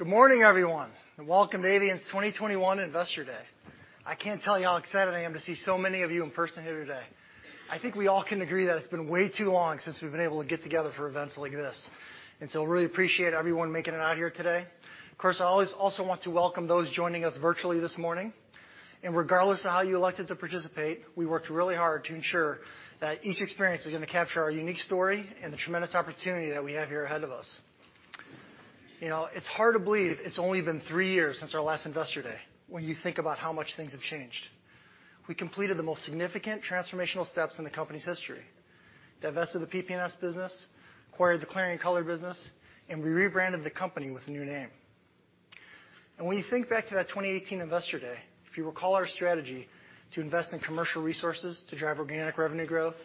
Good morning, everyone, welcome to Avient's 2021 Investor Day. I can't tell you how excited I am to see so many of you in person here today. I think we all can agree that it's been way too long since we've been able to get together for events like this. Really appreciate everyone making it out here today. Of course, I always also want to welcome those joining us virtually this morning. Regardless of how you elected to participate, we worked really hard to ensure that each experience is going to capture our unique story and the tremendous opportunity that we have here ahead of us. It's hard to believe it's only been three years since our last Investor Day when you think about how much things have changed. We completed the most significant transformational steps in the company's history. Divested the PP&S business, acquired the Clariant Colors business, we rebranded the company with a new name. When you think back to that 2018 Investor Day, if you recall our strategy to invest in commercial resources to drive organic revenue growth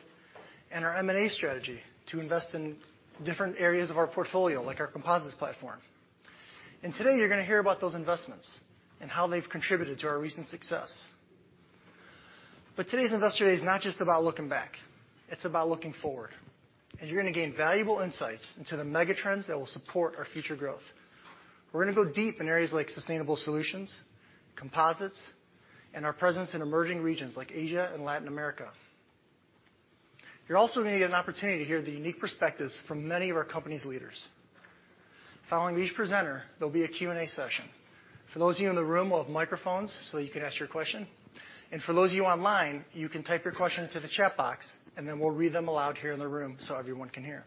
and our M&A strategy to invest in different areas of our portfolio, like our composites platform. Today you're going to hear about those investments and how they've contributed to our recent success. Today's Investor Day is not just about looking back, it's about looking forward, you're going to gain valuable insights into the mega trends that will support our future growth. We're going to go deep in areas like sustainable solutions, composites, and our presence in emerging regions like Asia and Latin America. You're also going to get an opportunity to hear the unique perspectives from many of our company's leaders. Following each presenter, there'll be a Q&A session. For those of you in the room, we'll have microphones so that you can ask your question. For those of you online, you can type your question into the chat box, then we'll read them aloud here in the room so everyone can hear.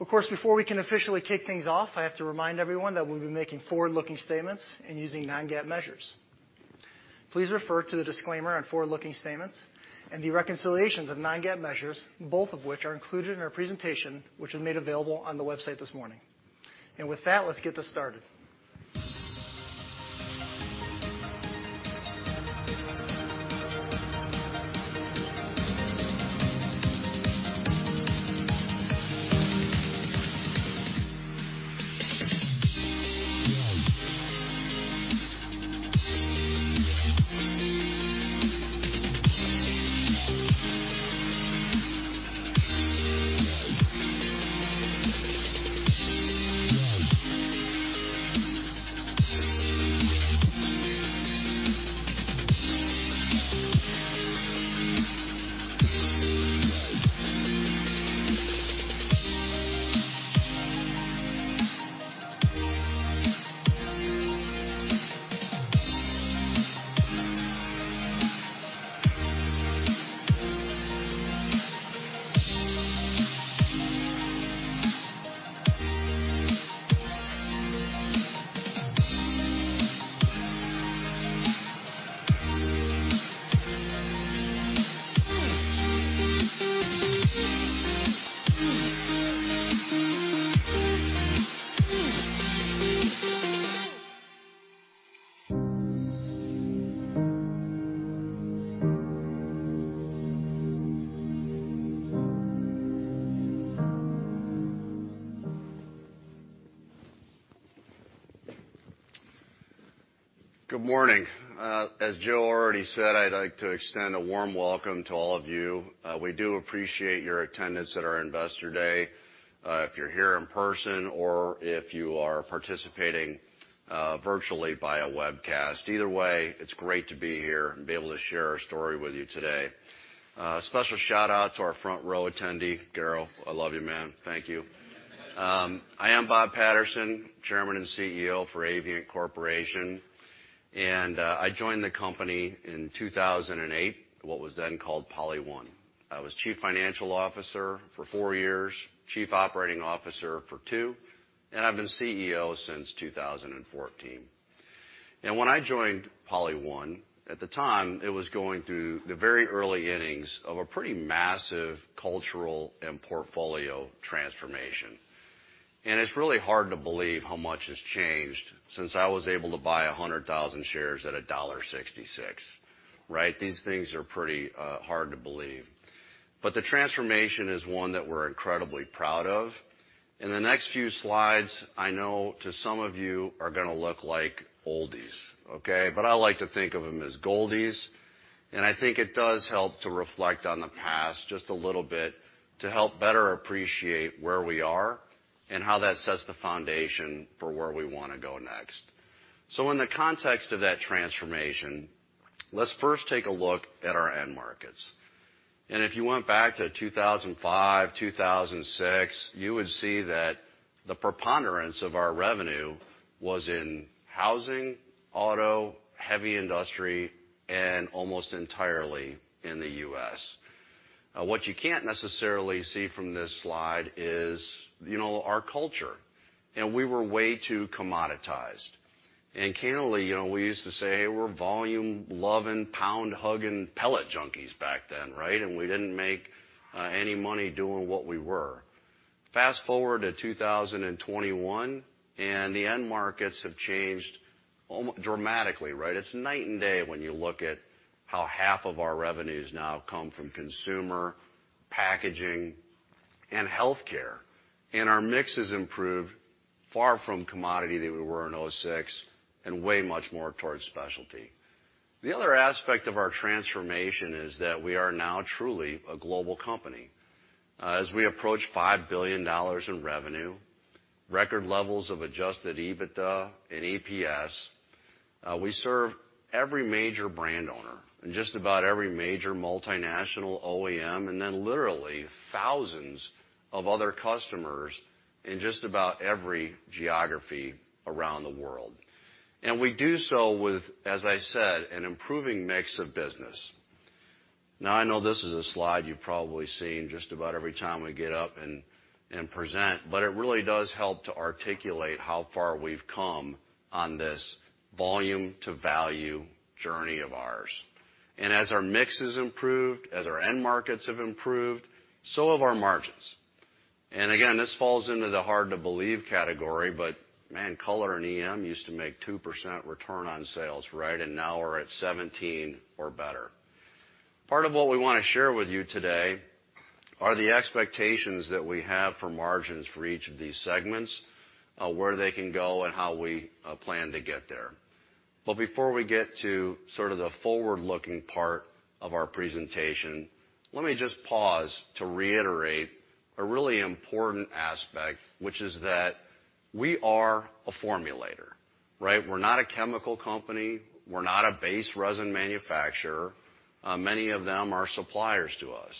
Of course, before we can officially kick things off, I have to remind everyone that we'll be making forward-looking statements and using non-GAAP measures. Please refer to the disclaimer on forward-looking statements and the reconciliations of non-GAAP measures, both of which are included in our presentation, which was made available on the website this morning. With that, let's get this started. Good morning. As Joe already said, I'd like to extend a warm welcome to all of you. We do appreciate your attendance at our Investor Day. If you're here in person or if you are participating virtually via webcast, either way, it's great to be here and be able to share our story with you today. A special shout-out to our front row attendee, Carol. I love you, ma'am. Thank you. I am Bob Patterson, Chairman and CEO for Avient Corporation, I joined the company in 2008, what was then called PolyOne. I was Chief Financial Officer for four years, Chief Operating Officer for two, and I've been CEO since 2014. When I joined PolyOne, at the time, it was going through the very early innings of a pretty massive cultural and portfolio transformation. It's really hard to believe how much has changed since I was able to buy 100,000 shares at $1.66, right? These things are pretty hard to believe. The transformation is one that we're incredibly proud of. In the next few slides, I know to some of you are going to look like oldies. Okay. I like to think of them as goldies, and I think it does help to reflect on the past just a little bit to help better appreciate where we are and how that sets the foundation for where we want to go next. In the context of that transformation, let's first take a look at our end markets. If you went back to 2005, 2006, you would see that the preponderance of our revenue was in housing, auto, heavy industry, and almost entirely in the U.S. What you can't necessarily see from this slide is our culture. We were way too commoditized. Candidly, we used to say we're volume-loving, pound-hugging pellet junkies back then, right? We didn't make any money doing what we were. Fast-forward to 2021, the end markets have changed dramatically, right? It's night and day when you look at how half of our revenues now come from consumer, packaging, and healthcare. Our mix has improved. Far from commodity than we were in 2006 and way much more towards specialty. The other aspect of our transformation is that we are now truly a global company. As we approach $5 billion in revenue, record levels of adjusted EBITDA and EPS, we serve every major brand owner and just about every major multinational OEM, literally thousands of other customers in just about every geography around the world. We do so with, as I said, an improving mix of business. I know this is a slide you've probably seen just about every time we get up and present, it really does help to articulate how far we've come on this volume to value journey of ours. As our mix has improved, as our end markets have improved, so have our margins. Again, this falls into the hard-to-believe category, man, Color and EM used to make 2% return on sales, right? Now we're at 17 or better. Part of what we want to share with you today are the expectations that we have for margins for each of these segments, where they can go, and how we plan to get there. Before we get to the forward-looking part of our presentation, let me just pause to reiterate a really important aspect, which is that we are a formulator, right? We're not a chemical company. We're not a base resin manufacturer. Many of them are suppliers to us.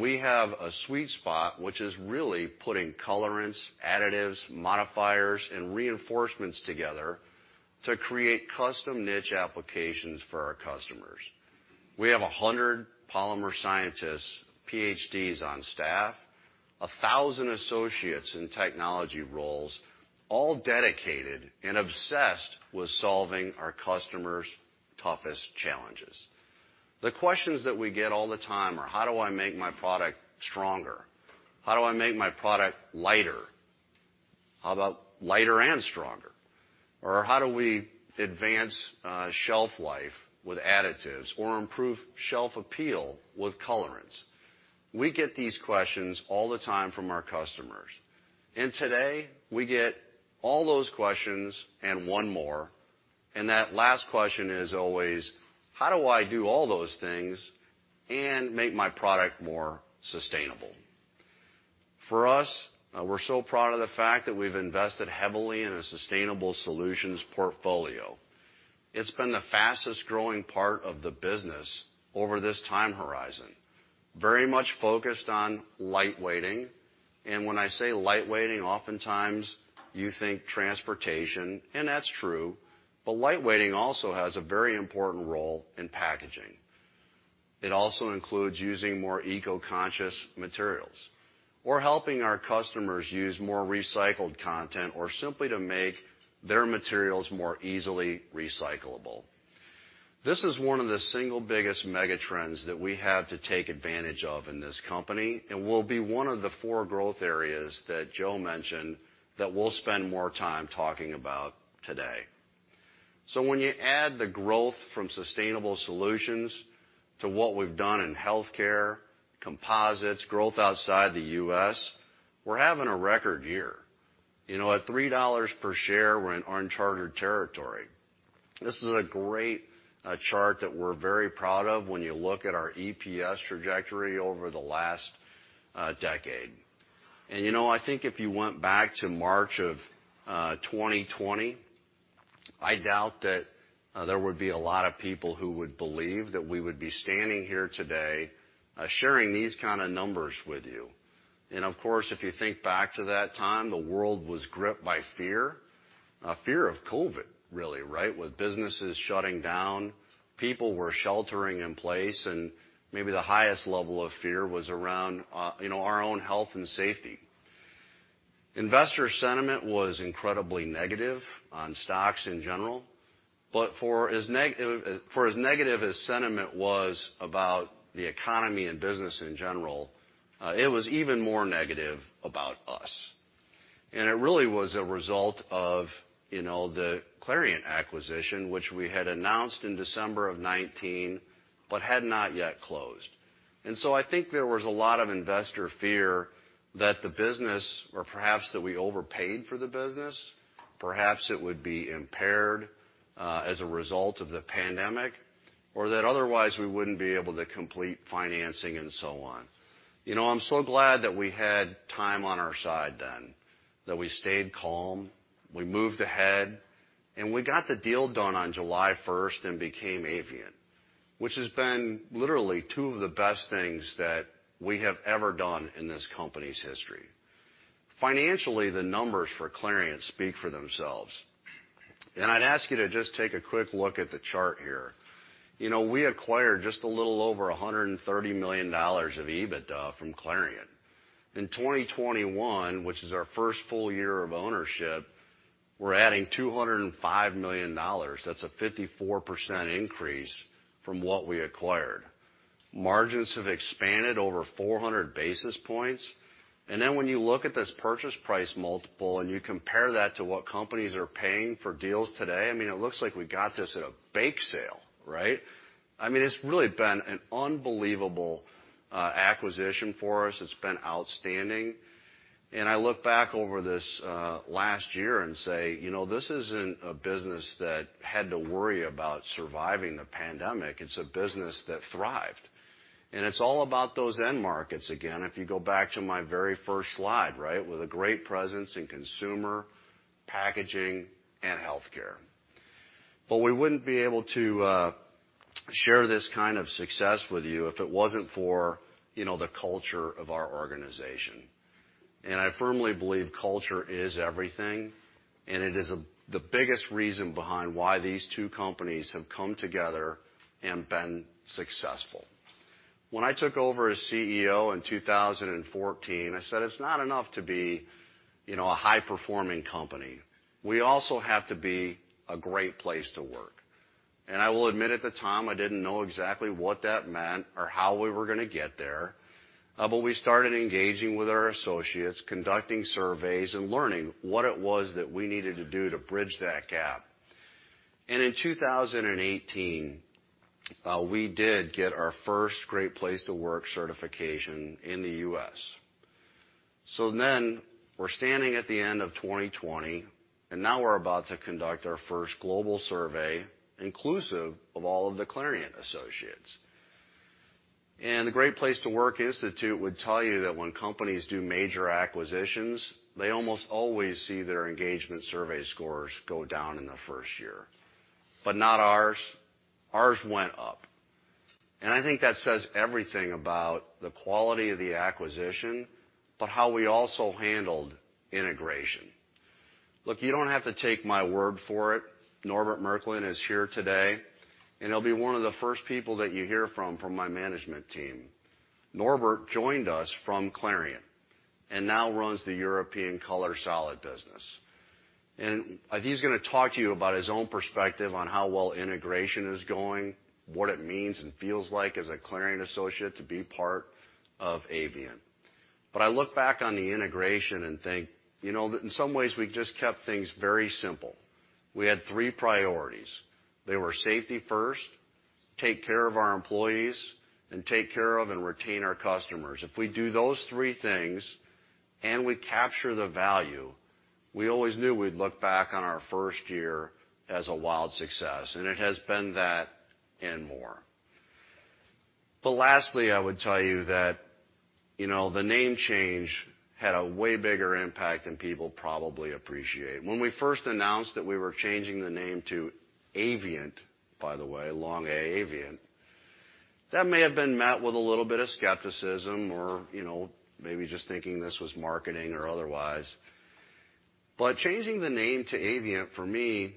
We have a sweet spot, which is really putting colorants, additives, modifiers, and reinforcements together to create custom niche applications for our customers. We have 100 polymer scientists, PhDs on staff, 1,000 associates in technology roles, all dedicated and obsessed with solving our customers' toughest challenges. The questions that we get all the time are. How do I make my product stronger? How do I make my product lighter? How about lighter and stronger? How do we advance shelf life with additives or improve shelf appeal with colorants? We get these questions all the time from our customers. Today, we get all those questions and one more, and that last question is always, how do I do all those things and make my product more sustainable? For us, we're so proud of the fact that we've invested heavily in a sustainable solutions portfolio. It's been the fastest-growing part of the business over this time horizon, very much focused on lightweighting. When I say lightweighting, oftentimes you think transportation, and that's true, but lightweighting also has a very important role in packaging. It also includes using more eco-conscious materials or helping our customers use more recycled content or simply to make their materials more easily recyclable. This is one of the single biggest megatrends that we have to take advantage of in this company and will be one of the four growth areas that Joe mentioned that we'll spend more time talking about today. When you add the growth from sustainable solutions to what we've done in healthcare, composites, growth outside the U.S., we're having a record year. At $3 per share, we're in uncharted territory. This is a great chart that we're very proud of when you look at our EPS trajectory over the last decade. I think if you went back to March of 2020, I doubt that there would be a lot of people who would believe that we would be standing here today, sharing these kind of numbers with you. Of course, if you think back to that time, the world was gripped by fear of COVID, really, right? With businesses shutting down, people were sheltering in place, and maybe the highest level of fear was around our own health and safety. Investor sentiment was incredibly negative on stocks in general, for as negative as sentiment was about the economy and business in general, it was even more negative about us. It really was a result of the Clariant acquisition, which we had announced in December of 2019 but had not yet closed. I think there was a lot of investor fear that the business or perhaps that we overpaid for the business, perhaps it would be impaired, as a result of the pandemic, or that otherwise we wouldn't be able to complete financing and so on. I'm so glad that we had time on our side then, that we stayed calm, we moved ahead, and we got the deal done on July 1st and became Avient, which has been literally two of the best things that we have ever done in this company's history. Financially, the numbers for Clariant speak for themselves. I'd ask you to just take a quick look at the chart here. We acquired just a little over $130 million of EBITDA from Clariant. In 2021, which is our first full year of ownership, we're adding $205 million. That's a 54% increase from what we acquired. Margins have expanded over 400 basis points. When you look at this purchase price multiple, and you compare that to what companies are paying for deals today, it looks like we got this at a bake sale, right? It's really been an unbelievable acquisition for us. It's been outstanding. I look back over this last year and say, this isn't a business that had to worry about surviving the pandemic. It's a business that thrived. It's all about those end markets, again, if you go back to my very first slide, right? With a great presence in consumer, packaging, and healthcare. We wouldn't be able to share this kind of success with you if it wasn't for the culture of our organization. I firmly believe culture is everything, and it is the biggest reason behind why these two companies have come together and been successful. When I took over as CEO in 2014, I said, "It's not enough to be a high-performing company. We also have to be a Great Place to Work." I will admit, at the time, I didn't know exactly what that meant or how we were going to get there. We started engaging with our associates, conducting surveys, and learning what it was that we needed to do to bridge that gap. In 2018, we did get our first Great Place to Work certification in the U.S. We're standing at the end of 2020, and now we're about to conduct our first global survey inclusive of all of the Clariant associates. The Great Place to Work Institute would tell you that when companies do major acquisitions, they almost always see their engagement survey scores go down in the first year, but not ours. Ours went up. I think that says everything about the quality of the acquisition, but how we also handled integration. Look, you don't have to take my word for it. Norbert Merklein is here today, and he'll be one of the first people that you hear from my management team. Norbert joined us from Clariant and now runs the European Color Solid business. He's going to talk to you about his own perspective on how well integration is going, what it means and feels like as a Clariant associate to be part of Avient. I look back on the integration and think, in some ways, we just kept things very simple. We had three priorities. They were safety first, take care of our employees, and take care of and retain our customers. If we do those three things, and we capture the value, we always knew we'd look back on our first year as a wild success, and it has been that and more. Lastly, I would tell you that the name change had a way bigger impact than people probably appreciate. When we first announced that we were changing the name to Avient, by the way, long A, Avient, that may have been met with a little bit of skepticism or maybe just thinking this was marketing or otherwise. Changing the name to Avient, for me,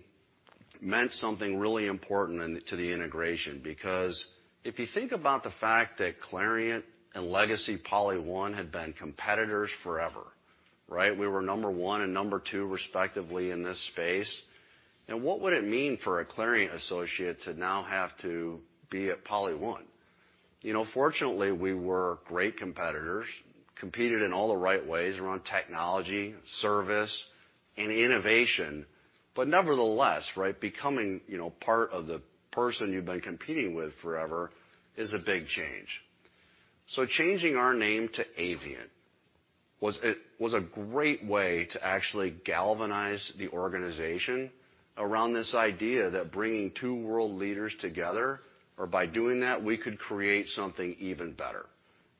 meant something really important to the integration because if you think about the fact that Clariant and legacy PolyOne had been competitors forever, right? We were number one and number two, respectively, in this space. What would it mean for a Clariant associate to now have to be at PolyOne? Fortunately, we were great competitors, competed in all the right ways around technology, service, and innovation. Nevertheless, right, becoming part of the person you've been competing with forever is a big change. Changing our name to Avient was a great way to actually galvanize the organization around this idea that bringing two world leaders together, or by doing that, we could create something even better.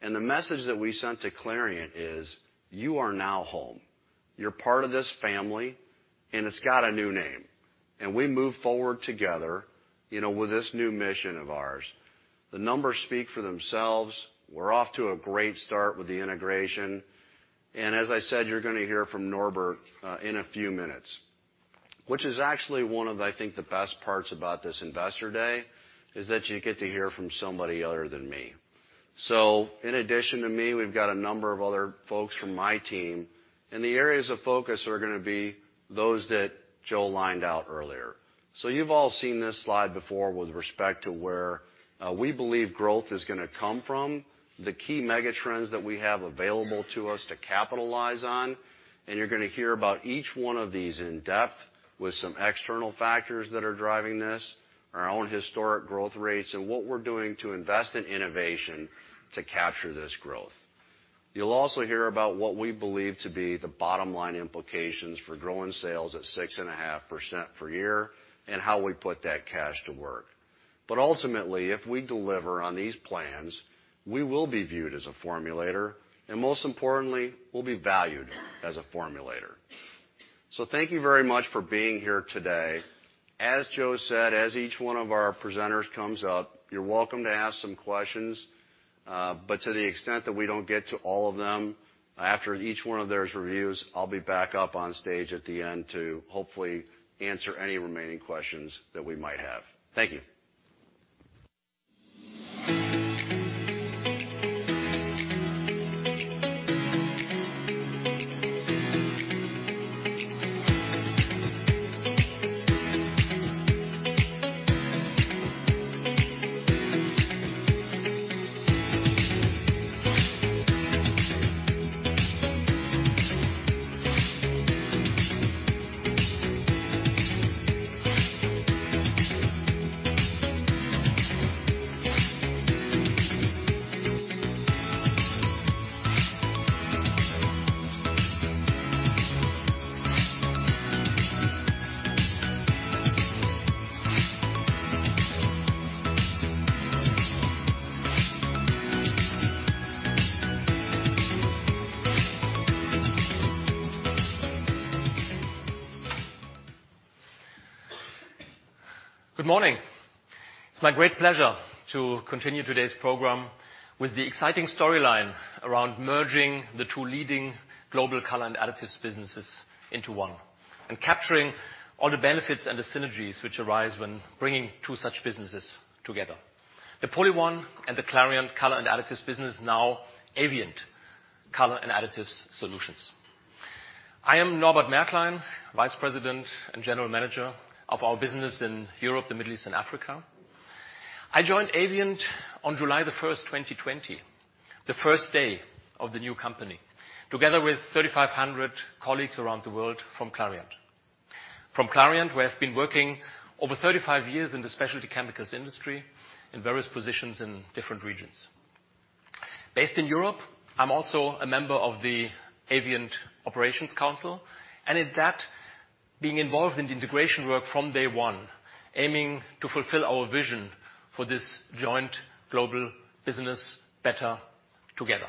The message that we sent to Clariant is, you are now home. You're part of this family, and it's got a new name. We move forward together with this new mission of ours. The numbers speak for themselves. We're off to a great start with the integration, as I said, you're going to hear from Norbert in a few minutes, which is actually one of, I think, the best parts about this Investor Day is that you get to hear from somebody other than me. In addition to me, we've got a number of other folks from my team, and the areas of focus are going to be those that Joe lined out earlier. You've all seen this slide before with respect to where we believe growth is going to come from, the key mega trends that we have available to us to capitalize on, and you're going to hear about each one of these in depth with some external factors that are driving this, our own historic growth rates, and what we're doing to invest in innovation to capture this growth. You'll also hear about what we believe to be the bottom line implications for growing sales at 6.5% per year and how we put that cash to work. Ultimately, if we deliver on these plans, we will be viewed as a formulator, and most importantly, we'll be valued as a formulator. Thank you very much for being here today. As Joe said, as each one of our presenters comes up, you're welcome to ask some questions. To the extent that we don't get to all of them, after each one of their reviews, I'll be back up on stage at the end to hopefully answer any remaining questions that we might have. Thank you. Good morning. It's my great pleasure to continue today's program with the exciting storyline around merging the two leading global Color and Additives businesses into one and capturing all the benefits and the synergies which arise when bringing two such businesses together. The PolyOne and the Clariant Color and Additives business, now Avient Color and Additives Solutions. I am Norbert Merklein, Vice President and General Manager of our business in Europe, the Middle East, and Africa. I joined Avient on July 1, 2020, the first day of the new company, together with 3,500 colleagues around the world from Clariant. From Clariant, where I've been working over 35 years in the specialty chemicals industry in various positions in different regions. In that, being involved in the integration work from day one, aiming to fulfill our vision for this joint global business better together.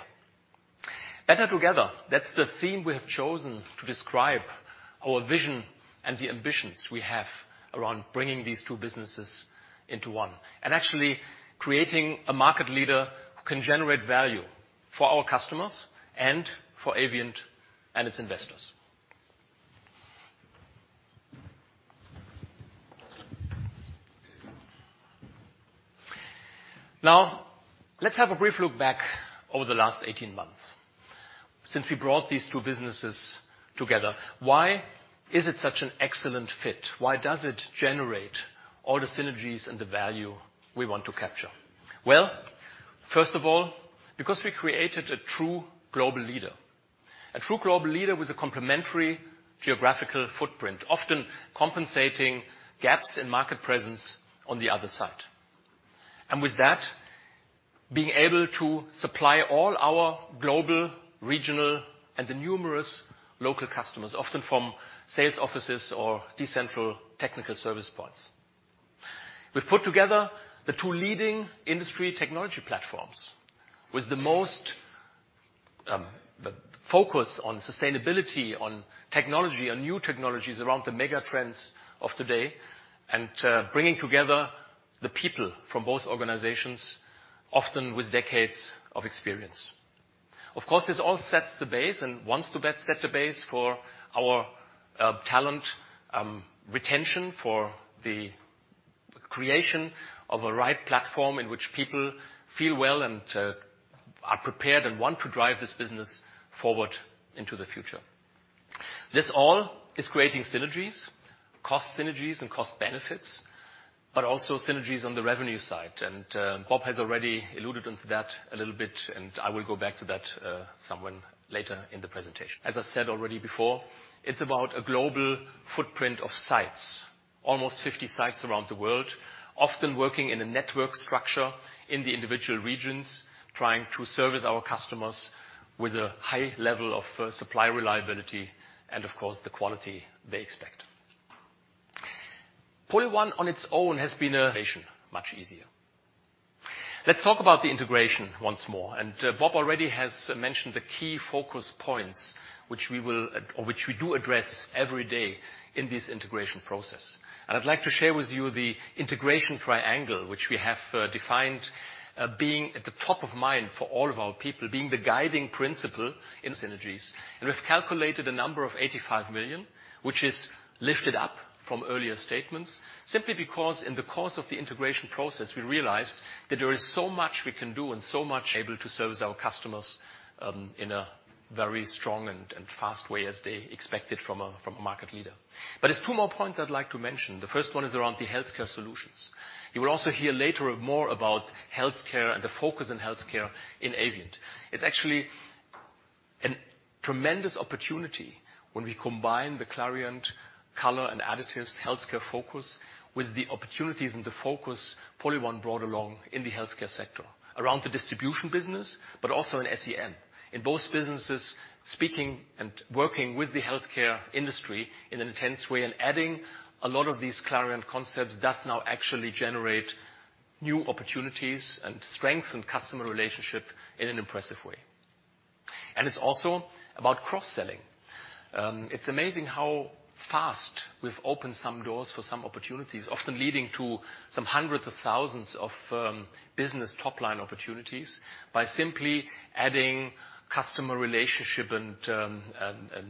Better together, that's the theme we have chosen to describe our vision and the ambitions we have around bringing these two businesses into one. Actually creating a market leader who can generate value for our customers and for Avient and its investors. Let's have a brief look back over the last 18 months since we brought these two businesses together. Why is it such an excellent fit? Why does it generate all the synergies and the value we want to capture? First of all, because we created a true global leader. A true global leader with a complementary geographical footprint, often compensating gaps in market presence on the other side. With that, being able to supply all our global, regional, and the numerous local customers, often from sales offices or decentral technical service points. We've put together the two leading industry technology platforms with the most focus on sustainability, on technology, on new technologies around the mega trends of today, bringing together the people from both organizations, often with decades of experience. This all sets the base and wants to set the base for our talent retention for the creation of a right platform in which people feel well and are prepared and want to drive this business forward into the future. This all is creating synergies, cost synergies and cost benefits, but also synergies on the revenue side. Bob has already alluded onto that a little bit, and I will go back to that somewhen later in the presentation. As I said already before, it's about a global footprint of sites. Almost 50 sites around the world, often working in a network structure in the individual regions, trying to service our customers with a high level of supply reliability and, of course, the quality they expect. PolyOne on its own has been a nation much easier. Let's talk about the integration once more. Bob already has mentioned the key focus points which we will or which we do address every day in this integration process. I'd like to share with you the integration triangle, which we have defined being at the top of mind for all of our people, being the guiding principle in synergies. We've calculated a number of $85 million, which is lifted up from earlier statements, simply because in the course of the integration process, we realized that there is so much we can do and so much able to service our customers, in a very strong and fast way as they expected from a market leader. There's two more points I'd like to mention. The first one is around the healthcare solutions. You will also hear later more about healthcare and the focus on healthcare in Avient. It's actually a tremendous opportunity when we combine the Clariant Color and additives healthcare focus with the opportunities and the focus PolyOne brought along in the healthcare sector around the distribution business, but also in SEM. In both businesses, speaking and working with the healthcare industry in an intense way and adding a lot of these Clariant concepts does now actually generate new opportunities and strengthen customer relationship in an impressive way. It's also about cross-selling. It's amazing how fast we've opened some doors for some opportunities, often leading to some hundreds of thousands of business top-line opportunities by simply adding customer relationship and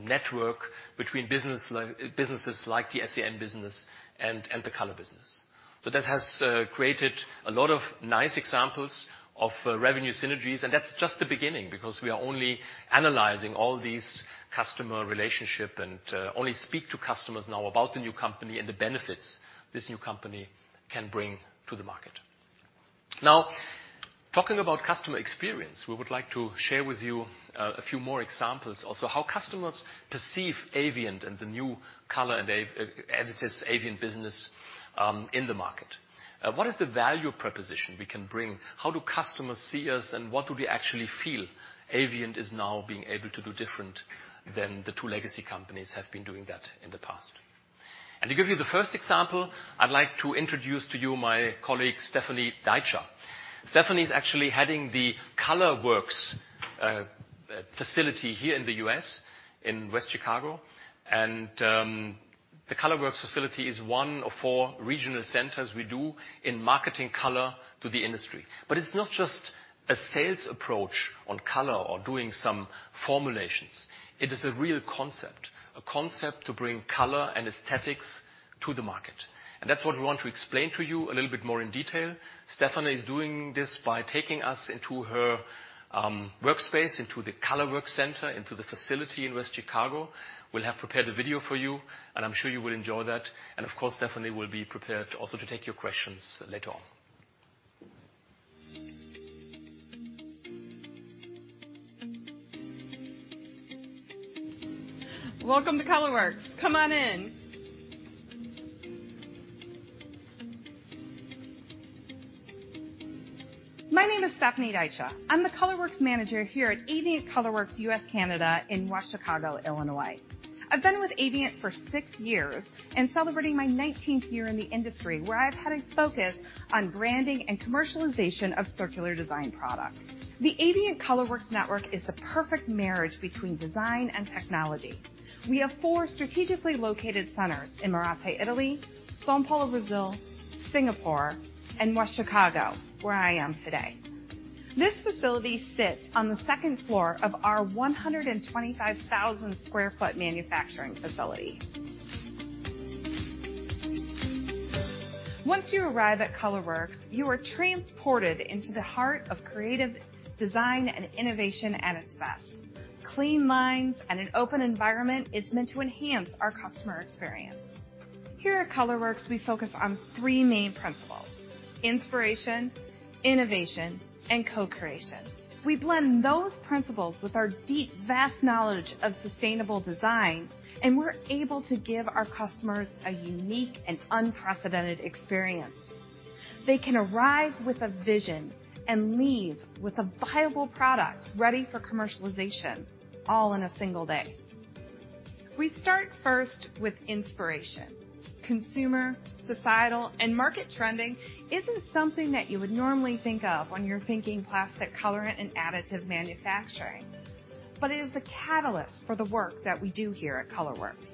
network between businesses like the SEM business and the color business. That has created a lot of nice examples of revenue synergies, and that's just the beginning, because we are only analyzing all these customer relationship and only speak to customers now about the new company and the benefits this new company can bring to the market. Talking about customer experience, we would like to share with you a few more examples also how customers perceive Avient and the new Color and Additives Avient business in the market. What is the value proposition we can bring? How do customers see us, and what do we actually feel Avient is now being able to do different than the two legacy companies have been doing that in the past? To give you the first example, I'd like to introduce to you my colleague, Stephanie Dycha. Stephanie is actually heading the ColorWorks facility here in the U.S., in West Chicago. The ColorWorks facility is one of four regional centers we do in marketing color to the industry. It's not just a sales approach on color or doing some formulations. It is a real concept, a concept to bring color and aesthetics to the market. That's what we want to explain to you a little bit more in detail. Stephanie is doing this by taking us into her workspace, into the ColorWorks center, into the facility in West Chicago. We'll have prepared a video for you, and I'm sure you will enjoy that. Of course, Stephanie will be prepared also to take your questions later on. Welcome to ColorWorks. Come on in. My name is Stephanie Dycha. I'm the ColorWorks manager here at Avient ColorWorks U.S. Canada in West Chicago, Illinois. I've been with Avient for six years and celebrating my 19th year in the industry, where I've had a focus on branding and commercialization of circular design product. The Avient ColorWorks network is the perfect marriage between design and technology. We have four strategically located centers in Merate, Italy, São Paulo, Brazil, Singapore, and West Chicago, where I am today. This facility sits on the second floor of our 125,000 sq ft manufacturing facility. Once you arrive at ColorWorks, you are transported into the heart of creative design and innovation at its best. Clean lines and an open environment is meant to enhance our customer experience. Here at ColorWorks, we focus on three main principles: inspiration, innovation, and co-creation. We blend those principles with our deep, vast knowledge of sustainable design, and we're able to give our customers a unique and unprecedented experience. They can arrive with a vision and leave with a viable product ready for commercialization, all in a single day. We start first with inspiration. Consumer, societal, and market trending isn't something that you would normally think of when you're thinking plastic colorant and additive manufacturing. It is the catalyst for the work that we do here at ColorWorks.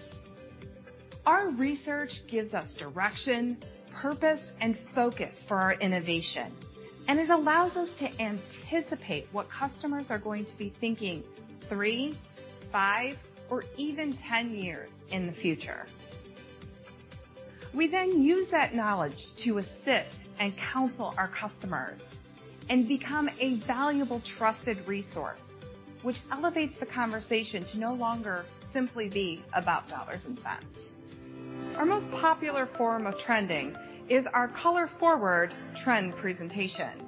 Our research gives us direction, purpose, and focus for our innovation, and it allows us to anticipate what customers are going to be thinking three, five, or even 10 years in the future. We then use that knowledge to assist and counsel our customers and become a valuable, trusted resource, which elevates the conversation to no longer simply be about dollars and cents. Our most popular form of trending is our ColorForward trend presentation.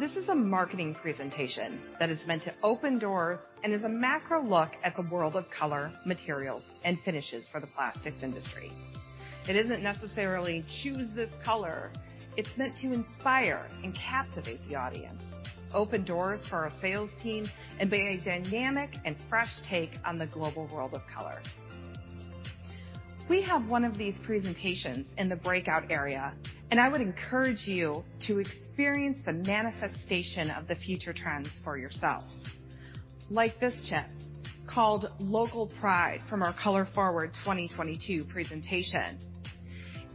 This is a marketing presentation that is meant to open doors and is a macro look at the world of color, materials, and finishes for the plastics industry. It isn't necessarily choose this color. It's meant to inspire and captivate the audience, open doors for our sales team, and be a dynamic and fresh take on the global world of color. We have one of these presentations in the breakout area, and I would encourage you to experience the manifestation of the future trends for yourself. Like this chip, called Local Pride from our ColorForward 2022 presentation.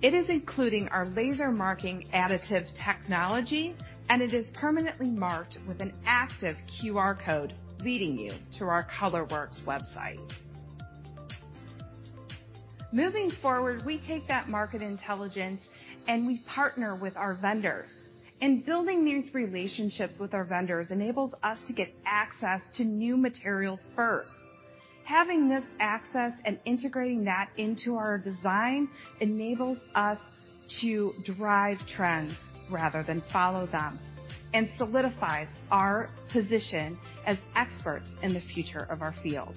It is including our laser marking additive technology, and it is permanently marked with an active QR code leading you to our ColorWorks website. Moving forward, we take that market intelligence, and we partner with our vendors. Building these relationships with our vendors enables us to get access to new materials first. Having this access and integrating that into our design enables us to drive trends rather than follow them and solidifies our position as experts in the future of our field.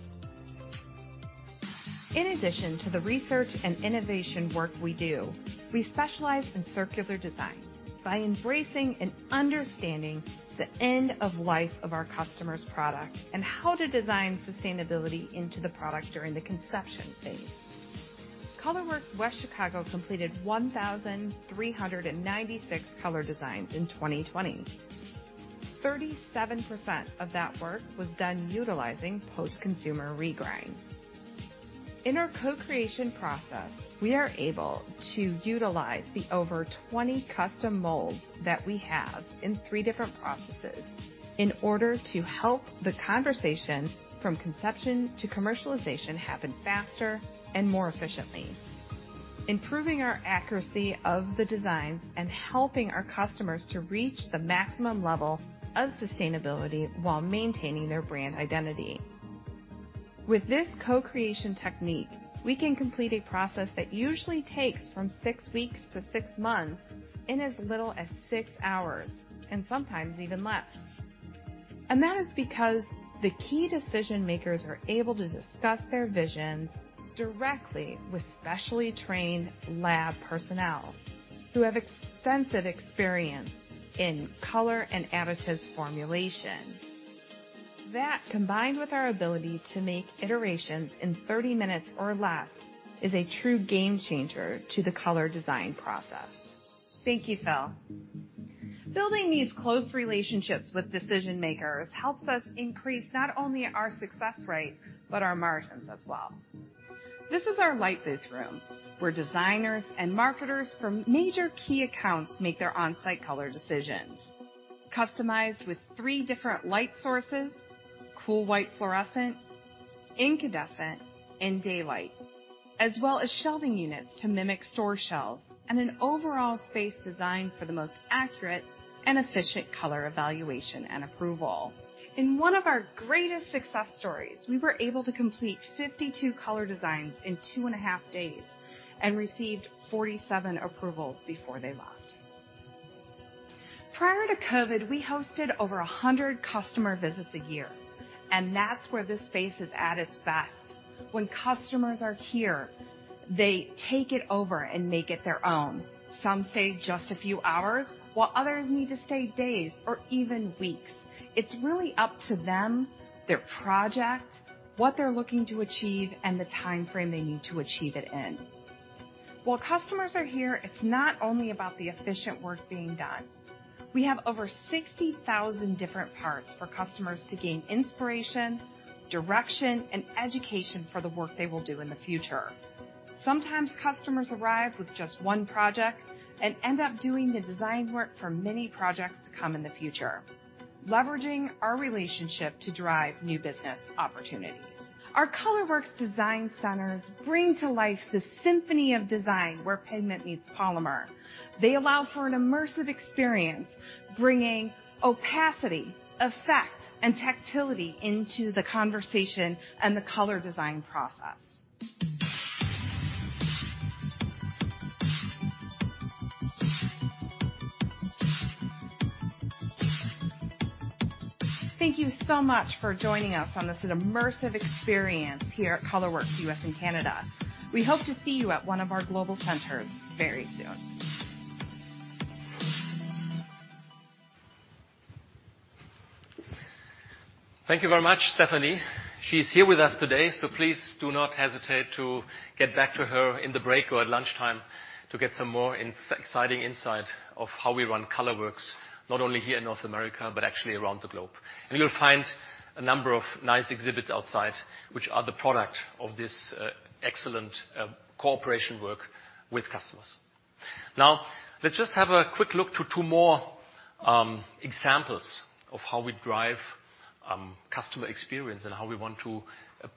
In addition to the research and innovation work we do, we specialize in circular design by embracing and understanding the end of life of our customer's product and how to design sustainability into the product during the conception phase. ColorWorks West Chicago completed 1,396 color designs in 2020. 37% of that work was done utilizing post-consumer regrind. In our co-creation process, we are able to utilize the over 20 custom molds that we have in three different processes in order to help the conversation from conception to commercialization happen faster and more efficiently, improving our accuracy of the designs and helping our customers to reach the maximum level of sustainability while maintaining their brand identity. With this co-creation technique, we can complete a process that usually takes from six weeks to six months in as little as six hours, and sometimes even less. That is because the key decision-makers are able to discuss their visions directly with specially trained lab personnel who have extensive experience in color and additives formulation. That, combined with our ability to make iterations in 30 minutes or less, is a true game changer to the color design process. Thank you, Phil. Building these close relationships with decision-makers helps us increase not only our success rate, but our margins as well. This is our light booth room, where designers and marketers from major key accounts make their on-site color decisions. Customized with three different light sources, cool white fluorescent, incandescent, and daylight, as well as shelving units to mimic store shelves, and an overall space design for the most accurate and efficient color evaluation and approval. In one of our greatest success stories, we were able to complete 52 color designs in two and a half days and received 47 approvals before they left. Prior to COVID, we hosted over 100 customer visits a year, and that's where this space is at its best. When customers are here, they take it over and make it their own. Some stay just a few hours, while others need to stay days or even weeks. It's really up to them, their project, what they're looking to achieve, and the timeframe they need to achieve it in. While customers are here, it's not only about the efficient work being done. We have over 60,000 different parts for customers to gain inspiration, direction, and education for the work they will do in the future. Sometimes customers arrive with just one project and end up doing the design work for many projects to come in the future, leveraging our relationship to drive new business opportunities. Our ColorWorks design centers bring to life the symphony of design where pigment meets polymer. They allow for an immersive experience, bringing opacity, effect, and tactility into the conversation and the color design process. Thank you so much for joining us on this immersive experience here at ColorWorks U.S. and Canada. We hope to see you at one of our global centers very soon. Thank you very much, Stephanie. She's here with us today, please do not hesitate to get back to her in the break or at lunchtime to get some more exciting insight of how we run ColorWorks, not only here in North America, but actually around the globe. You'll find a number of nice exhibits outside, which are the product of this excellent cooperation work with customers. Now, let's just have a quick look to two more examples of how we drive customer experience and how we want to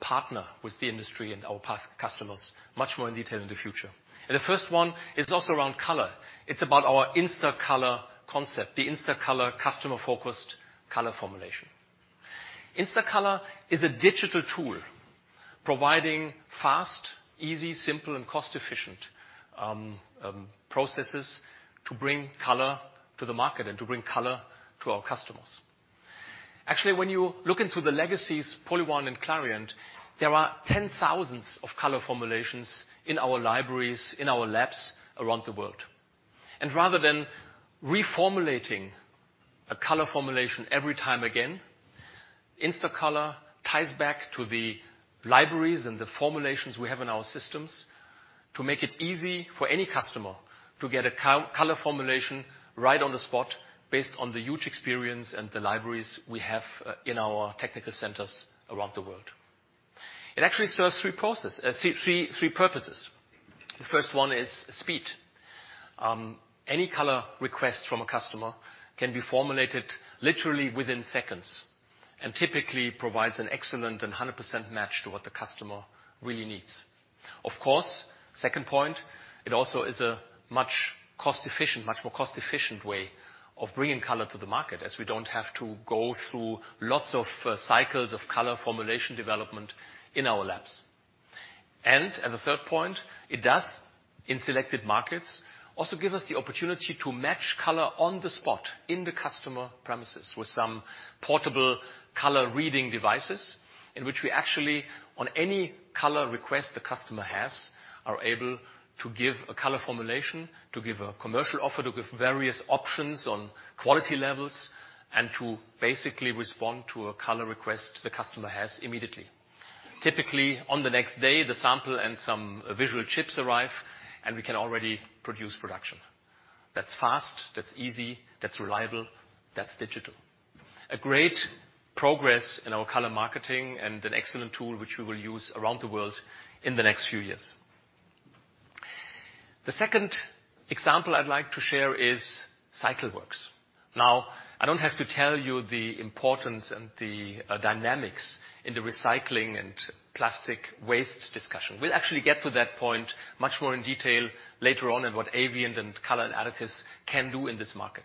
partner with the industry and our customers much more in detail in the future. The first one is also around color. It's about our InstaColor concept, the InstaColor customer-focused color formulation. InstaColor is a digital tool providing fast, easy, simple, and cost-efficient processes to bring color to the market and to bring color to our customers. When you look into the legacies, PolyOne and Clariant, there are 10,000s of color formulations in our libraries, in our labs around the world. Rather than reformulating a color formulation every time again, InstaColor ties back to the libraries and the formulations we have in our systems to make it easy for any customer to get a color formulation right on the spot based on the huge experience and the libraries we have in our technical centers around the world. It actually serves three purposes. The first one is speed. Any color request from a customer can be formulated literally within seconds and typically provides an excellent and 100% match to what the customer really needs. Of course, second point, it also is a much more cost-efficient way of bringing color to the market, as we don't have to go through lots of cycles of color formulation development in our labs. As a third point, it does, in selected markets, also give us the opportunity to match color on the spot in the customer premises with some portable color reading devices in which we actually, on any color request the customer has, are able to give a color formulation, to give a commercial offer, to give various options on quality levels, and to basically respond to a color request the customer has immediately. Typically, on the next day, the sample and some visual chips arrive, and we can already produce production. That's fast, that's easy, that's reliable, that's digital. A great progress in our color marketing and an excellent tool which we will use around the world in the next few years. The second example I'd like to share is CycleWorks. I don't have to tell you the importance and the dynamics in the recycling and plastic waste discussion. We'll actually get to that point much more in detail later on, and what Avient and Color and Additives can do in this market.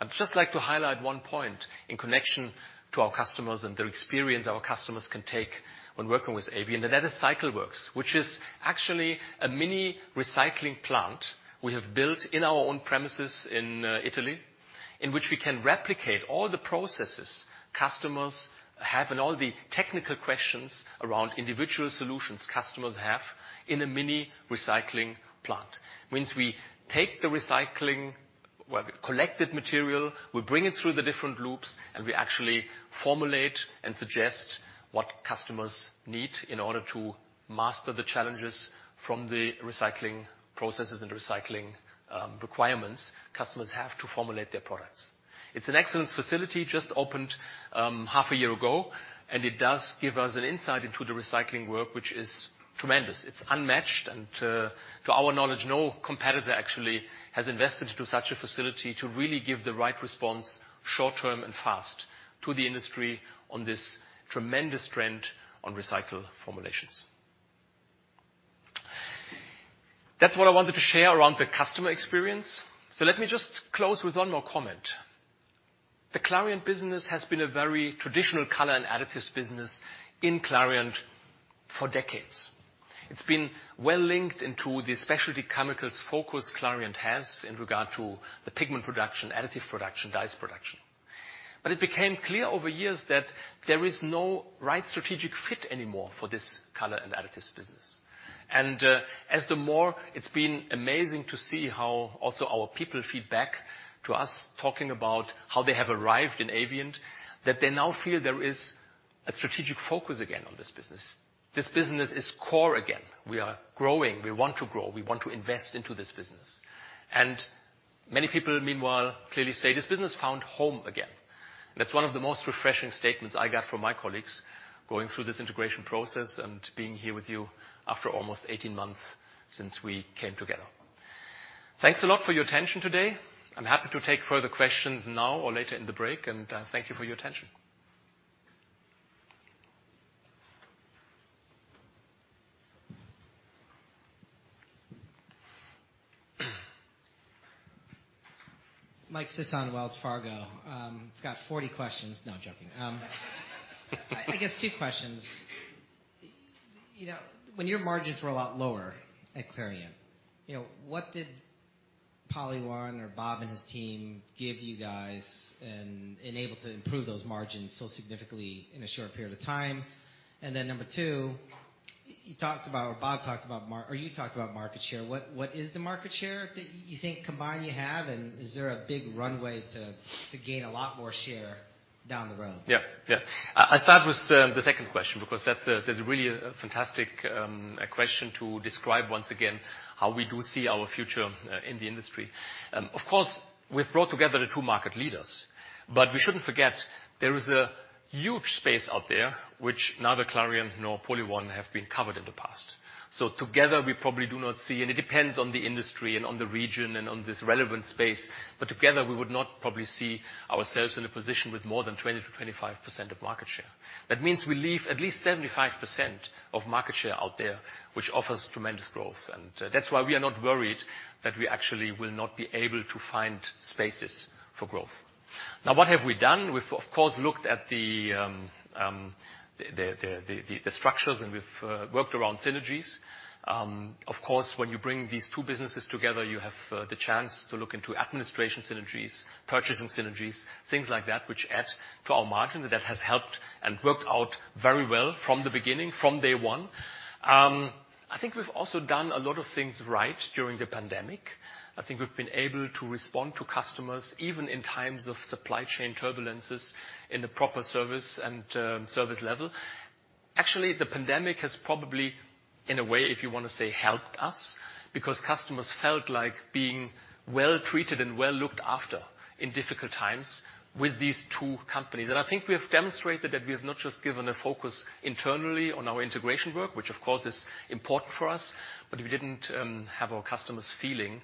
I'd just like to highlight one point in connection to our customers and the experience our customers can take when working with Avient, and that is CycleWorks, which is actually a mini recycling plant we have built in our own premises in Italy, in which we can replicate all the processes customers have and all the technical questions around individual solutions customers have in a mini recycling plant. This means we take the recycling, collected material, we bring it through the different loops, and we actually formulate and suggest what customers need in order to master the challenges from the recycling processes and recycling requirements customers have to formulate their products. It's an excellent facility, just opened half a year ago. It does give us an insight into the recycling work, which is tremendous. It's unmatched. To our knowledge, no competitor actually has invested into such a facility to really give the right response, short-term and fast to the industry on this tremendous trend on recycled formulations. That's what I wanted to share around the customer experience. Let me just close with one more comment. The Clariant business has been a very traditional color and additives business in Clariant for decades. It's been well linked into the specialty chemicals focus Clariant has in regard to the pigment production, additive production, dyes production. It became clear over years that there is no right strategic fit anymore for this Color, Additives & Inks business. As the more it's been amazing to see how also our people feed back to us talking about how they have arrived in Avient, that they now feel there is a strategic focus again on this business. This business is core again. We are growing. We want to grow. We want to invest into this business. Many people, meanwhile, clearly say this business found home again. That's one of the most refreshing statements I got from my colleagues going through this integration process and being here with you after almost 18 months since we came together. Thanks a lot for your attention today. I'm happy to take further questions now or later in the break, and thank you for your attention. Mike Sison, Wells Fargo. I've got 40 questions. No, I'm joking. I guess two questions. When your margins were a lot lower at Clariant, what did PolyOne or Bob and his team give you guys and enable to improve those margins so significantly in a short period of time? Then number 2, you talked about market share. What is the market share that you think combined you have, and is there a big runway to gain a lot more share down the road? Yeah. I'll start with the second question because that's really a fantastic question to describe once again how we do see our future in the industry. Of course, we've brought together the two market leaders. We shouldn't forget there is a huge space out there which neither Clariant nor PolyOne have been covered in the past. Together, we probably do not see, and it depends on the industry and on the region and on this relevant space. Together, we would not probably see ourselves in a position with more than 20%-25% of market share. That means we leave at least 75% of market share out there, which offers tremendous growth. That's why we are not worried that we actually will not be able to find spaces for growth. Now, what have we done? We've, of course, looked at the structures, and we've worked around synergies. Of course, when you bring these two businesses together, you have the chance to look into administration synergies, purchasing synergies, things like that, which add to our margin. That has helped and worked out very well from the beginning, from day one. I think we've also done a lot of things right during the pandemic. I think we've been able to respond to customers, even in times of supply chain turbulences, in the proper service and service level. Actually, the pandemic has probably, in a way, if you want to say, helped us because customers felt like being well treated and well looked after in difficult times with these two companies. I think we have demonstrated that we have not just given a focus internally on our integration work, which, of course, is important for us, but we didn't have our customers feeling that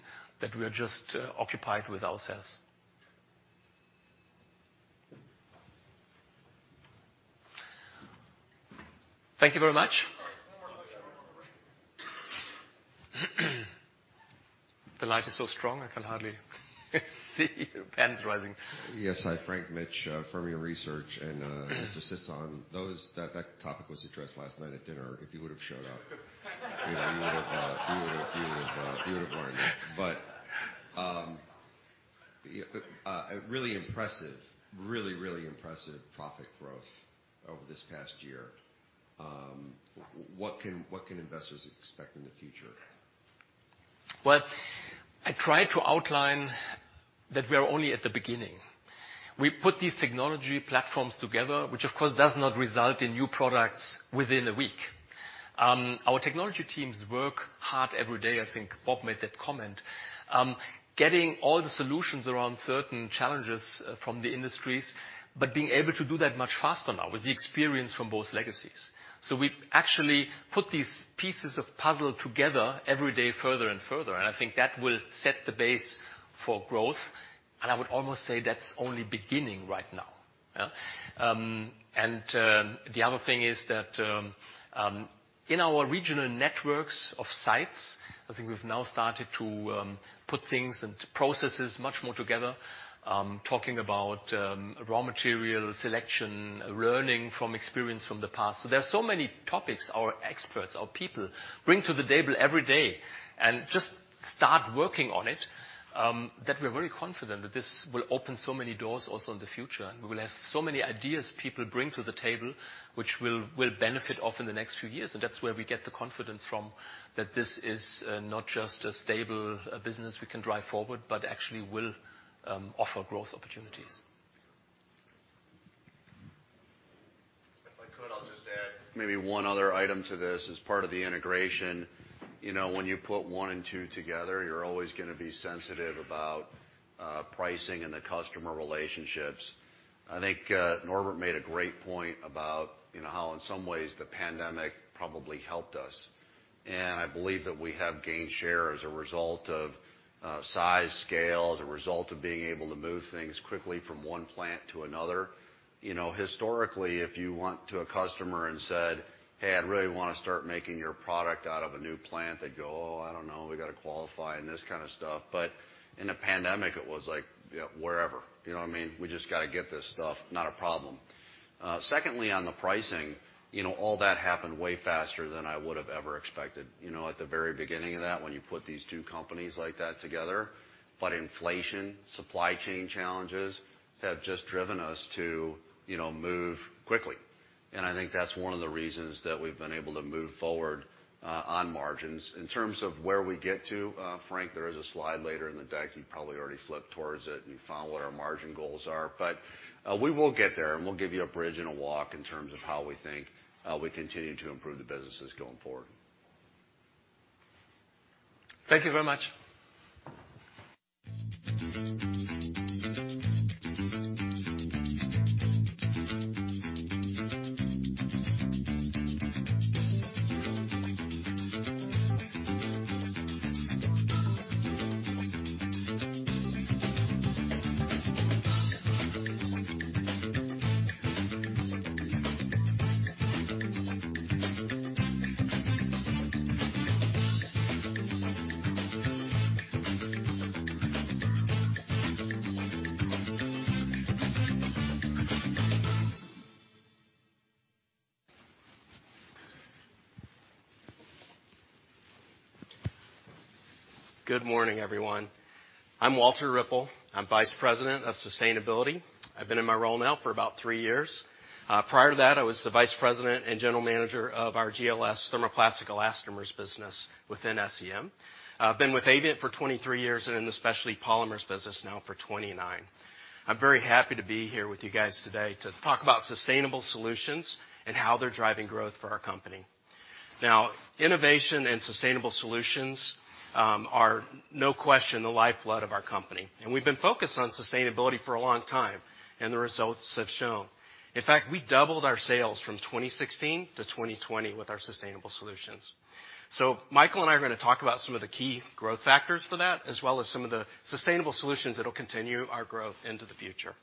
we are just occupied with ourselves. Thank you very much. One more question over here. The light is so strong I can hardly see your hands rising. Yes. Hi, Frank Mitsch, Fermium Research, Mr. Sisson, that topic was addressed last night at dinner, if you would have showed up. You would've learned that. Really impressive. Really impressive profit growth over this past year. What can investors expect in the future? Well, I tried to outline that we are only at the beginning. We put these technology platforms together, which, of course, does not result in new products within a week. Our technology teams work hard every day, I think Bob made that comment, getting all the solutions around certain challenges from the industries, but being able to do that much faster now with the experience from both legacies. We actually put these pieces of puzzle together every day further and further, and I think that will set the base for growth, and I would almost say that's only beginning right now. Yeah. The other thing is that in our regional networks of sites, I think we've now started to put things and processes much more together, talking about raw material selection, learning from experience from the past. There are so many topics our experts, our people, bring to the table every day and just start working on it, that we're very confident that this will open so many doors also in the future. We will have so many ideas people bring to the table, which we'll benefit off in the next few years. That's where we get the confidence from, that this is not just a stable business we can drive forward, but actually will offer growth opportunities. If I could, I'll just add maybe one other item to this. As part of the integration, when you put one and two together, you're always going to be sensitive about pricing and the customer relationships. I think Norbert made a great point about how in some ways the pandemic probably helped us. I believe that we have gained share as a result of size, scale, as a result of being able to move things quickly from one plant to another. Historically, if you went to a customer and said, "Hey, I really want to start making your product out of a new plant," they'd go, "Oh, I don't know. We got to qualify and this kind of stuff." In a pandemic, it was like, "Yeah, wherever." You know what I mean? We just got to get this stuff, not a problem." Secondly, on the pricing, all that happened way faster than I would've ever expected. At the very beginning of that, when you put these two companies like that together. Inflation, supply chain challenges, have just driven us to move quickly. I think that's one of the reasons that we've been able to move forward, on margins. In terms of where we get to, Frank, there is a slide later in the deck. You probably already flipped towards it, and you found what our margin goals are. We will get there, and we'll give you a bridge and a walk in terms of how we think we continue to improve the businesses going forward. Thank you very much. Good morning, everyone. I'm Walter Ripple. I'm Vice President of Sustainability. I've been in my role now for about three years. Prior to that, I was the Vice President and General Manager of our GLS thermoplastic elastomers business within SEM. I've been with Avient for 23 years, and in the specialty polymers business now for 29. I'm very happy to be here with you guys today to talk about sustainable solutions and how they're driving growth for our company. Innovation and sustainable solutions are, no question, the lifeblood of our company, and we've been focused on sustainability for a long time, and the results have shown. In fact, we doubled our sales from 2016 to 2020 with our sustainable solutions. Michael and I are going to talk about some of the key growth factors for that, as well as some of the sustainable solutions that'll continue our growth into the future.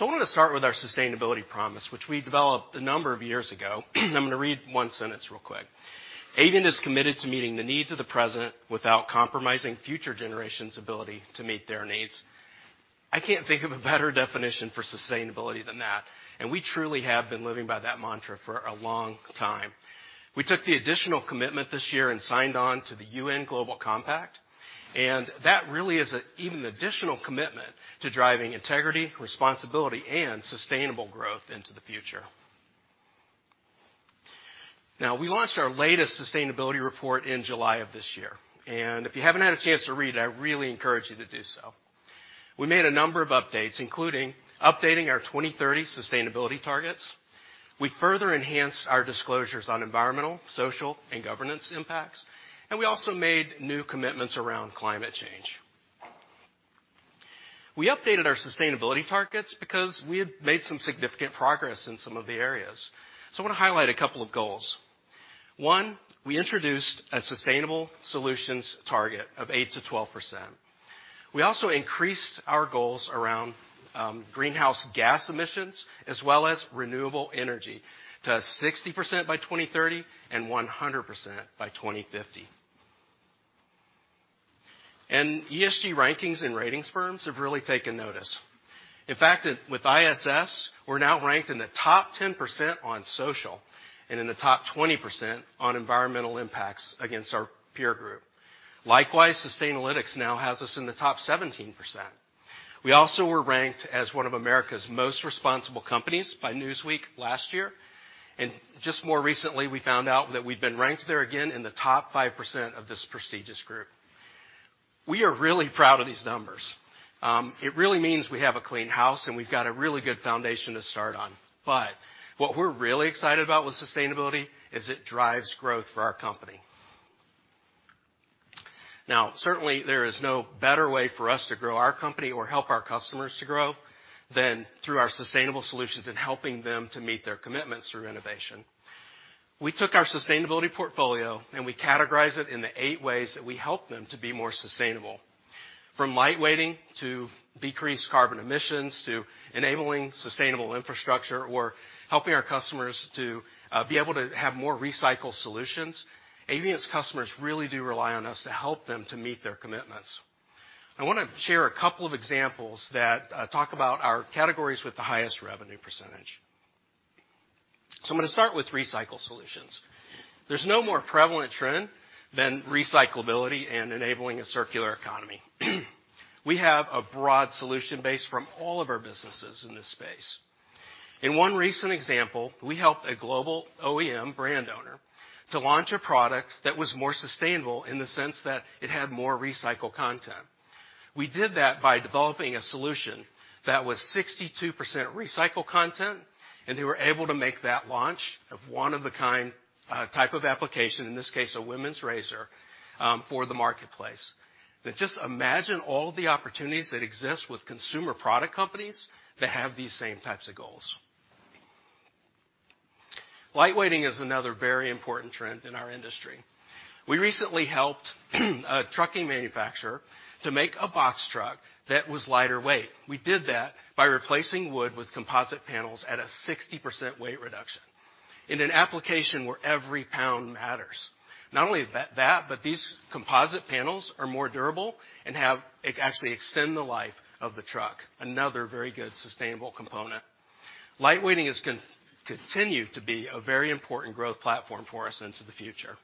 I want to start with our sustainability promise, which we developed a number of years ago, and I'm going to read one sentence real quick. "Avient is committed to meeting the needs of the present without compromising future generations' ability to meet their needs." I can't think of a better definition for sustainability than that, and we truly have been living by that mantra for a long time. We took the additional commitment this year and signed on to the UN Global Compact, and that really is an even additional commitment to driving integrity, responsibility, and sustainable growth into the future. We launched our latest sustainability report in July of this year, if you haven't had a chance to read it, I really encourage you to do so. We made a number of updates, including updating our 2030 sustainability targets. We further enhanced our disclosures on environmental, social, and governance impacts, we also made new commitments around climate change. We updated our sustainability targets because we had made some significant progress in some of the areas. I want to highlight a couple of goals. One, we introduced a sustainable solutions target of 8%-12%. We also increased our goals around greenhouse gas emissions as well as renewable energy to 60% by 2030 and 100% by 2050. ESG rankings and ratings firms have really taken notice. In fact, with ISS, we're now ranked in the top 10% on social and in the top 20% on environmental impacts against our peer group. Likewise, Sustainalytics now has us in the top 17%. We also were ranked as one of America's most responsible companies by "Newsweek" last year. Just more recently, we found out that we've been ranked there again in the top 5% of this prestigious group. We are really proud of these numbers. It really means we have a clean house, and we've got a really good foundation to start on. What we're really excited about with sustainability is it drives growth for our company. Certainly, there is no better way for us to grow our company or help our customers to grow than through our sustainable solutions and helping them to meet their commitments through innovation. We took our sustainability portfolio, we categorized it into eight ways that we help them to be more sustainable. From lightweighting, to decreased carbon emissions, to enabling sustainable infrastructure, helping our customers to be able to have more recycled solutions, Avient's customers really do rely on us to help them to meet their commitments. I want to share a couple of examples that talk about our categories with the highest revenue percentage. I'm going to start with recycled solutions. There's no more prevalent trend than recyclability and enabling a circular economy. We have a broad solution base from all of our businesses in this space. In one recent example, we helped a global OEM brand owner to launch a product that was more sustainable in the sense that it had more recycled content. We did that by developing a solution that was 62% recycled content, they were able to make that launch of one-of-a-kind type of application, in this case, a women's razor, for the marketplace. Just imagine all the opportunities that exist with consumer product companies that have these same types of goals. Lightweighting is another very important trend in our industry. We recently helped a trucking manufacturer to make a box truck that was lighter weight. We did that by replacing wood with composite panels at a 60% weight reduction in an application where every pound matters. Not only that, these composite panels are more durable and actually extend the life of the truck. Another very good sustainable component. Lightweighting is going to continue to be a very important growth platform for us into the future.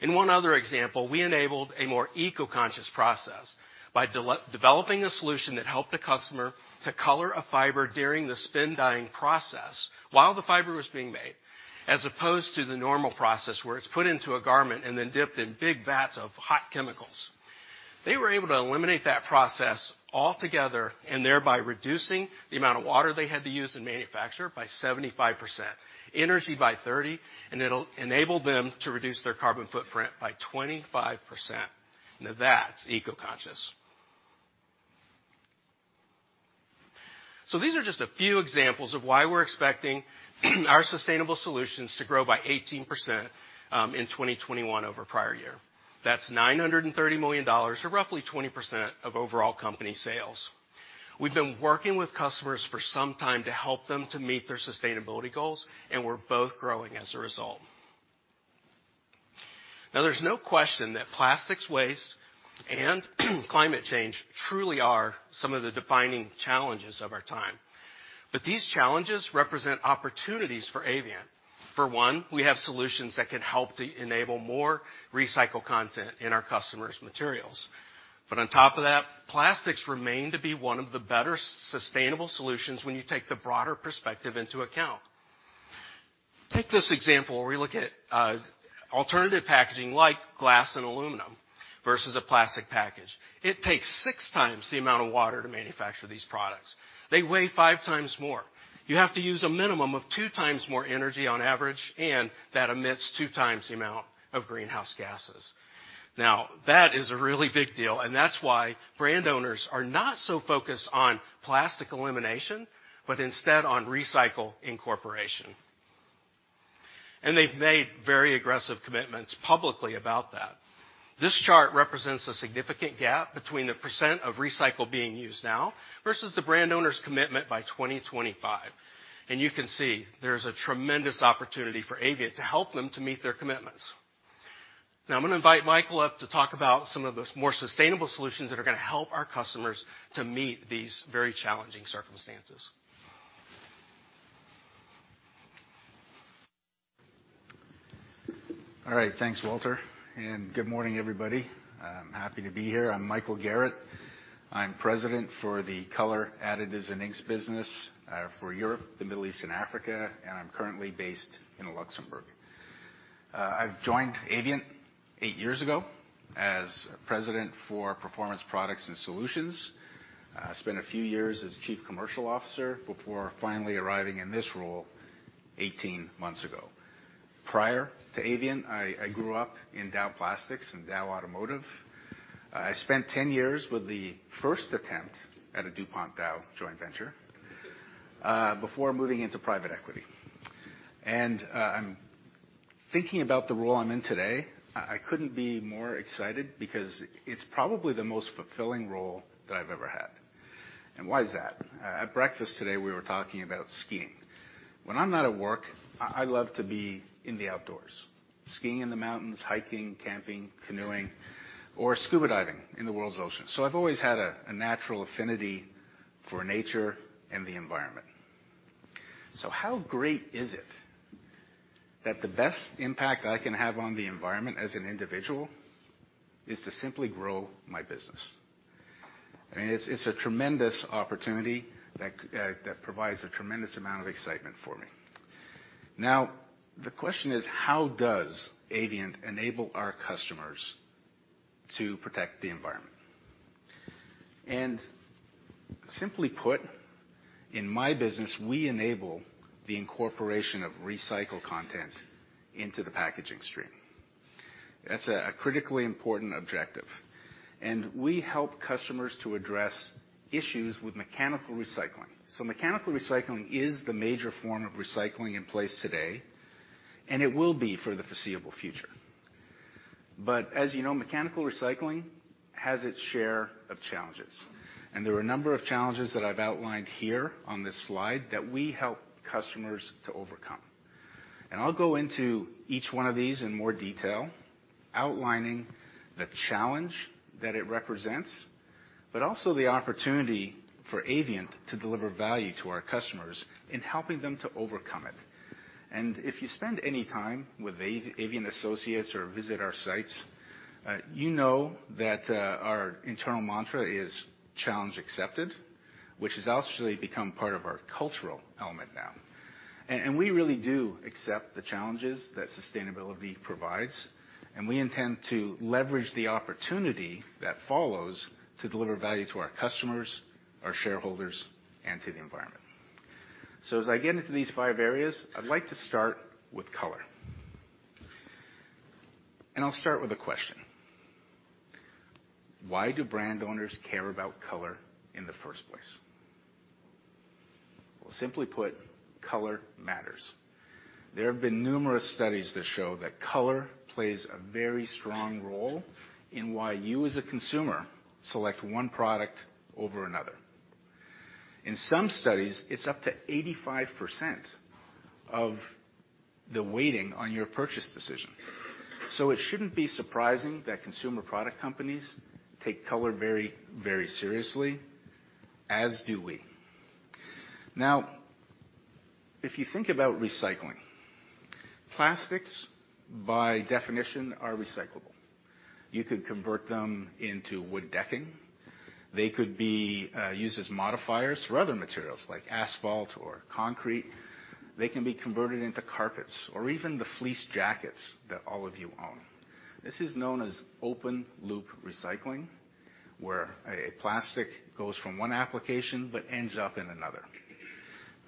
In one other example, we enabled a more eco-conscious process by developing a solution that helped the customer to color a fiber during the spin dyeing process while the fiber was being made, as opposed to the normal process where it's put into a garment and then dipped in big vats of hot chemicals. They were able to eliminate that process altogether, thereby reducing the amount of water they had to use in manufacture by 75%, energy by 30%, and it'll enable them to reduce their carbon footprint by 25%. That's eco-conscious. These are just a few examples of why we're expecting our sustainable solutions to grow by 18% in 2021 over prior year. That's $930 million, or roughly 20% of overall company sales. We've been working with customers for some time to help them to meet their sustainability goals, and we're both growing as a result. There's no question that plastics waste and climate change truly are some of the defining challenges of our time. These challenges represent opportunities for Avient. For one, we have solutions that can help to enable more recycled content in our customers' materials. On top of that, plastics remain to be one of the better sustainable solutions when you take the broader perspective into account. Take this example where we look at alternative packaging like glass and aluminum versus a plastic package. It takes six times the amount of water to manufacture these products. They weigh five times more. You have to use a minimum of two times more energy on average, and that emits two times the amount of greenhouse gases. That is a really big deal, and that's why brand owners are not so focused on plastic elimination, but instead on recycle incorporation. They've made very aggressive commitments publicly about that. This chart represents a significant gap between the % of recycle being used now versus the brand owner's commitment by 2025. You can see there is a tremendous opportunity for Avient to help them to meet their commitments. I'm going to invite Michael up to talk about some of the more sustainable solutions that are going to help our customers to meet these very challenging circumstances. Thanks, Walter, and good morning, everybody. I'm happy to be here. I'm Michael Garratt. I'm President for the Color, Additives & Inks business for Europe, the Middle East, and Africa, and I'm currently based in Luxembourg. I've joined Avient eight years ago as President for Performance Products and Solutions. I spent a few years as Chief Commercial Officer before finally arriving in this role 18 months ago. Prior to Avient, I grew up in Dow Plastics and Dow Automotive. I spent 10 years with the first attempt at a DuPont Dow joint venture, before moving into private equity. I'm thinking about the role I'm in today, I couldn't be more excited because it's probably the most fulfilling role that I've ever had. Why is that? At breakfast today, we were talking about skiing. When I'm not at work, I love to be in the outdoors, skiing in the mountains, hiking, camping, canoeing, or scuba diving in the world's oceans. I've always had a natural affinity for nature and the environment. How great is it that the best impact I can have on the environment as an individual is to simply grow my business? I mean, it's a tremendous opportunity that provides a tremendous amount of excitement for me. Now the question is: how does Avient enable our customers to protect the environment? Simply put, in my business, we enable the incorporation of recycled content into the packaging stream. That's a critically important objective. We help customers to address issues with mechanical recycling. Mechanical recycling is the major form of recycling in place today, and it will be for the foreseeable future. As you know, mechanical recycling has its share of challenges, there are a number of challenges that I've outlined here on this slide that we help customers to overcome. I'll go into each one of these in more detail, outlining the challenge that it represents, but also the opportunity for Avient to deliver value to our customers in helping them to overcome it. If you spend any time with Avient associates or visit our sites, you know that our internal mantra is "Challenge accepted," which has actually become part of our cultural element now. We really do accept the challenges that sustainability provides, and we intend to leverage the opportunity that follows to deliver value to our customers, our shareholders, and to the environment. As I get into these five areas, I'd like to start with color. I'll start with a question. Why do brand owners care about color in the first place? Well, simply put, color matters. There have been numerous studies that show that color plays a very strong role in why you as a consumer select one product over another. In some studies, it's up to 85% of the weighting on your purchase decision. It shouldn't be surprising that consumer product companies take color very seriously, as do we. Now, if you think about recycling, plastics, by definition, are recyclable. You could convert them into wood decking. They could be used as modifiers for other materials like asphalt or concrete. They can be converted into carpets or even the fleece jackets that all of you own. This is known as open-loop recycling, where a plastic goes from one application but ends up in another.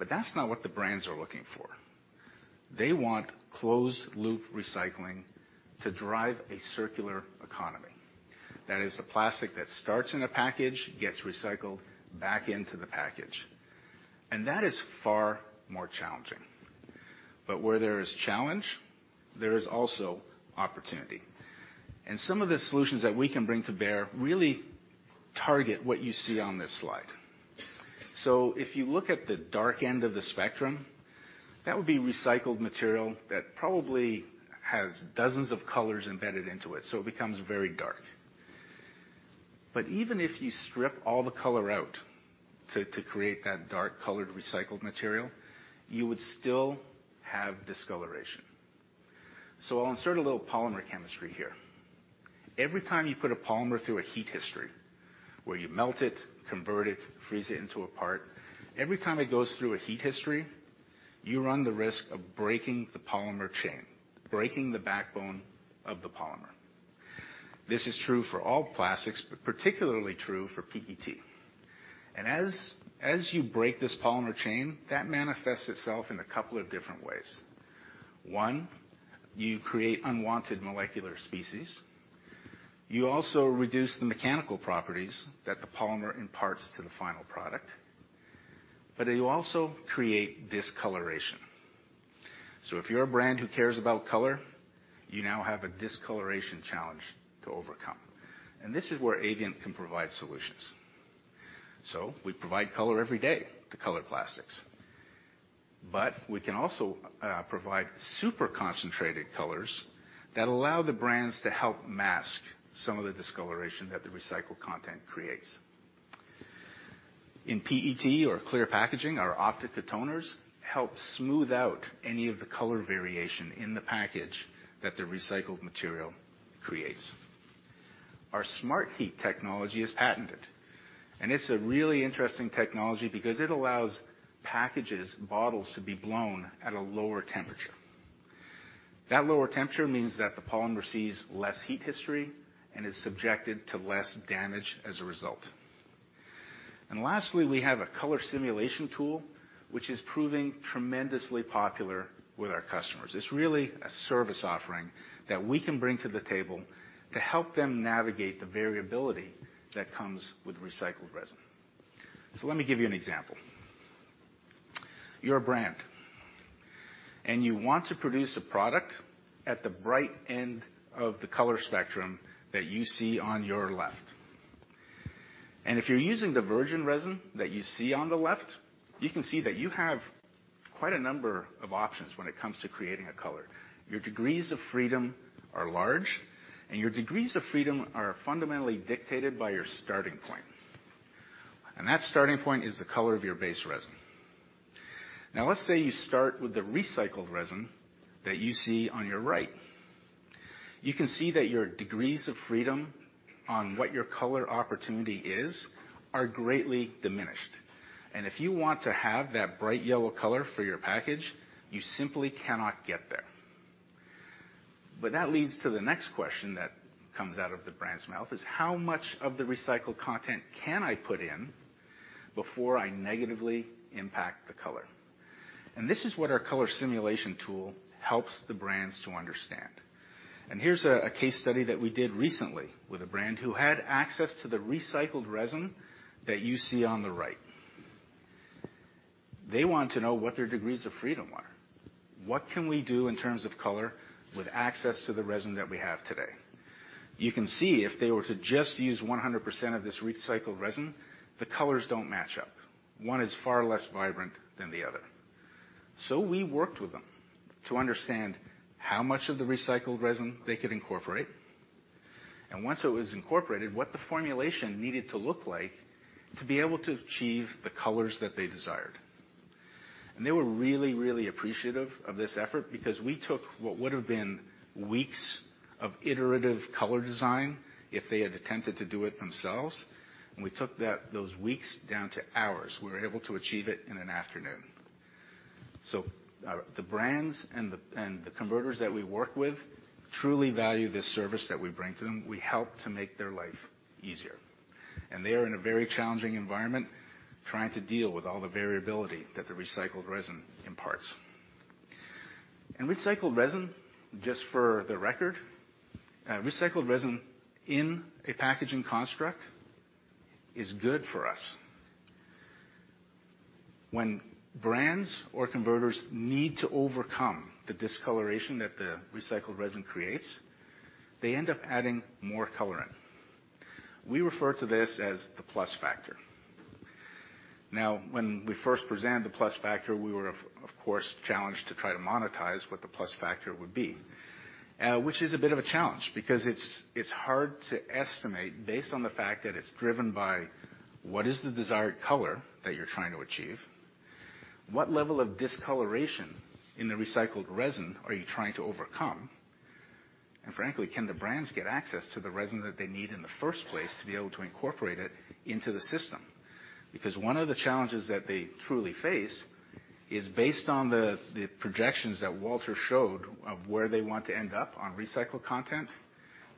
That's not what the brands are looking for. They want closed-loop recycling to drive a circular economy. That is, the plastic that starts in a package gets recycled back into the package, that is far more challenging. Where there is challenge, there is also opportunity. Some of the solutions that we can bring to bear really target what you see on this slide. If you look at the dark end of the spectrum, that would be recycled material that probably has dozens of colors embedded into it, so it becomes very dark. Even if you strip all the color out to create that dark colored recycled material, you would still have discoloration. I'll insert a little polymer chemistry here. Every time you put a polymer through a heat history where you melt it, convert it, freeze it into a part. Every time it goes through a heat history, you run the risk of breaking the polymer chain, breaking the backbone of the polymer. This is true for all plastics, but particularly true for PET. As you break this polymer chain, that manifests itself in a couple of different ways. One, you create unwanted molecular species. You also reduce the mechanical properties that the polymer imparts to the final product. You also create discoloration. If you're a brand who cares about color, you now have a discoloration challenge to overcome. This is where Avient can provide solutions. We provide color every day to color plastics. We can also provide super concentrated colors that allow the brands to help mask some of the discoloration that the recycled content creates. In PET or clear packaging, our Optica toners help smooth out any of the color variation in the package that the recycled material creates. Our SmartHeat technology is patented, and it's a really interesting technology because it allows packages, bottles to be blown at a lower temperature. That lower temperature means that the polymer sees less heat history and is subjected to less damage as a result. Lastly, we have a color simulation tool, which is proving tremendously popular with our customers. It's really a service offering that we can bring to the table to help them navigate the variability that comes with recycled resin. Let me give you an example. You're a brand, you want to produce a product at the bright end of the color spectrum that you see on your left. If you're using the virgin resin that you see on the left, you can see that you have quite a number of options when it comes to creating a color. Your degrees of freedom are large, your degrees of freedom are fundamentally dictated by your starting point. That starting point is the color of your base resin. Let's say you start with the recycled resin that you see on your right. You can see that your degrees of freedom on what your color opportunity is are greatly diminished. If you want to have that bright yellow color for your package, you simply cannot get there. That leads to the next question that comes out of the brand's mouth is, how much of the recycled content can I put in before I negatively impact the color? This is what our color simulation tool helps the brands to understand. Here's a case study that we did recently with a brand who had access to the recycled resin that you see on the right. They want to know what their degrees of freedom are. What can we do in terms of color with access to the resin that we have today? You can see if they were to just use 100% of this recycled resin, the colors don't match up. One is far less vibrant than the other. We worked with them to understand how much of the recycled resin they could incorporate, and once it was incorporated, what the formulation needed to look like to be able to achieve the colors that they desired. They were really appreciative of this effort because we took what would've been weeks of iterative color design if they had attempted to do it themselves, we took those weeks down to hours. We were able to achieve it in an afternoon. The brands and the converters that we work with truly value this service that we bring to them. We help to make their life easier. They are in a very challenging environment, trying to deal with all the variability that the recycled resin imparts. Recycled resin, just for the record, recycled resin in a packaging construct is good for us. When brands or converters need to overcome the discoloration that the recycled resin creates, they end up adding more colorant. We refer to this as the plus factor. When we first presented the plus factor, we were, of course, challenged to try to monetize what the plus factor would be, which is a bit of a challenge because it's hard to estimate based on the fact that it's driven by what is the desired color that you're trying to achieve? What level of discoloration in the recycled resin are you trying to overcome? Frankly, can the brands get access to the resin that they need in the first place to be able to incorporate it into the system? Because one of the challenges that they truly face is based on the projections that Walter showed of where they want to end up on recycled content,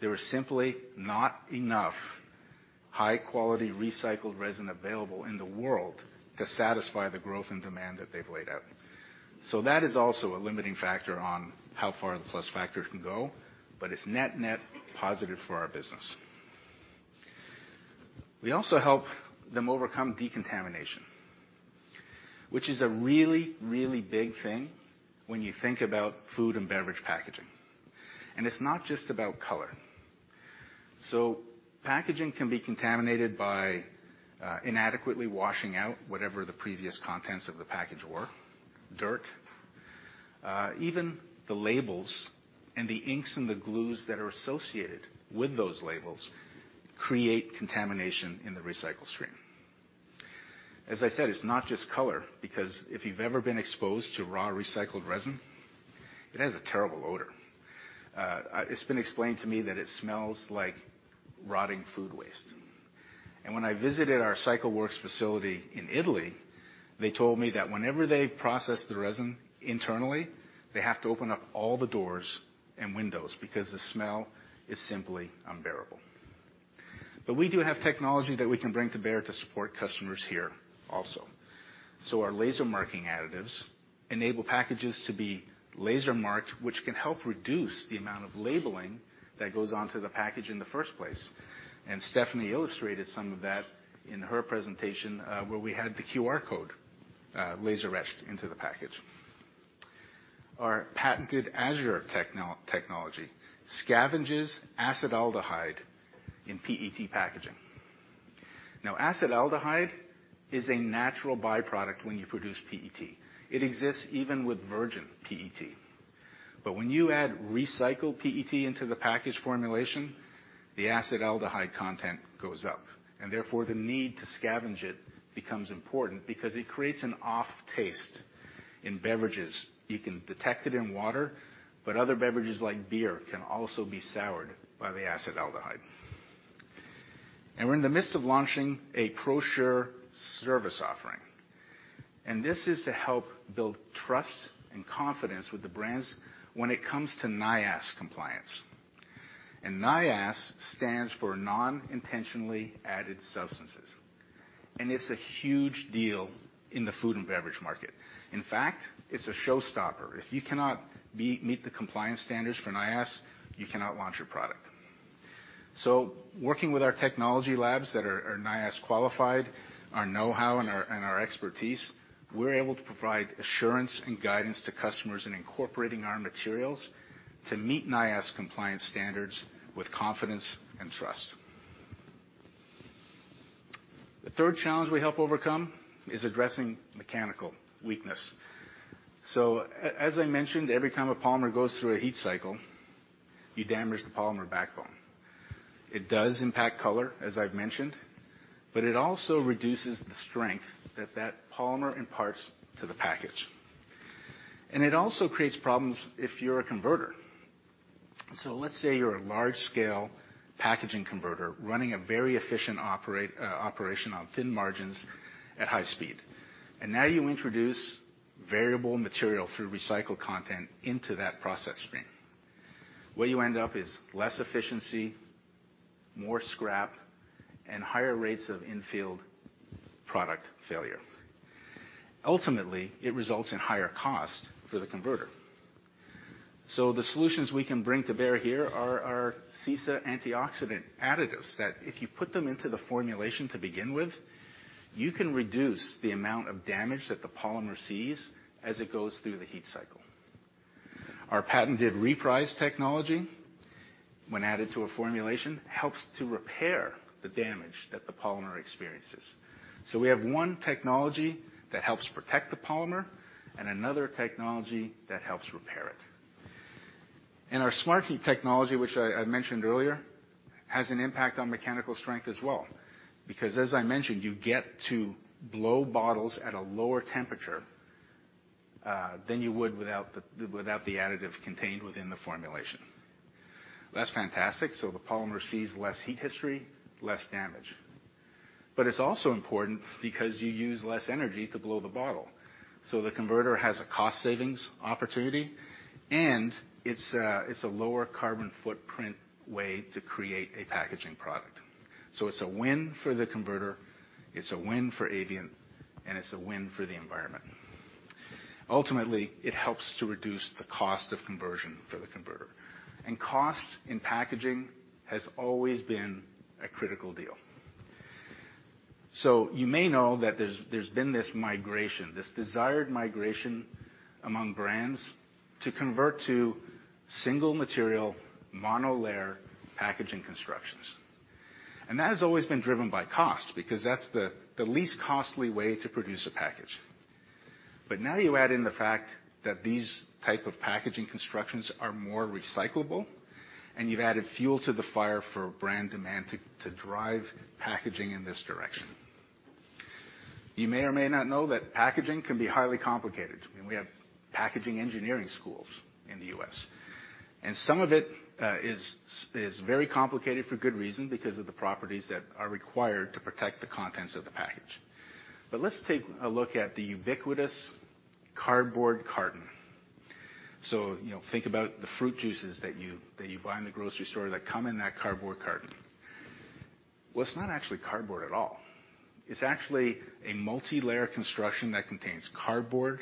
there is simply not enough high-quality recycled resin available in the world to satisfy the growth and demand that they've laid out. That is also a limiting factor on how far the plus factor can go, but it's net-net positive for our business. We also help them overcome decontamination, which is a really big thing when you think about food and beverage packaging. It's not just about color. Packaging can be contaminated by inadequately washing out whatever the previous contents of the package were, dirt, even the labels and the inks and the glues that are associated with those labels create contamination in the recycle stream. As I said, it's not just color, because if you've ever been exposed to raw recycled resin, it has a terrible odor. It's been explained to me that it smells like rotting food waste. When I visited our CycleWorks facility in Italy, they told me that whenever they process the resin internally, they have to open up all the doors and windows because the smell is simply unbearable. We do have technology that we can bring to bear to support customers here also. Our laser marking additives enable packages to be laser marked, which can help reduce the amount of labeling that goes onto the package in the first place. Stephanie illustrated some of that in her presentation, where we had the QR code laser etched into the package. Our patented Azure technology scavenges acetaldehyde in PET packaging. Acetaldehyde is a natural by-product when you produce PET. It exists even with virgin PET. When you add recycled PET into the package formulation, the acetaldehyde content goes up, and therefore, the need to scavenge it becomes important because it creates an off taste in beverages. You can detect it in water, but other beverages like beer can also be soured by the acetaldehyde. We're in the midst of launching a ProSure service offering, and this is to help build trust and confidence with the brands when it comes to NIAS compliance. NIAS stands for Non-Intentionally Added Substances, and it's a huge deal in the food and beverage market. In fact, it's a showstopper. If you cannot meet the compliance standards for NIAS, you cannot launch your product. Working with our technology labs that are NIAS qualified, our know-how and our expertise, we're able to provide assurance and guidance to customers in incorporating our materials to meet NIAS compliance standards with confidence and trust. The third challenge we help overcome is addressing mechanical weakness. As I mentioned, every time a polymer goes through a heat cycle, you damage the polymer backbone. It does impact color, as I've mentioned, but it also reduces the strength that that polymer imparts to the package. It also creates problems if you're a converter. Let's say you're a large-scale packaging converter running a very efficient operation on thin margins at high speed. Now you introduce variable material through recycled content into that process stream. What you end up is less efficiency, more scrap and higher rates of in-field product failure. Ultimately, it results in higher cost for the converter. The solutions we can bring to bear here are our Cesa antioxidant additives, that if you put them into the formulation to begin with, you can reduce the amount of damage that the polymer sees as it goes through the heat cycle. Our patented rePrize technology, when added to a formulation, helps to repair the damage that the polymer experiences. We have one technology that helps protect the polymer and another technology that helps repair it. Our SmartHeat technology, which I mentioned earlier, has an impact on mechanical strength as well, because as I mentioned, you get to blow bottles at a lower temperature than you would without the additive contained within the formulation. That's fantastic. The polymer sees less heat history, less damage. It's also important because you use less energy to blow the bottle. The converter has a cost savings opportunity, and it's a lower carbon footprint way to create a packaging product. It's a win for the converter, it's a win for Avient, and it's a win for the environment. Ultimately, it helps to reduce the cost of conversion for the converter. Cost in packaging has always been a critical deal. You may know that there's been this migration, this desired migration among brands to convert to single material, monolayer packaging constructions. That has always been driven by cost, because that's the least costly way to produce a package. Now you add in the fact that these type of packaging constructions are more recyclable, and you've added fuel to the fire for brand demand to drive packaging in this direction. You may or may not know that packaging can be highly complicated, and we have packaging engineering schools in the U.S. Some of it is very complicated for good reason because of the properties that are required to protect the contents of the package. Let's take a look at the ubiquitous cardboard carton. Think about the fruit juices that you buy in the grocery store that come in that cardboard carton. Well, it's not actually cardboard at all. It's actually a multilayer construction that contains cardboard,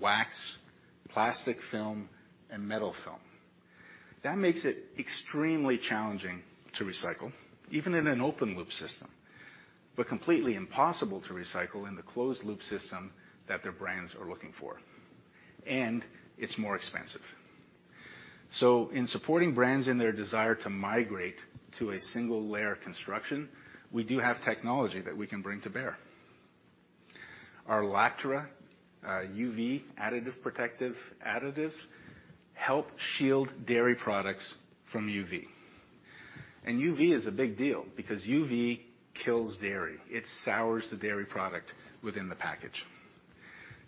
wax, plastic film, and metal film. That makes it extremely challenging to recycle, even in an open-loop system, but completely impossible to recycle in the closed-loop system that their brands are looking for. It's more expensive. In supporting brands in their desire to migrate to a single layer construction, we do have technology that we can bring to bear. Our Lactra UV additive protective additives help shield dairy products from UV. UV is a big deal because UV kills dairy. It sours the dairy product within the package.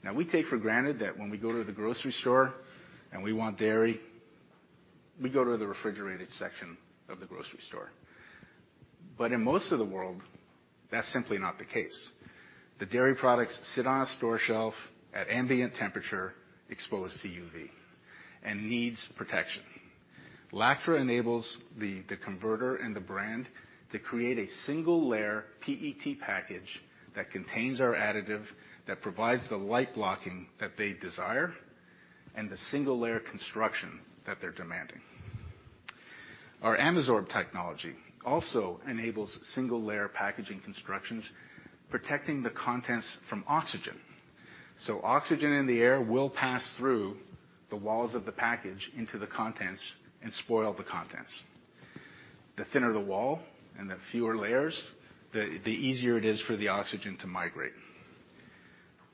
Now, we take for granted that when we go to the grocery store and we want dairy, we go to the refrigerated section of the grocery store. In most of the world, that's simply not the case. The dairy products sit on a store shelf at ambient temperature, exposed to UV, and needs protection. Lactra enables the converter and the brand to create a single layer PET package that contains our additive, that provides the light blocking that they desire, and the single layer construction that they're demanding. Our Amosorb technology also enables single layer packaging constructions, protecting the contents from oxygen. Oxygen in the air will pass through the walls of the package into the contents and spoil the contents. The thinner the wall and the fewer layers, the easier it is for the oxygen to migrate.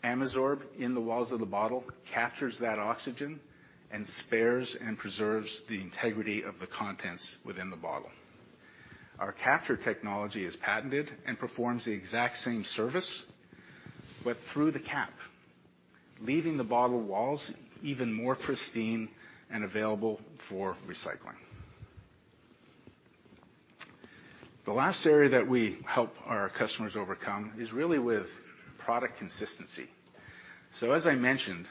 Amosorb in the walls of the bottle captures that oxygen and spares and preserves the integrity of the contents within the bottle. Our Capture technology is patented and performs the exact same service, but through the cap, leaving the bottle walls even more pristine and available for recycling. The last area that we help our customers overcome is really with product consistency. As I mentioned,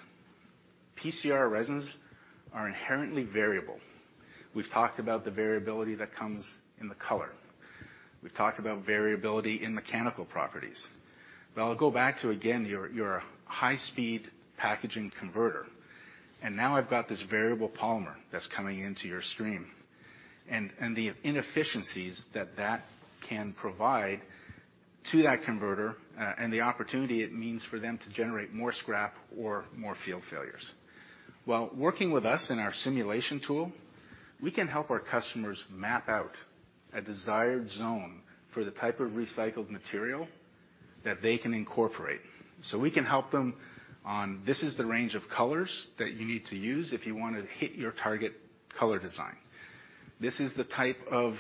PCR resins are inherently variable. We've talked about the variability that comes in the color. We've talked about variability in mechanical properties. I'll go back to, again, your high-speed packaging converter, and now I've got this variable polymer that's coming into your stream and the inefficiencies that that can provide to that converter and the opportunity it means for them to generate more scrap or more field failures. While working with us in our simulation tool, we can help our customers map out a desired zone for the type of recycled material that they can incorporate. We can help them on this is the range of colors that you need to use if you want to hit your target color design. This is the type of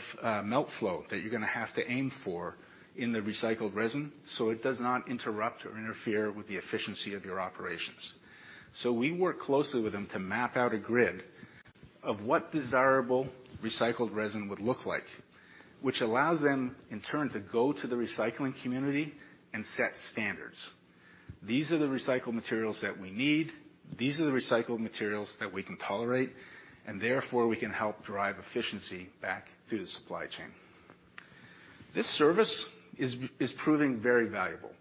melt flow that you're going to have to aim for in the recycled resin so it does not interrupt or interfere with the efficiency of your operations. We work closely with them to map out a grid of what desirable recycled resin would look like, which allows them, in turn, to go to the recycling community and set standards. These are the recycled materials that we need, these are the recycled materials that we can tolerate, and therefore, we can help drive efficiency back through the supply chain. This service is proving very valuable.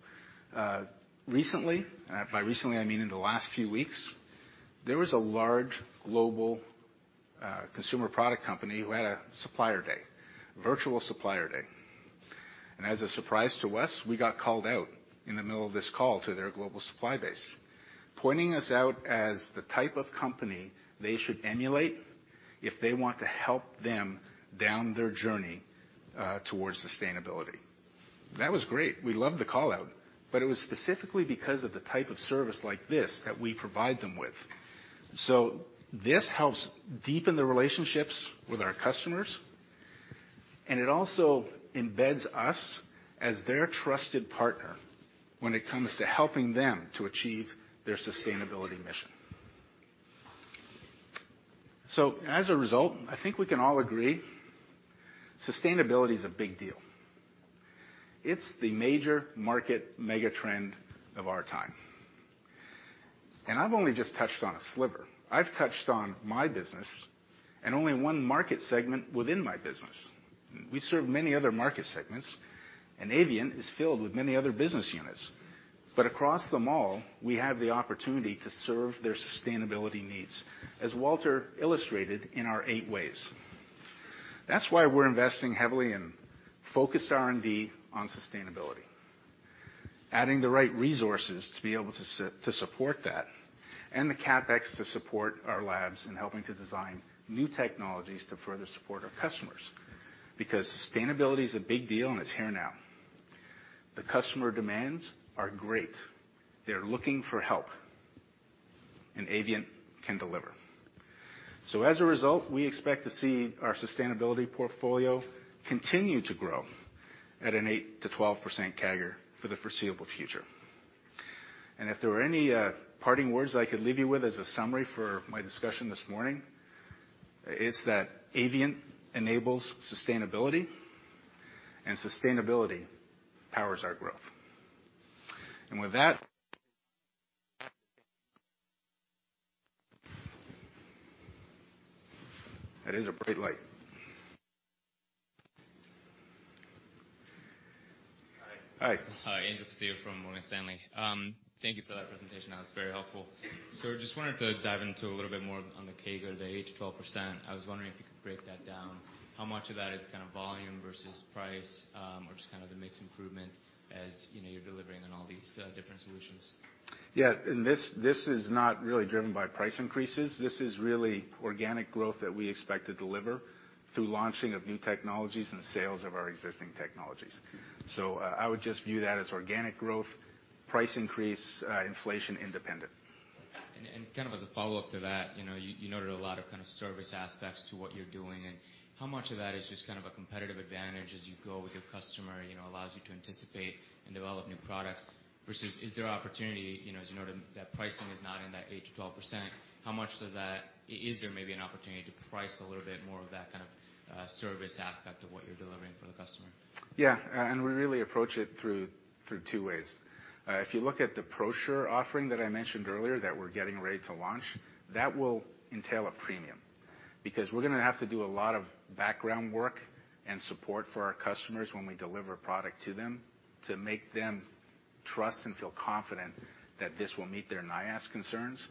Recently, and by recently, I mean in the last few weeks, there was a large global consumer product company who had a supplier day, virtual supplier day. As a surprise to us, we got called out in the middle of this call to their global supply base, pointing us out as the type of company they should emulate if they want to help them down their journey towards sustainability. That was great. We loved the call-out, it was specifically because of the type of service like this that we provide them with. This helps deepen the relationships with our customers, it also embeds us as their trusted partner when it comes to helping them to achieve their sustainability mission. As a result, I think we can all agree, sustainability is a big deal. It's the major market mega-trend of our time. I've only just touched on a sliver. I've touched on my business and only one market segment within my business. We serve many other market segments, Avient is filled with many other business units. Across them all, we have the opportunity to serve their sustainability needs, as Walter illustrated in our eight ways. That's why we're investing heavily in focused R&D on sustainability. Adding the right resources to be able to support that, the CapEx to support our labs in helping to design new technologies to further support our customers. Sustainability is a big deal, it's here now. The customer demands are great. They're looking for help, Avient can deliver. As a result, we expect to see our sustainability portfolio continue to grow at an 8%-12% CAGR for the foreseeable future. If there were any parting words that I could leave you with as a summary for my discussion this morning, it's that Avient enables sustainability powers our growth. With that. That is a bright light. Hi. Hi. Hi, Angel Castillo from Morgan Stanley. Thank you for that presentation. That was very helpful. Just wanted to dive into a little bit more on the CAGR, the 8%-12%. I was wondering if you could break that down. How much of that is volume versus price, or just the mix improvement as you're delivering on all these different solutions? Yeah. This is not really driven by price increases. This is really organic growth that we expect to deliver through launching of new technologies and sales of our existing technologies. I would just view that as organic growth, price increase, inflation independent. As a follow-up to that, you noted a lot of service aspects to what you're doing and how much of that is just a competitive advantage as you go with your customer, allows you to anticipate and develop new products versus is there opportunity, as you noted that pricing is not in that 8%-12%, is there maybe an opportunity to price a little bit more of that service aspect of what you're delivering for the customer? Yeah. We really approach it through two ways. If you look at the ProSure offering that I mentioned earlier that we're getting ready to launch, that will entail a premium, because we're going to have to do a lot of background work and support for our customers when we deliver product to them to make them trust and feel confident that this will meet their NIAS concerns.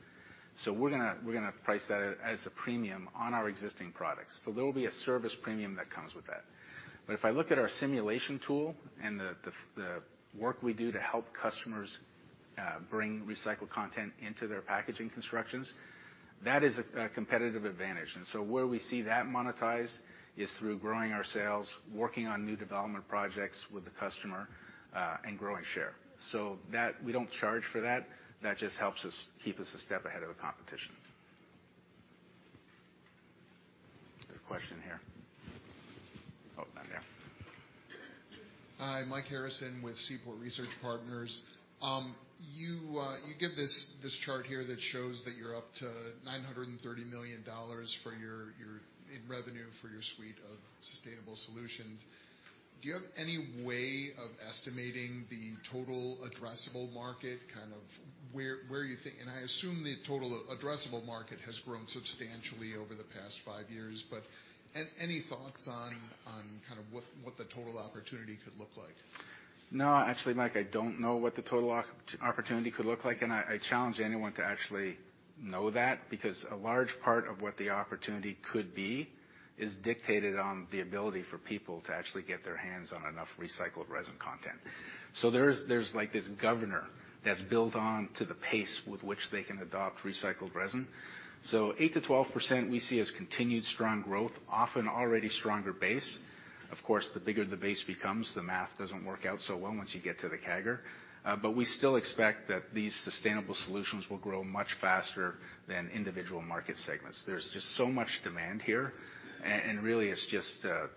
We're going to price that as a premium on our existing products. There will be a service premium that comes with that. If I look at our simulation tool and the work we do to help customers bring recycled content into their packaging constructions, that is a competitive advantage. Where we see that monetized is through growing our sales, working on new development projects with the customer, and growing share. That, we don't charge for that. That just helps us keep us a step ahead of the competition. There's a question here. Oh, down there. Hi, Mike Harrison with Seaport Research Partners. You give this chart here that shows that you're up to $930 million in revenue for your suite of sustainable solutions. Do you have any way of estimating the total addressable market? I assume the total addressable market has grown substantially over the past five years, any thoughts on what the total opportunity could look like? No, actually, Mike, I don't know what the total opportunity could look like. I challenge anyone to actually know that, because a large part of what the opportunity could be is dictated on the ability for people to actually get their hands on enough recycled resin content. There's this governor that's built on to the pace with which they can adopt recycled resin. 8%-12% we see as continued strong growth, often already stronger base. Of course, the bigger the base becomes, the math doesn't work out so well once you get to the CAGR. We still expect that these sustainable solutions will grow much faster than individual market segments. There's just so much demand here, really it's just the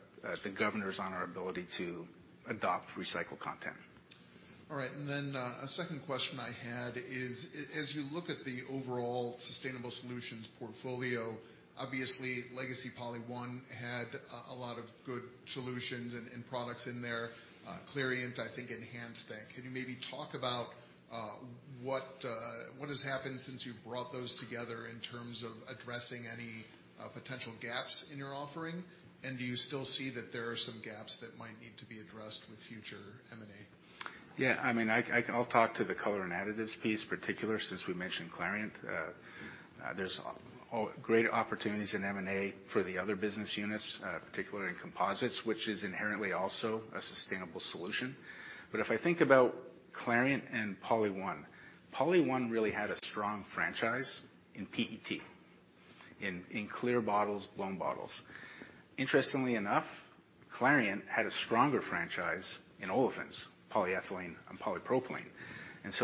governors on our ability to adopt recycled content. All right. A second question I had As you look at the overall sustainable solutions portfolio, obviously Legacy PolyOne had a lot of good solutions and products in there. Clariant, I think, enhanced that. Can you maybe talk about what has happened since you brought those together in terms of addressing any potential gaps in your offering? Do you still see that there are some gaps that might need to be addressed with future M&A? Yeah. I'll talk to the color and additives piece particular, since we mentioned Clariant. There's great opportunities in M&A for the other business units, particularly in composites, which is inherently also a sustainable solution. If I think about Clariant and PolyOne really had a strong franchise in PET, in clear bottles, blown bottles. Interestingly enough, Clariant had a stronger franchise in olefins, polyethylene and polypropylene.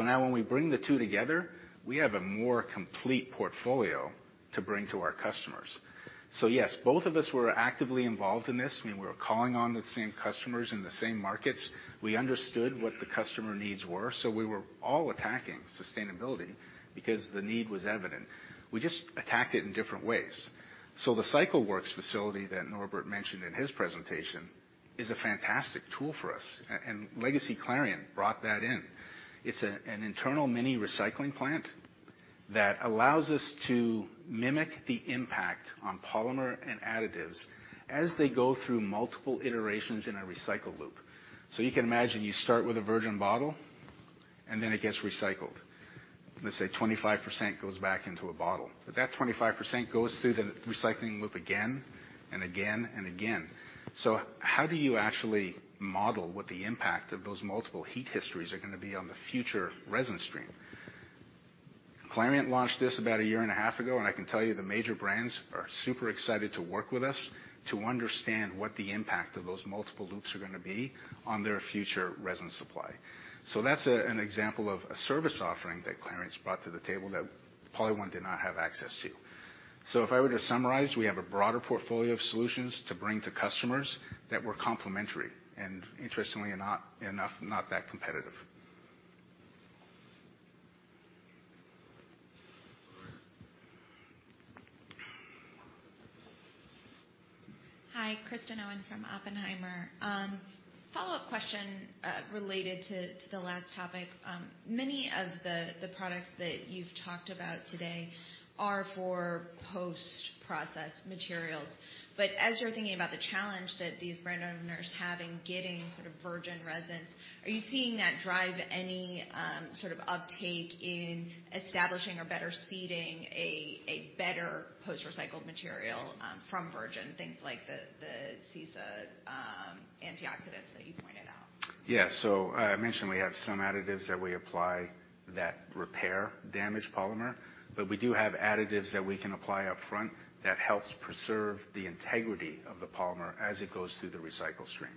Now when we bring the two together, we have a more complete portfolio to bring to our customers. Yes, both of us were actively involved in this. We were calling on the same customers in the same markets. We understood what the customer needs were. We were all attacking sustainability because the need was evident. We just attacked it in different ways. The CycleWorks facility that Norbert mentioned in his presentation is a fantastic tool for us. Legacy Clariant brought that in. It's an internal mini recycling plant that allows us to mimic the impact on polymer and additives as they go through multiple iterations in a recycle loop. You can imagine, you start with a virgin bottle, then it gets recycled. Let's say 25% goes back into a bottle. That 25% goes through the recycling loop again, and again, and again. How do you actually model what the impact of those multiple heat histories are going to be on the future resin stream? Clariant launched this about a year and a half ago. I can tell you, the major brands are super excited to work with us to understand what the impact of those multiple loops are going to be on their future resin supply. That's an example of a service offering that Clariant's brought to the table that PolyOne did not have access to. If I were to summarize, we have a broader portfolio of solutions to bring to customers that were complementary, interestingly enough, not that competitive. All right. Hi, Kristen Owen from Oppenheimer. Follow-up question, related to the last topic. Many of the products that you've talked about today are for post-process materials. As you're thinking about the challenge that these brand owners have in getting sort of virgin resins, are you seeing that drive any sort of uptake in establishing or better seeding a better post-recycled material from virgin, things like the Cesa antioxidants that you pointed out? I mentioned we have some additives that we apply that repair damaged polymer, but we do have additives that we can apply up front that helps preserve the integrity of the polymer as it goes through the recycle stream.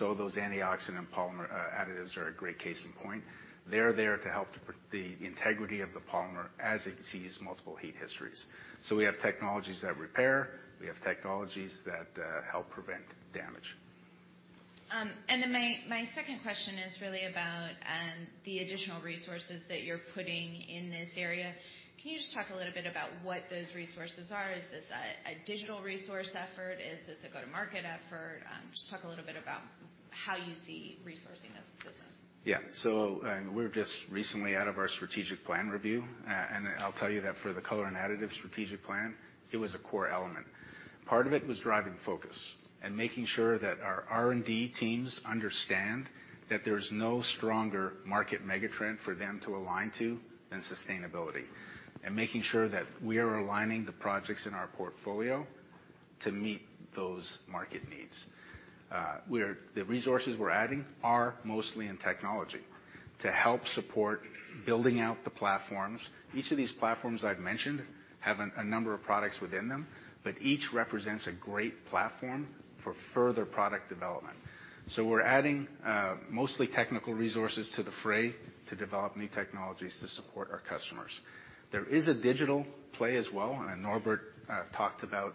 Those antioxidant polymer additives are a great case in point. They're there to help the integrity of the polymer as it sees multiple heat histories. We have technologies that repair. We have technologies that help prevent damage. My second question is really about the additional resources that you're putting in this area. Can you just talk a little bit about what those resources are? Is this a digital resource effort? Is this a go-to-market effort? Just talk a little bit about how you see resourcing this business. We're just recently out of our strategic plan review. I'll tell you that for the color and additives strategic plan, it was a core element. Part of it was driving focus and making sure that our R&D teams understand that there's no stronger market megatrend for them to align to than sustainability, and making sure that we are aligning the projects in our portfolio to meet those market needs. The resources we're adding are mostly in technology to help support building out the platforms. Each of these platforms I've mentioned have a number of products within them, but each represents a great platform for further product development. We're adding mostly technical resources to the fray to develop new technologies to support our customers. There is a digital play as well, and Norbert talked about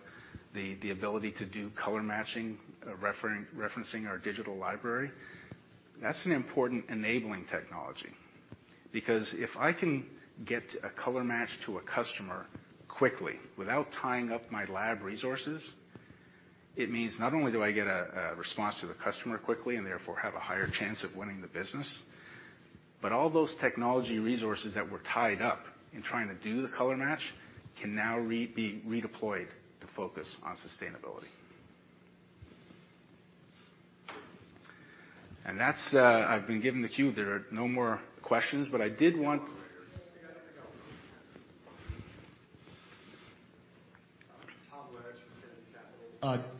the ability to do color matching, referencing our digital library. That's an important enabling technology, because if I can get a color match to a customer quickly without tying up my lab resources, it means not only do I get a response to the customer quickly and therefore have a higher chance of winning the business, but all those technology resources that were tied up in trying to do the color match can now be redeployed to focus on sustainability. That's I've been given the cue. There are no more questions. We got one right here. Tom Edge from Tanna Capital.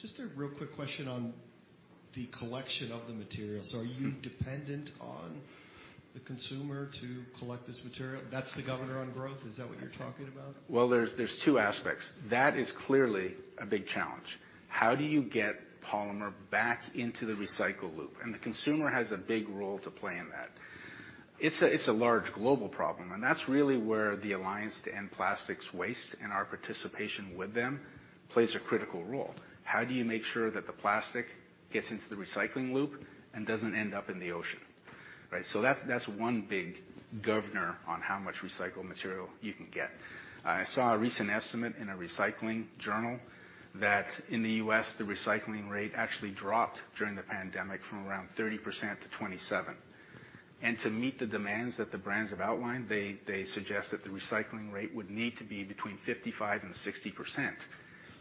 Just a real quick question on the collection of the materials. Are you dependent on the consumer to collect this material? That's the governor on growth? Is that what you're talking about? Well, there's two aspects. That is clearly a big challenge. How do you get polymer back into the recycle loop? The consumer has a big role to play in that. It's a large global problem, and that's really where the Alliance to End Plastic Waste and our participation with them plays a critical role. How do you make sure that the plastic gets into the recycling loop and doesn't end up in the ocean? Right. That's one big governor on how much recycled material you can get. I saw a recent estimate in a recycling journal that in the U.S., the recycling rate actually dropped during the pandemic from around 30% to 27%. To meet the demands that the brands have outlined, they suggest that the recycling rate would need to be between 55% and 60%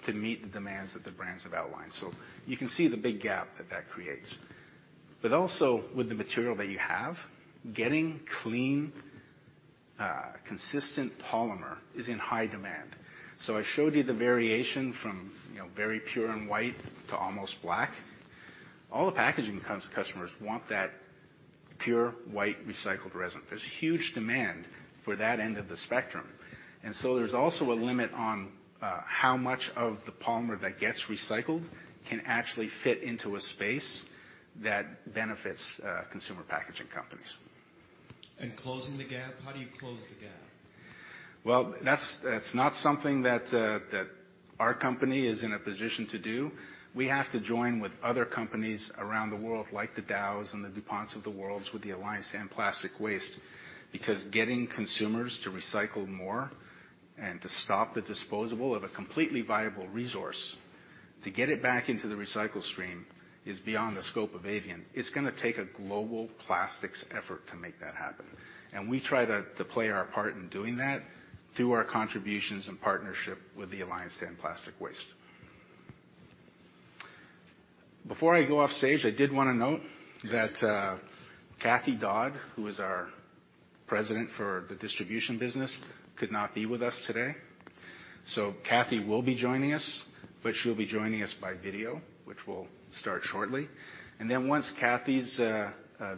to meet the demands that the brands have outlined. You can see the big gap that that creates. Also, with the material that you have, getting clean, consistent polymer is in high demand. I showed you the variation from very pure and white to almost black. All the packaging customers want that pure white recycled resin. There's huge demand for that end of the spectrum. There's also a limit on how much of the polymer that gets recycled can actually fit into a space that benefits consumer packaging companies. Closing the gap, how do you close the gap? Well, that's not something that our company is in a position to do. We have to join with other companies around the world, like the Dow and the DuPont of the worlds, with the Alliance to End Plastic Waste. Because getting consumers to recycle more and to stop the disposal of a completely viable resource, to get it back into the recycle stream, is beyond the scope of Avient. It's going to take a global plastics effort to make that happen, and we try to play our part in doing that through our contributions and partnership with the Alliance to End Plastic Waste. Before I go off stage, I did want to note that Cathy Dodd, who is our President for the distribution business, could not be with us today. Cathy will be joining us, but she'll be joining us by video, which will start shortly. Once Cathy's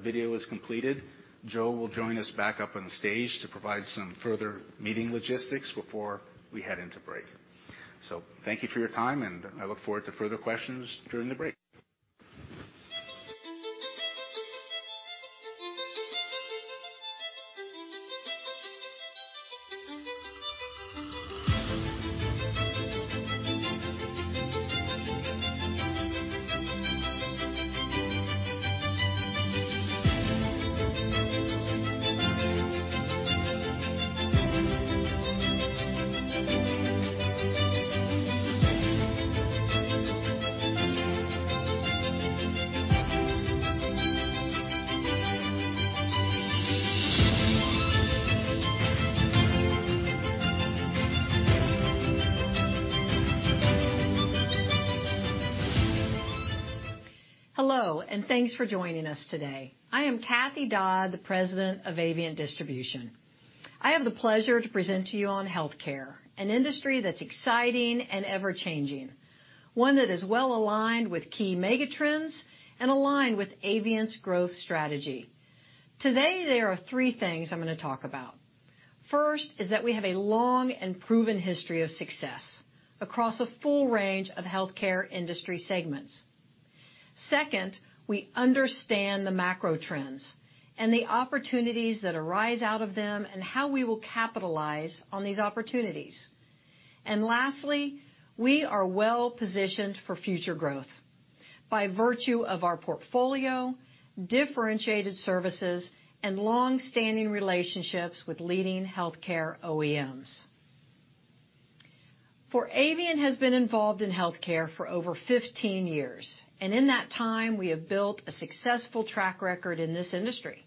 video is completed, Joe will join us back up on stage to provide some further meeting logistics before we head into break. Thank you for your time, and I look forward to further questions during the break. Hello, and thanks for joining us today. I am Cathy Dodd, the President of Avient Distribution. I have the pleasure to present to you on healthcare, an industry that's exciting and ever-changing, one that is well-aligned with key mega trends and aligned with Avient's growth strategy. Today, there are three things I'm going to talk about. First is that we have a long and proven history of success across a full range of healthcare industry segments. Second, we understand the macro trends and the opportunities that arise out of them and how we will capitalize on these opportunities. Lastly, we are well-positioned for future growth by virtue of our portfolio, differentiated services, and long-standing relationships with leading healthcare OEMs. Avient has been involved in healthcare for over 15 years, and in that time, we have built a successful track record in this industry,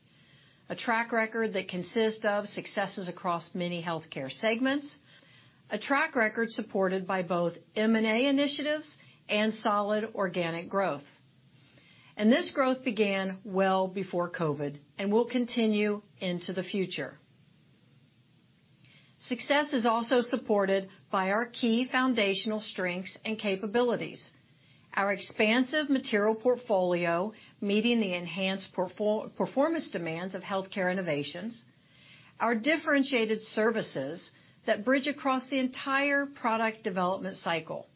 a track record that consists of successes across many healthcare segments, a track record supported by both M&A initiatives and solid organic growth. This growth began well before COVID and will continue into the future. Success is also supported by our key foundational strengths and capabilities, our expansive material portfolio meeting the enhanced performance demands of healthcare innovations, our differentiated services that bridge across the entire product development cycle,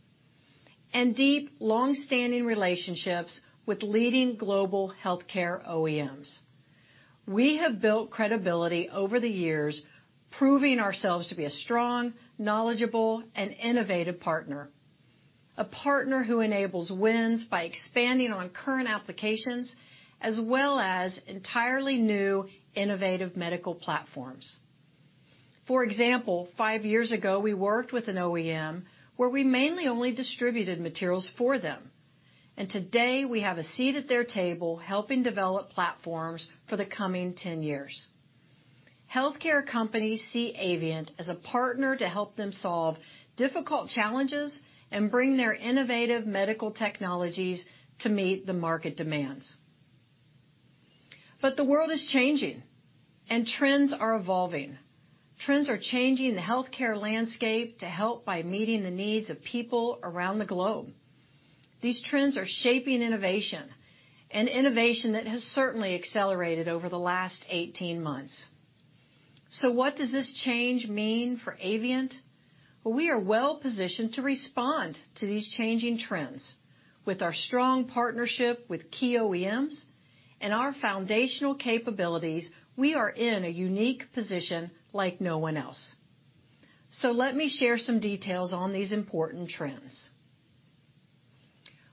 and deep, long-standing relationships with leading global healthcare OEMs. We have built credibility over the years, proving ourselves to be a strong, knowledgeable, and innovative partner, a partner who enables wins by expanding on current applications as well as entirely new innovative medical platforms. For example, 5 years ago, we worked with an OEM where we mainly only distributed materials for them, and today we have a seat at their table, helping develop platforms for the coming 10 years. Healthcare companies see Avient as a partner to help them solve difficult challenges and bring their innovative medical technologies to meet the market demands. The world is changing, and trends are evolving. Trends are changing the healthcare landscape to help by meeting the needs of people around the globe. These trends are shaping innovation, an innovation that has certainly accelerated over the last 18 months. What does this change mean for Avient? Well, we are well positioned to respond to these changing trends. With our strong partnership with key OEMs and our foundational capabilities, we are in a unique position like no one else. Let me share some details on these important trends.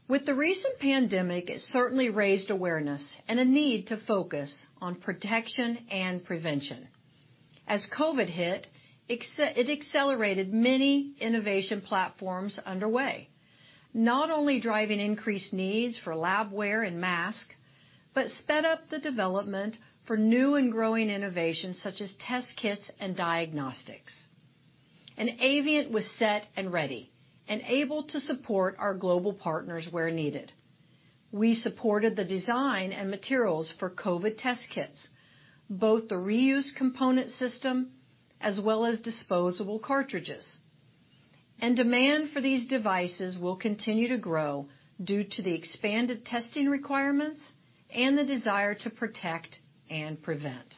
With the recent pandemic, it certainly raised awareness and a need to focus on protection and prevention. As COVID hit, it accelerated many innovation platforms underway, not only driving increased needs for labware and masks, but sped up the development for new and growing innovations such as test kits and diagnostics. Avient was set and ready and able to support our global partners where needed. We supported the design and materials for COVID test kits, both the reuse component system as well as disposable cartridges. Demand for these devices will continue to grow due to the expanded testing requirements and the desire to protect and prevent.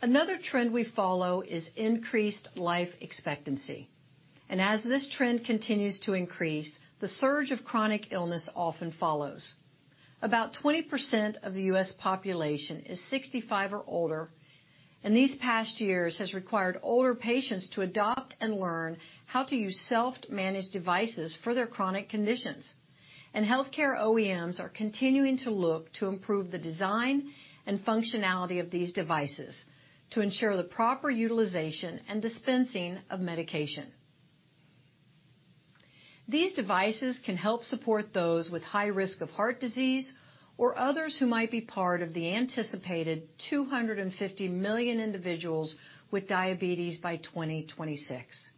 Another trend we follow is increased life expectancy, and as this trend continues to increase, the surge of chronic illness often follows. About 20% of the U.S. population is 65 or older, and these past years has required older patients to adopt and learn how to use self-managed devices for their chronic conditions. Healthcare OEMs are continuing to look to improve the design and functionality of these devices to ensure the proper utilization and dispensing of medication. These devices can help support those with high risk of heart disease or others who might be part of the anticipated 250 million individuals with diabetes by 2026.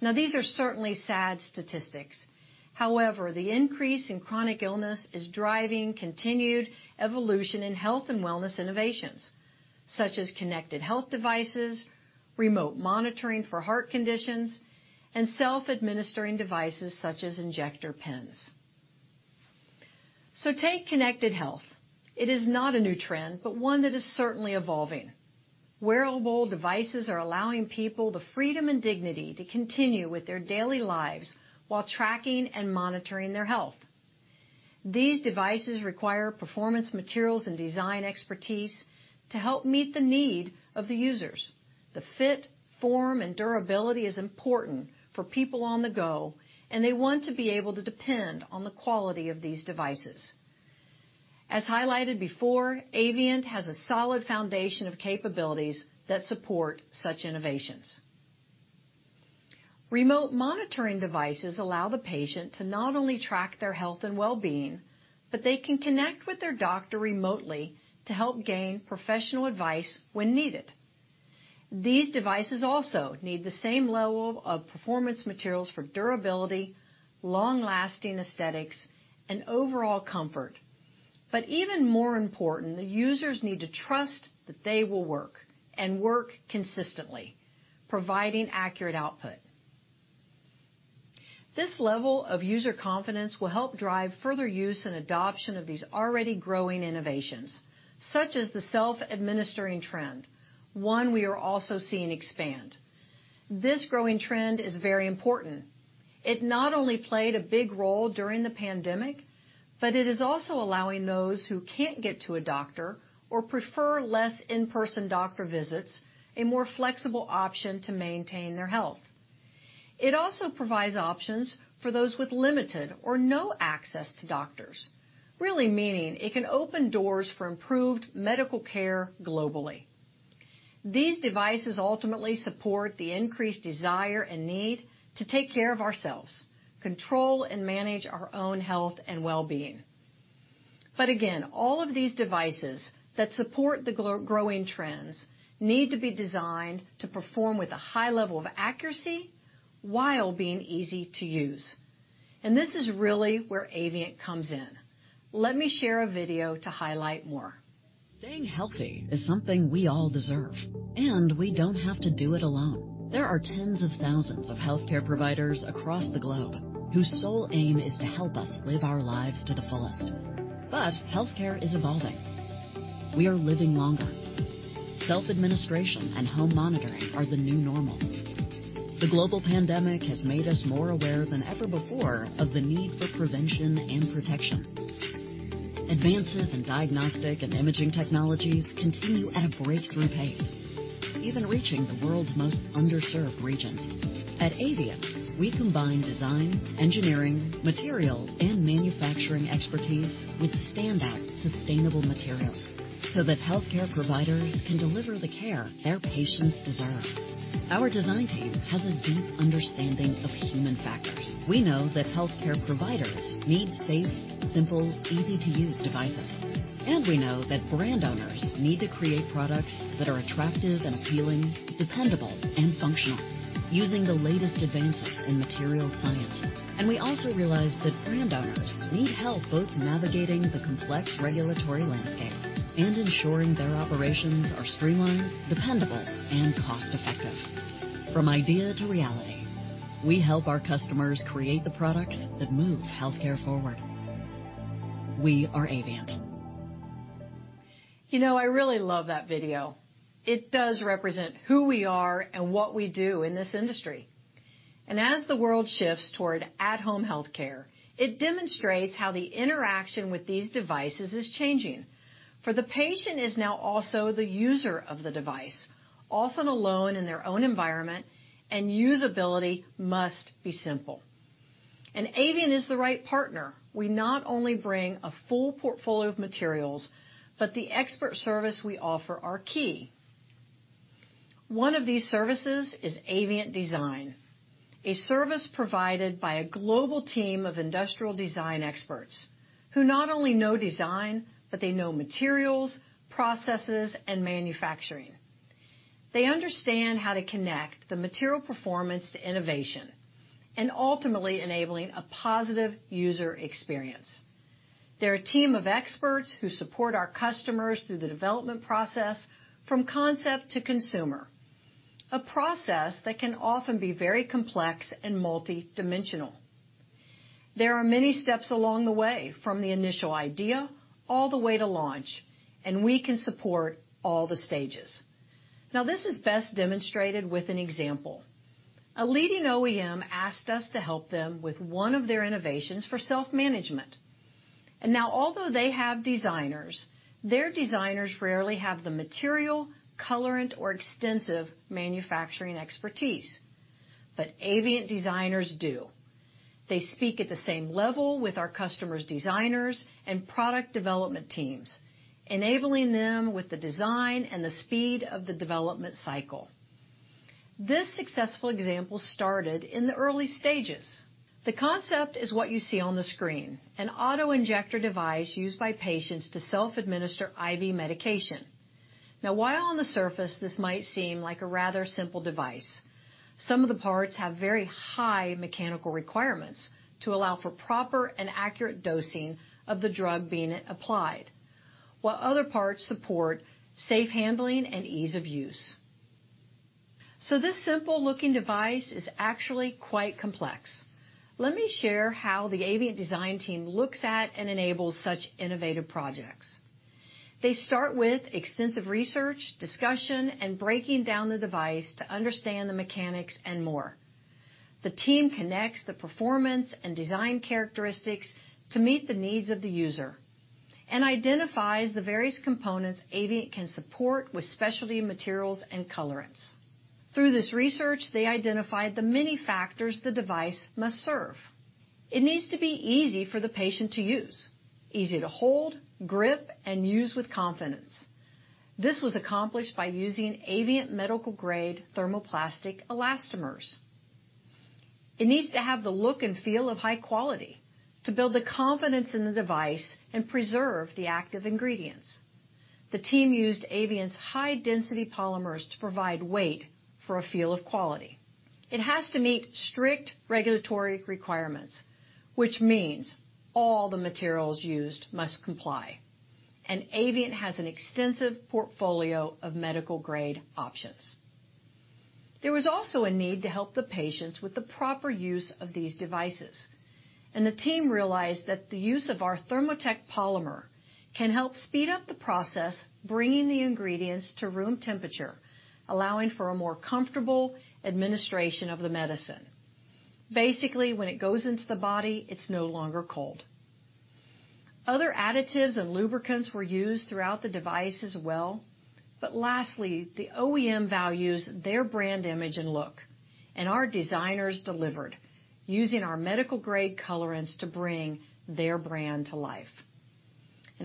Now, these are certainly sad statistics. However, the increase in chronic illness is driving continued evolution in health and wellness innovations, such as connected health devices, remote monitoring for heart conditions, and self-administering devices such as injector pens. Take connected health. It is not a new trend, but one that is certainly evolving. Wearable devices are allowing people the freedom and dignity to continue with their daily lives while tracking and monitoring their health. These devices require performance materials and design expertise to help meet the need of the users. The fit, form, and durability is important for people on the go, and they want to be able to depend on the quality of these devices. As highlighted before, Avient has a solid foundation of capabilities that support such innovations. Remote monitoring devices allow the patient to not only track their health and wellbeing, but they can connect with their doctor remotely to help gain professional advice when needed. These devices also need the same level of performance materials for durability, long-lasting aesthetics, and overall comfort. Even more important, the users need to trust that they will work and work consistently, providing accurate output. This level of user confidence will help drive further use and adoption of these already growing innovations, such as the self-administering trend, one we are also seeing expand. This growing trend is very important. It not only played a big role during the pandemic, but it is also allowing those who can't get to a doctor or prefer less in-person doctor visits a more flexible option to maintain their health. It also provides options for those with limited or no access to doctors, really meaning it can open doors for improved medical care globally. These devices ultimately support the increased desire and need to take care of ourselves, control and manage our own health and wellbeing. Again, all of these devices that support the growing trends need to be designed to perform with a high level of accuracy while being easy to use. This is really where Avient comes in. Let me share a video to highlight more. Staying healthy is something we all deserve. We don't have to do it alone. There are tens of thousands of healthcare providers across the globe whose sole aim is to help us live our lives to the fullest. Healthcare is evolving. We are living longer. Self-administration and home monitoring are the new normal. The global pandemic has made us more aware than ever before of the need for prevention and protection. Advances in diagnostic and imaging technologies continue at a breakthrough pace, even reaching the world's most underserved regions. At Avient, we combine design, engineering, materials, and manufacturing expertise with standout sustainable materials so that healthcare providers can deliver the care their patients deserve. Our design team has a deep understanding of human factors. We know that healthcare providers need safe, simple, easy-to-use devices. We know that brand owners need to create products that are attractive and appealing, dependable, and functional, using the latest advances in material science. We also realize that brand owners need help both navigating the complex regulatory landscape and ensuring their operations are streamlined, dependable, and cost-effective. From idea to reality, we help our customers create the products that move healthcare forward. We are Avient. I really love that video. It does represent who we are and what we do in this industry. As the world shifts toward at-home healthcare, it demonstrates how the interaction with these devices is changing, for the patient is now also the user of the device, often alone in their own environment, and usability must be simple. Avient is the right partner. We not only bring a full portfolio of materials, but the expert service we offer are key. One of these services is Avient Design, a service provided by a global team of industrial design experts who not only know design, but they know materials, processes, and manufacturing. They understand how to connect the material performance to innovation and ultimately enabling a positive user experience. They're a team of experts who support our customers through the development process from concept to consumer. A process that can often be very complex and multidimensional. There are many steps along the way from the initial idea all the way to launch, and we can support all the stages. This is best demonstrated with an example. A leading OEM asked us to help them with one of their innovations for self-management. Although they have designers, their designers rarely have the material, colorant, or extensive manufacturing expertise. Avient designers do. They speak at the same level with our customers' designers and product development teams, enabling them with the design and the speed of the development cycle. This successful example started in the early stages. The concept is what you see on the screen, an auto-injector device used by patients to self-administer IV medication. While on the surface this might seem like a rather simple device, some of the parts have very high mechanical requirements to allow for proper and accurate dosing of the drug being applied, while other parts support safe handling and ease of use. This simple-looking device is actually quite complex. Let me share how the Avient design team looks at and enables such innovative projects. They start with extensive research, discussion, and breaking down the device to understand the mechanics and more. The team connects the performance and design characteristics to meet the needs of the user and identifies the various components Avient can support with specialty materials and colorants. Through this research, they identified the many factors the device must serve. It needs to be easy for the patient to use, easy to hold, grip, and use with confidence. This was accomplished by using Avient medical-grade thermoplastic elastomers. It needs to have the look and feel of high quality to build the confidence in the device and preserve the active ingredients. The team used Avient's high-density polymers to provide weight for a feel of quality. It has to meet strict regulatory requirements, which means all the materials used must comply. Avient has an extensive portfolio of medical-grade options. There was also a need to help the patients with the proper use of these devices, and the team realized that the use of our Therma-Tech™ polymer can help speed up the process, bringing the ingredients to room temperature, allowing for a more comfortable administration of the medicine. Basically, when it goes into the body, it's no longer cold. Other additives and lubricants were used throughout the device as well. Lastly, the OEM values their brand image and look, and our designers delivered using our medical-grade colorants to bring their brand to life.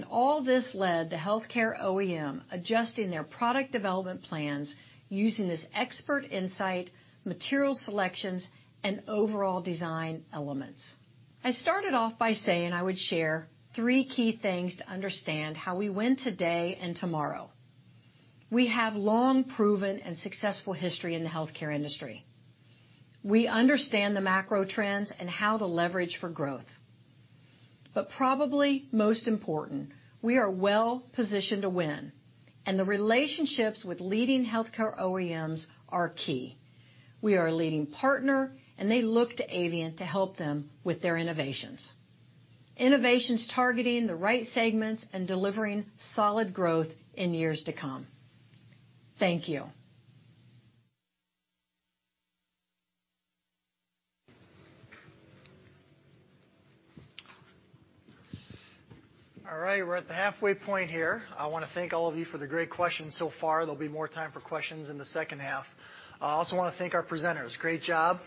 All this led to healthcare OEM adjusting their product development plans using this expert insight, material selections, and overall design elements. I started off by saying I would share three key things to understand how we win today and tomorrow. We have long proven and successful history in the healthcare industry. We understand the macro trends and how to leverage for growth. Probably most important, we are well positioned to win, and the relationships with leading healthcare OEMs are key. We are a leading partner, and they look to Avient to help them with their innovations. Innovations targeting the right segments and delivering solid growth in years to come. Thank you. All right, we're at the halfway point here. I want to thank all of you for the great questions so far. There'll be more time for questions in the second half. I also want to thank our presenters. Great job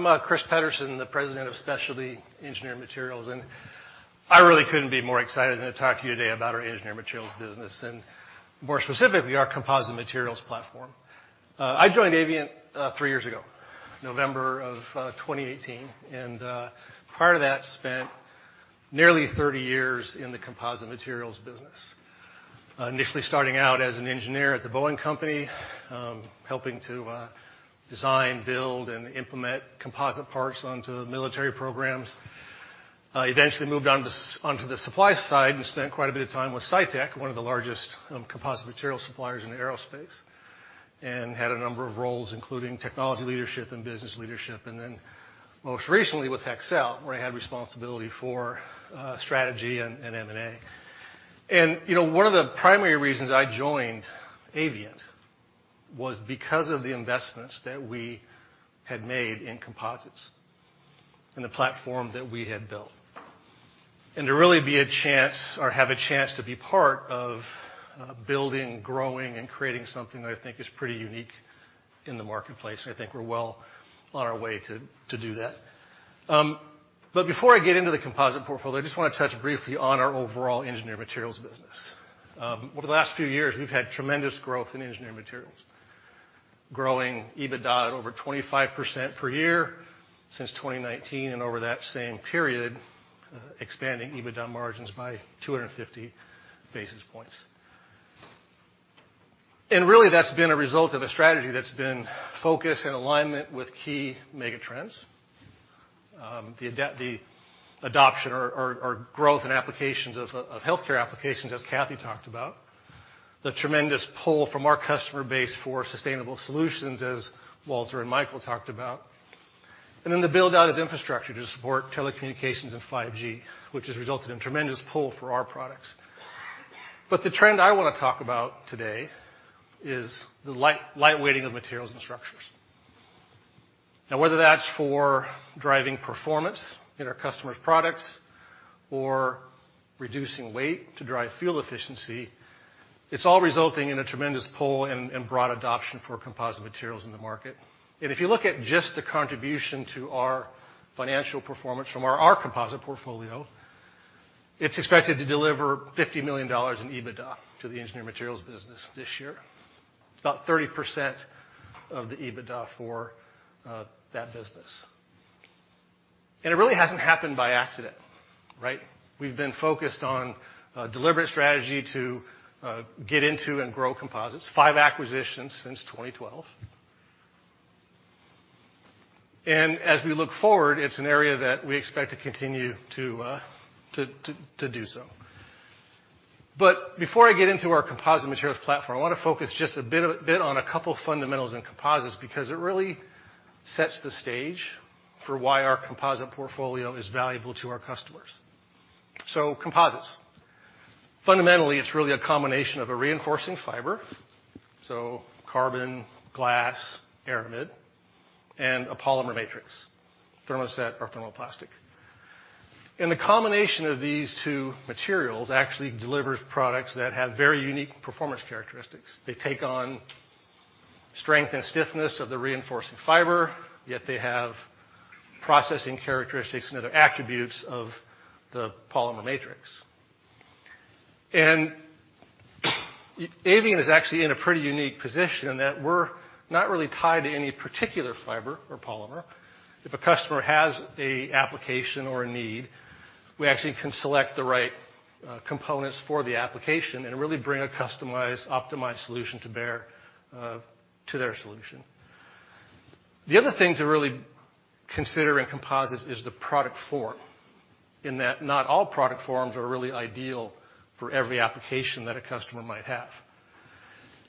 Well, if you gather truth unto your progenitors. Thank you. Are your excuses any better than your senators? He held a conference. Good morning. I'm Chris Pederson, the President of Specialty Engineered Materials. I really couldn't be more excited than to talk to you today about our engineered materials business, and more specifically, our composite materials platform. I joined Avient three years ago, November of 2018. Prior to that, spent nearly 30 years in the composite materials business. Initially starting out as an engineer at the Boeing Company, helping to design, build, and implement composite parts onto military programs. Eventually moved on to the supply side and spent quite a bit of time with Cytec, one of the largest composite material suppliers in aerospace, and had a number of roles, including technology leadership and business leadership. Most recently with Hexcel, where I had responsibility for strategy and M&A. One of the primary reasons I joined Avient was because of the investments that we had made in composites and the platform that we had built. To really be a chance or have a chance to be part of building, growing, and creating something that I think is pretty unique in the marketplace, and I think we're well on our way to do that. Before I get into the composite portfolio, I just want to touch briefly on our overall engineered materials business. Over the last few years, we've had tremendous growth in engineered materials. Growing EBITDA at over 25% per year since 2019. Over that same period, expanding EBITDA margins by 250 basis points. Really, that's been a result of a strategy that's been focused and alignment with key mega trends. The adoption or growth in applications of healthcare applications, as Cathy talked about. The tremendous pull from our customer base for sustainable solutions, as Walter and Michael talked about. The build-out of infrastructure to support telecommunications and 5G, which has resulted in tremendous pull for our products. The trend I want to talk about today is the lightweighting of materials and structures. Now whether that's for driving performance in our customers' products or reducing weight to drive fuel efficiency, it's all resulting in a tremendous pull and broad adoption for composite materials in the market. If you look at just the contribution to our financial performance from our composite portfolio, it's expected to deliver $50 million in EBITDA to the engineered materials business this year. About 30% of the EBITDA for that business. It really hasn't happened by accident, right? We've been focused on a deliberate strategy to get into and grow composites. Five acquisitions since 2012. As we look forward, it's an area that we expect to continue to do so. Before I get into our composite materials platform, I wanna focus just a bit on a couple fundamentals in composites, because it really sets the stage for why our composite portfolio is valuable to our customers. Composites. Fundamentally, it's really a combination of a reinforcing fiber, carbon, glass, aramid, and a polymer matrix, thermoset or thermoplastic. The combination of these two materials actually delivers products that have very unique performance characteristics. They take on strength and stiffness of the reinforcing fiber, yet they have processing characteristics and other attributes of the polymer matrix. Avient is actually in a pretty unique position in that we're not really tied to any particular fiber or polymer. If a customer has an application or a need, we actually can select the right components for the application and really bring a customized, optimized solution to bear to their solution. The other thing to really consider in composites is the product form, in that not all product forms are really ideal for every application that a customer might have.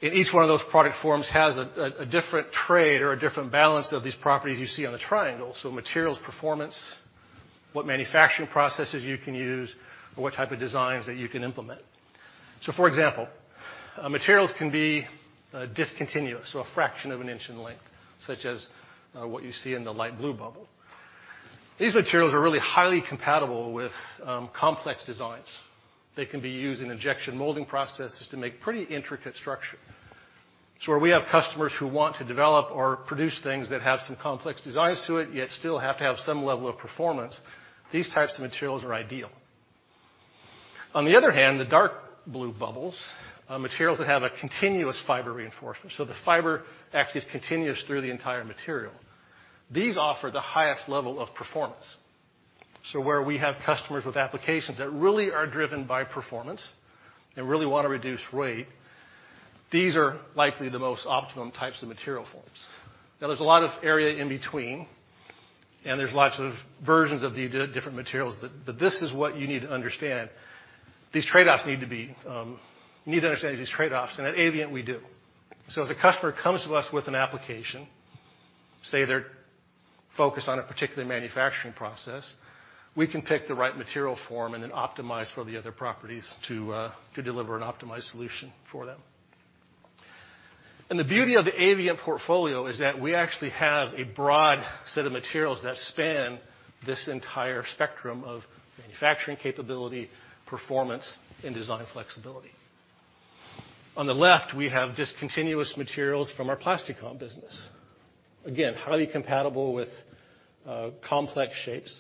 Each one of those product forms has a different trade or a different balance of these properties you see on the triangle. Materials performance, what manufacturing processes you can use, or what type of designs that you can implement. For example, materials can be discontinuous or a fraction of an inch in length, such as what you see in the light blue bubble. These materials are really highly compatible with complex designs. They can be used in injection molding processes to make pretty intricate structure. Where we have customers who want to develop or produce things that have some complex designs to it, yet still have to have some level of performance, these types of materials are ideal. On the other hand, the dark blue bubbles are materials that have a continuous fiber reinforcement, so the fiber actually is continuous through the entire material. These offer the highest level of performance. Where we have customers with applications that really are driven by performance and really wanna reduce weight, these are likely the most optimum types of material forms. There's a lot of area in between, and there's lots of versions of these different materials, but this is what you need to understand. You need to understand these trade-offs, and at Avient we do. If the customer comes to us with an application, say they're focused on a particular manufacturing process, we can pick the right material form and then optimize for the other properties to deliver an optimized solution for them. The beauty of the Avient portfolio is that we actually have a broad set of materials that span this entire spectrum of manufacturing capability, performance, and design flexibility. On the left, we have discontinuous materials from our PlastiComp business. Again, highly compatible with complex shapes.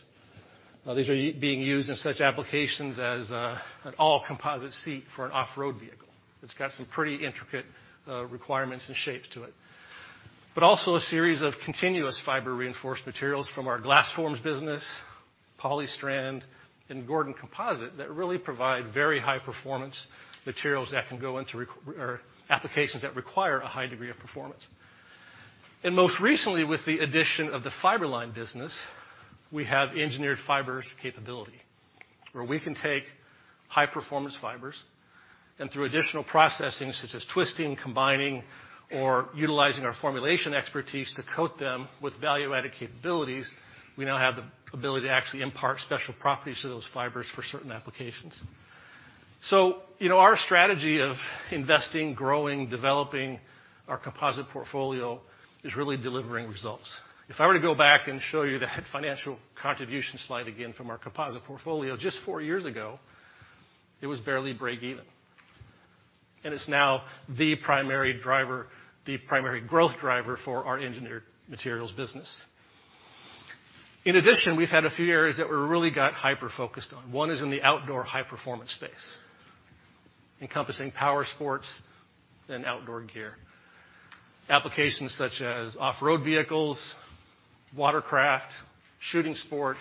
These are being used in such applications as an all-composite seat for an off-road vehicle. It's got some pretty intricate requirements and shapes to it. Also a series of continuous fiber-reinforced materials from our Glasforms business, Polystrand, and Gordon Composites that really provide very high performance materials that can go into applications that require a high degree of performance. Most recently with the addition of the Fiber-Line business, we have engineered fibers capability, where we can take high-performance fibers, and through additional processing such as twisting, combining, or utilizing our formulation expertise to coat them with value-added capabilities, we now have the ability to actually impart special properties to those fibers for certain applications. Our strategy of investing, growing, developing our composite portfolio is really delivering results. If I were to go back and show you the financial contribution slide again from our composite portfolio just four years ago, it was barely break even. It's now the primary driver, the primary growth driver for our Specialty Engineered Materials business. In addition, we've had a few areas that we really got hyper-focused on. One is in the outdoor high-performance space, encompassing power sports and outdoor gear. Applications such as off-road vehicles, watercraft, shooting sports,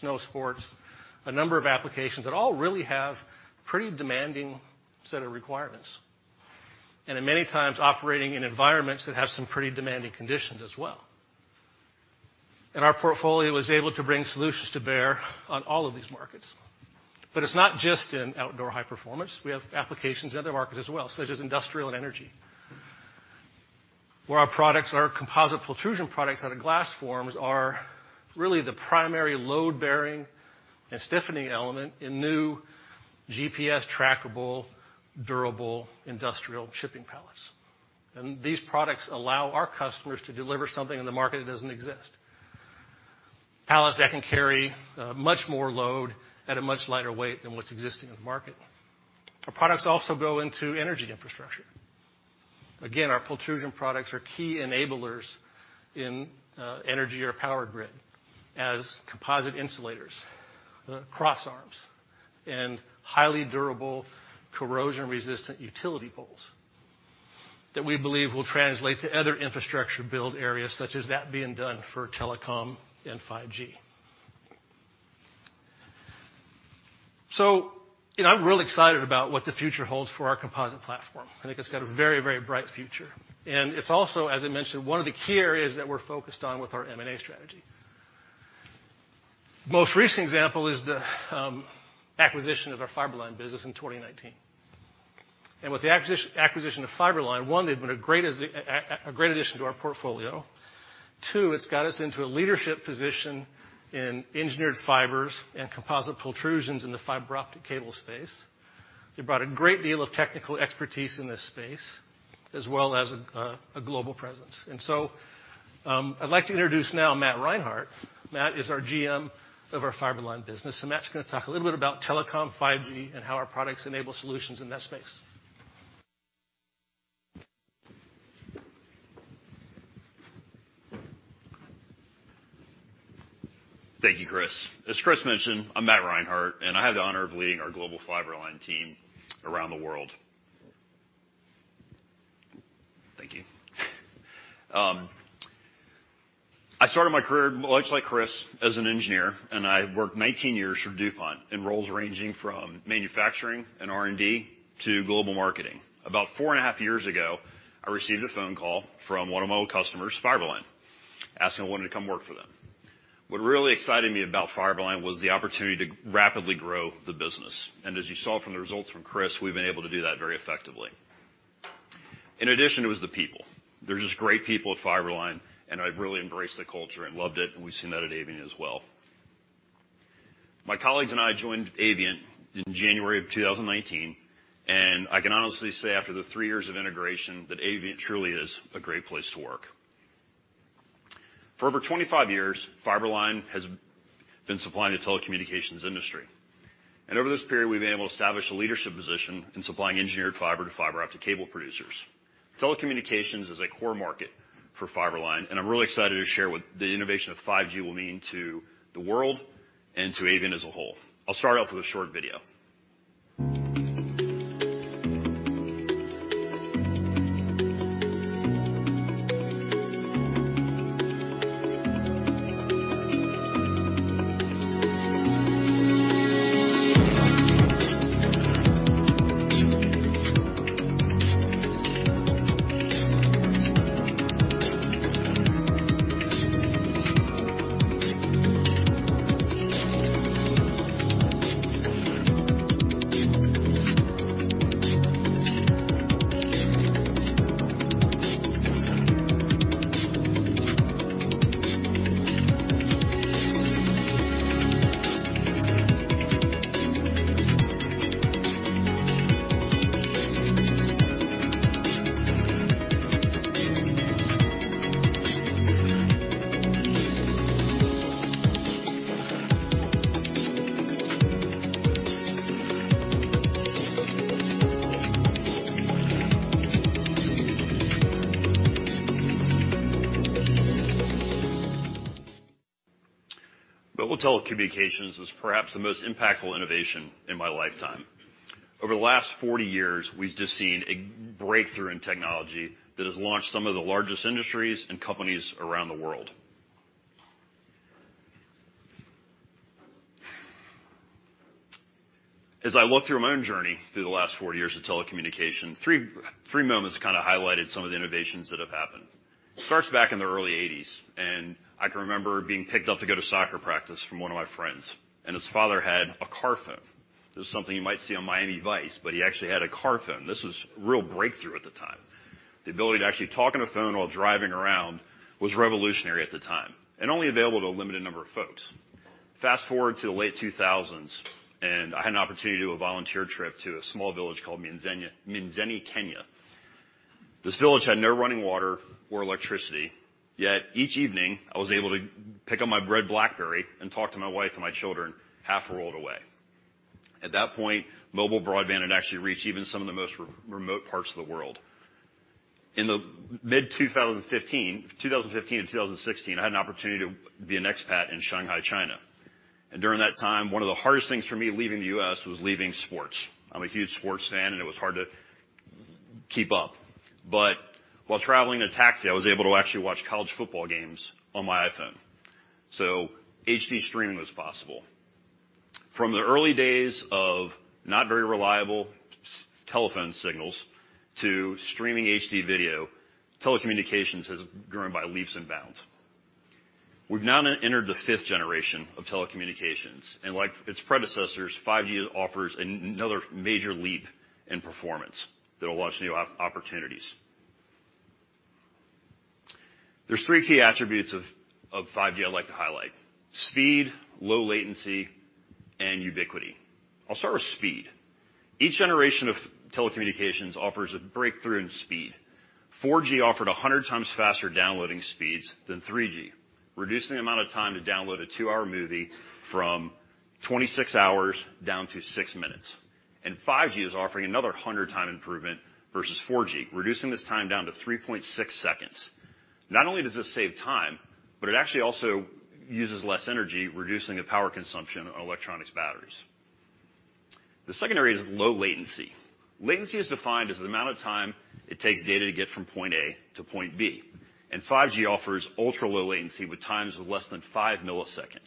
snow sports, a number of applications that all really have pretty demanding set of requirements. In many times, operating in environments that have some pretty demanding conditions as well. Our portfolio was able to bring solutions to bear on all of these markets. It's not just in outdoor high performance. We have applications in other markets as well, such as industrial and energy, where our products, our composite pultrusion products out of Glasforms, are really the primary load-bearing and stiffening element in new GPS trackable, durable industrial shipping pallets. These products allow our customers to deliver something in the market that doesn't exist. Pallets that can carry much more load at a much lighter weight than what's existing in the market. Our products also go into energy infrastructure. Again, our pultrusion products are key enablers in energy or power grid as composite insulators, cross arms, and highly durable corrosion-resistant utility poles that we believe will translate to other infrastructure build areas such as that being done for telecom and 5G. I'm real excited about what the future holds for our composite platform. I think it's got a very, very bright future, and it's also, as I mentioned, one of the key areas that we're focused on with our M&A strategy. Most recent example is the acquisition of our Fiber-Line business in 2019. With the acquisition of Fiber-Line, one, they've been a great addition to our portfolio. Two, it's got us into a leadership position in engineered fibers and composite pultrusions in the fiber optic cable space. They brought a great deal of technical expertise in this space, as well as a global presence. I'd like to introduce now Matt Reinhardt. Matt is our GM of our Fiber-Line business, and Matt's going to talk a little bit about telecom, 5G, and how our products enable solutions in that space. Thank you, Chris. As Chris mentioned, I'm Matt Reinhardt, and I have the honor of leading our global Fiber-Line team around the world. Thank you. I started my career, much like Chris, as an engineer, and I worked 19 years for DuPont in roles ranging from manufacturing and R&D to global marketing. About four and a half years ago, I received a phone call from one of my old customers, Fiber-Line, asking if I wanted to come work for them. What really excited me about Fiber-Line was the opportunity to rapidly grow the business. As you saw from the results from Chris, we've been able to do that very effectively. In addition, it was the people. There's just great people at Fiber-Line, and I've really embraced the culture and loved it, and we've seen that at Avient as well. My colleagues and I joined Avient in January of 2019, and I can honestly say, after the three years of integration, that Avient truly is a great place to work. For over 25 years, Fiber-Line has been supplying the telecommunications industry. Over this period, we've been able to establish a leadership position in supplying engineered fiber to fiber optic cable producers. Telecommunications is a core market for Fiber-Line, and I'm really excited to share what the innovation of 5G will mean to the world and to Avient as a whole. I'll start off with a short video. Mobile telecommunications is perhaps the most impactful innovation in my lifetime. Over the last 40 years, we've just seen a breakthrough in technology that has launched some of the largest industries and companies around the world. As I look through my own journey through the last 40 years of telecommunication, three moments kind of highlighted some of the innovations that have happened. It starts back in the early '80s, and I can remember being picked up to go to soccer practice from one of my friends, and his father had a car phone. This is something you might see on "Miami Vice," but he actually had a car phone. This was a real breakthrough at the time. The ability to actually talk on a phone while driving around was revolutionary at the time, and only available to a limited number of folks. Fast-forward to the late 2000s, and I had an opportunity to do a volunteer trip to a small village called Mzima, Kenya. This village had no running water or electricity, yet each evening, I was able to pick up my red BlackBerry and talk to my wife and my children half a world away. At that point, mobile broadband had actually reached even some of the most remote parts of the world. In the mid-2015 and 2016, I had an opportunity to be an expat in Shanghai, China. During that time, one of the hardest things for me leaving the U.S. was leaving sports. I'm a huge sports fan, and it was hard to keep up. While traveling in a taxi, I was able to actually watch college football games on my iPhone. HD streaming was possible. From the early days of not very reliable telephone signals to streaming HD video, telecommunications has grown by leaps and bounds. We've now entered the fifth generation of telecommunications, and like its predecessors, 5G offers another major leap in performance that allows new opportunities. There's three key attributes of 5G I'd like to highlight, speed, low latency, and ubiquity. I'll start with speed. Each generation of telecommunications offers a breakthrough in speed. 4G offered 100 times faster downloading speeds than 3G, reducing the amount of time to download a two-hour movie from 26 hours down to six minutes. 5G is offering another 100 time improvement versus 4G, reducing this time down to 3.6 seconds. Not only does this save time, but it actually also uses less energy, reducing the power consumption of electronics batteries. The second area is low latency. Latency is defined as the amount of time it takes data to get from point A to point B. 5G offers ultra-low latency with times of less than five milliseconds.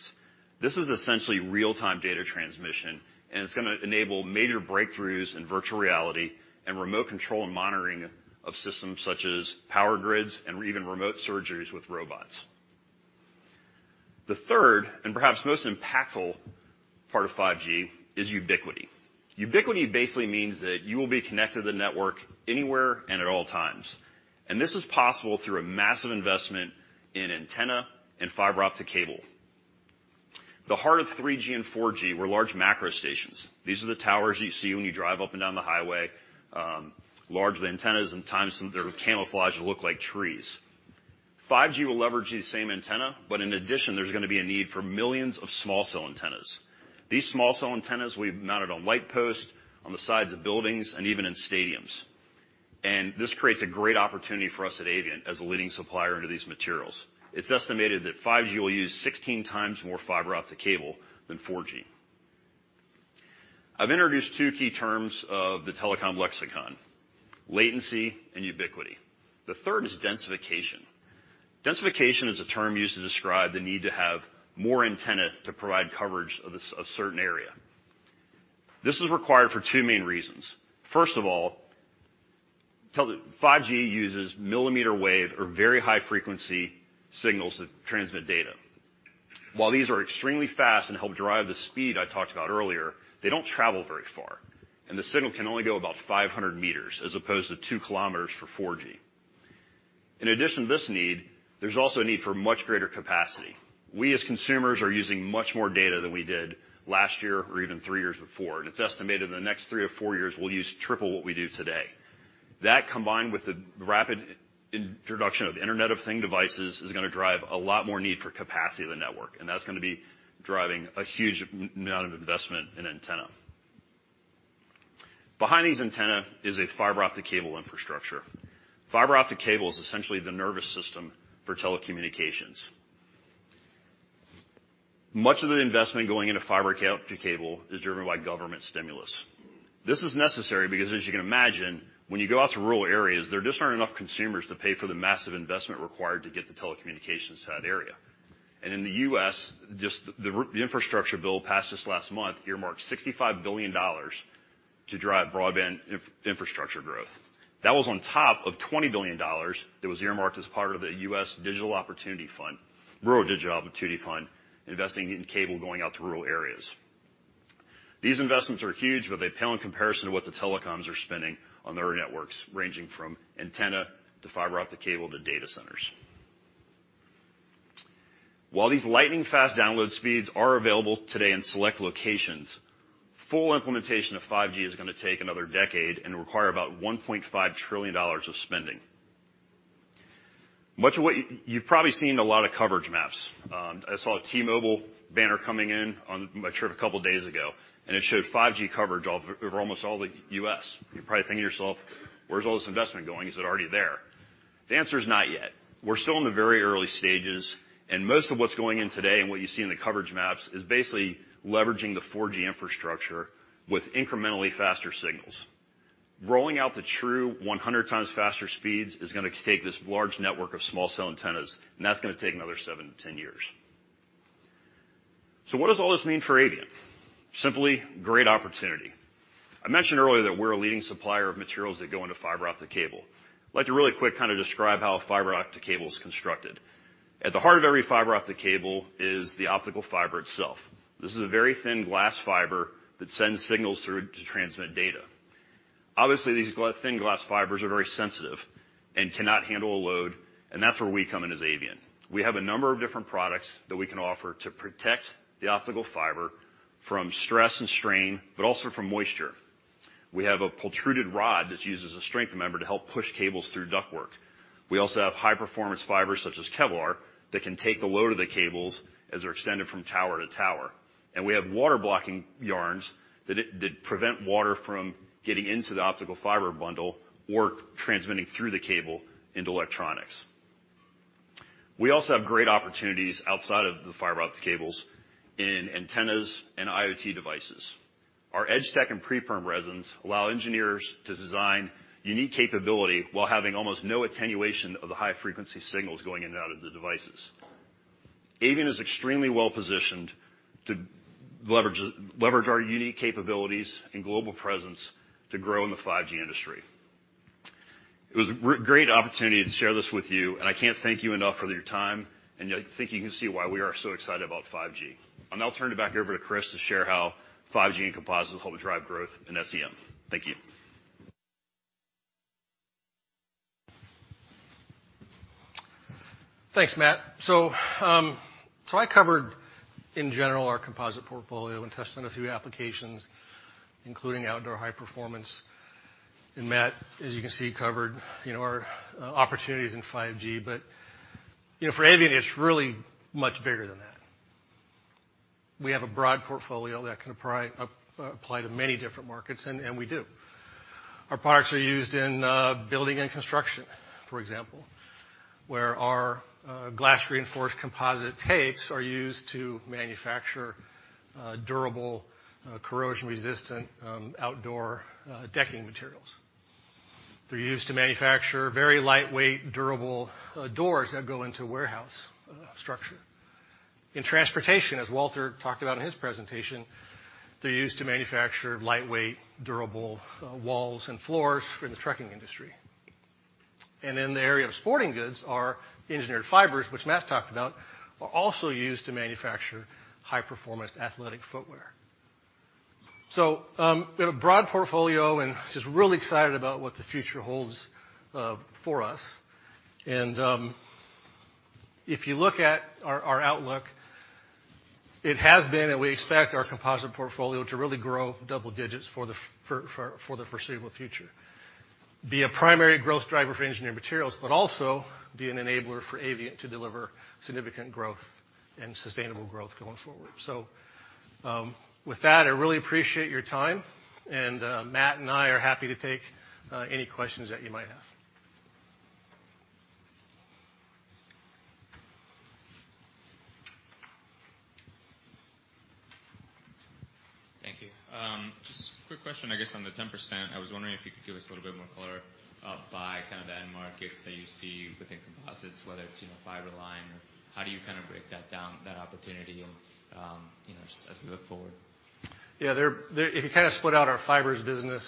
This is essentially real-time data transmission, and it's going to enable major breakthroughs in virtual reality and remote control and monitoring of systems such as power grids and even remote surgeries with robots. The third, and perhaps most impactful part of 5G is ubiquity. Ubiquity basically means that you will be connected to the network anywhere and at all times. This is possible through a massive investment in antenna and fiber optic cable. The heart of 3G and 4G were large macro stations. These are the towers you see when you drive up and down the highway, large antennas, and times they're camouflaged to look like trees. 5G will leverage these same antenna, but in addition, there's going to be a need for millions of small cell antennas. These small cell antennas will be mounted on light posts, on the sides of buildings, and even in stadiums. This creates a great opportunity for us at Avient as a leading supplier into these materials. It's estimated that 5G will use 16 times more fiber optic cable than 4G. I've introduced two key terms of the telecom lexicon, latency and ubiquity. The third is densification. Densification is a term used to describe the need to have more antenna to provide coverage of a certain area. This is required for two main reasons. First of all, 5G uses millimeter wave or very high frequency signals that transmit data. While these are extremely fast and help drive the speed I talked about earlier, they don't travel very far. The signal can only go about 500 meters as opposed to two kilometers for 4G. In addition to this need, there's also a need for much greater capacity. We, as consumers, are using much more data than we did last year or even three years before. It's estimated in the next three or four years, we'll use triple what we do today. That, combined with the rapid introduction of the Internet of Things devices, is going to drive a lot more need for capacity of the network, and that's going to be driving a huge amount of investment in antenna. Behind these antenna is a fiber optic cable infrastructure. Fiber optic cable is essentially the nervous system for telecommunications. Much of the investment going into fiber optic cable is driven by government stimulus. This is necessary because as you can imagine, when you go out to rural areas, there just aren't enough consumers to pay for the massive investment required to get the telecommunications to that area. In the U.S., the infrastructure bill passed this last month earmarked $65 billion to drive broadband infrastructure growth. That was on top of $20 billion that was earmarked as part of the U.S. Rural Digital Opportunity Fund, investing in cable going out to rural areas. These investments are huge, but they pale in comparison to what the telecoms are spending on their networks, ranging from antenna to fiber optic cable to data centers. While these lightning-fast download speeds are available today in select locations, full implementation of 5G is going to take another decade and require about $1.5 trillion of spending. You've probably seen a lot of coverage maps. I saw a T-Mobile banner coming in on my trip a couple of days ago, and it showed 5G coverage over almost all the U.S. You're probably thinking to yourself, "Where's all this investment going? Is it already there?" The answer is not yet. We're still in the very early stages, and most of what's going in today and what you see in the coverage maps is basically leveraging the 4G infrastructure with incrementally faster signals. Rolling out the true 100 times faster speeds is going to take this large network of small cell antennas, and that's going to take another seven to 10 years. What does all this mean for Avient? Simply, great opportunity. I mentioned earlier that we're a leading supplier of materials that go into fiber optic cable. I'd like to really quick kind of describe how a fiber optic cable is constructed. At the heart of every fiber optic cable is the optical fiber itself. This is a very thin glass fiber that sends signals through to transmit data. Obviously, these thin glass fibers are very sensitive and cannot handle a load, and that's where we come in as Avient. We have a number of different products that we can offer to protect the optical fiber from stress and strain, but also from moisture. We have a pultruded rod that's used as a strength member to help push cables through duct work. We also have high-performance fibers, such as Kevlar, that can take the load of the cables as they're extended from tower to tower. We have water-blocking yarns that prevent water from getting into the optical fiber bundle or transmitting through the cable into electronics. We also have great opportunities outside of the fiber optic cables in antennas and IoT devices. Our Edgetek and PREPERM resins allow engineers to design unique capability while having almost no attenuation of the high-frequency signals going in and out of the devices. Avient is extremely well-positioned to leverage our unique capabilities and global presence to grow in the 5G industry. It was a great opportunity to share this with you, and I can't thank you enough for your time, and I think you can see why we are so excited about 5G. I'll now turn it back over to Chris to share how 5G and composites help drive growth in SEM. Thank you. Thanks, Matt. I covered, in general, our composite portfolio and touched on a few applications, including outdoor high performance. Matt, as you can see, covered our opportunities in 5G. For Avient, it's really much bigger than that. We have a broad portfolio that can apply to many different markets, and we do. Our products are used in building and construction, for example, where our glass-reinforced composite tapes are used to manufacture durable, corrosion-resistant outdoor decking materials. They're used to manufacture very lightweight, durable doors that go into warehouse structure. In transportation, as Walter talked about in his presentation, they're used to manufacture lightweight, durable walls and floors for the trucking industry. In the area of sporting goods, our engineered fibers, which Matt talked about, are also used to manufacture high-performance athletic footwear. We have a broad portfolio and just really excited about what the future holds for us. If you look at our outlook, it has been, and we expect our composite portfolio to really grow double digits for the foreseeable future, be a primary growth driver for Specialty Engineered Materials, but also be an enabler for Avient to deliver significant growth and sustainable growth going forward. With that, I really appreciate your time, and Matt and I are happy to take any questions that you might have. Thank you. Just a quick question, I guess, on the 10%, I was wondering if you could give us a little bit more color by the end markets that you see within composites, whether it's Fiber-Line or how do you break that down, that opportunity as we look forward? Yeah, if you split out our fibers business,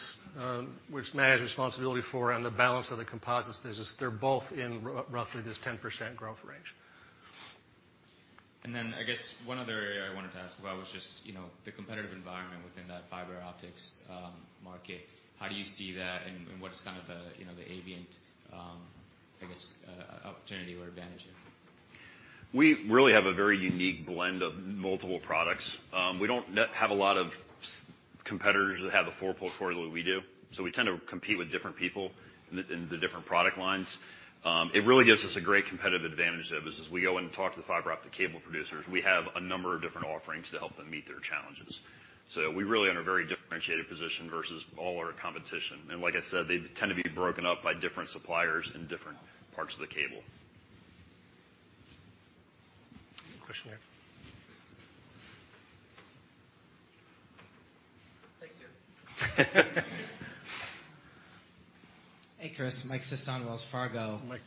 which Matt has responsibility for, and the balance of the composites business, they're both in roughly this 10% growth range. I guess one other area I wanted to ask about was just the competitive environment within that fiber optics market. How do you see that, and what is the Avient, I guess, opportunity or advantage there? We really have a very unique blend of multiple products. We don't have a lot of competitors that have the full portfolio that we do. We tend to compete with different people in the different product lines. It really gives us a great competitive advantage, though, because as we go and talk to the fiber optic cable producers, we have a number of different offerings to help them meet their challenges. We really are in a very differentiated position versus all our competition. Like I said, they tend to be broken up by different suppliers in different parts of the cable. Question here. Thank you. Hey, Chris. Mike Sison, Wells Fargo. Mike.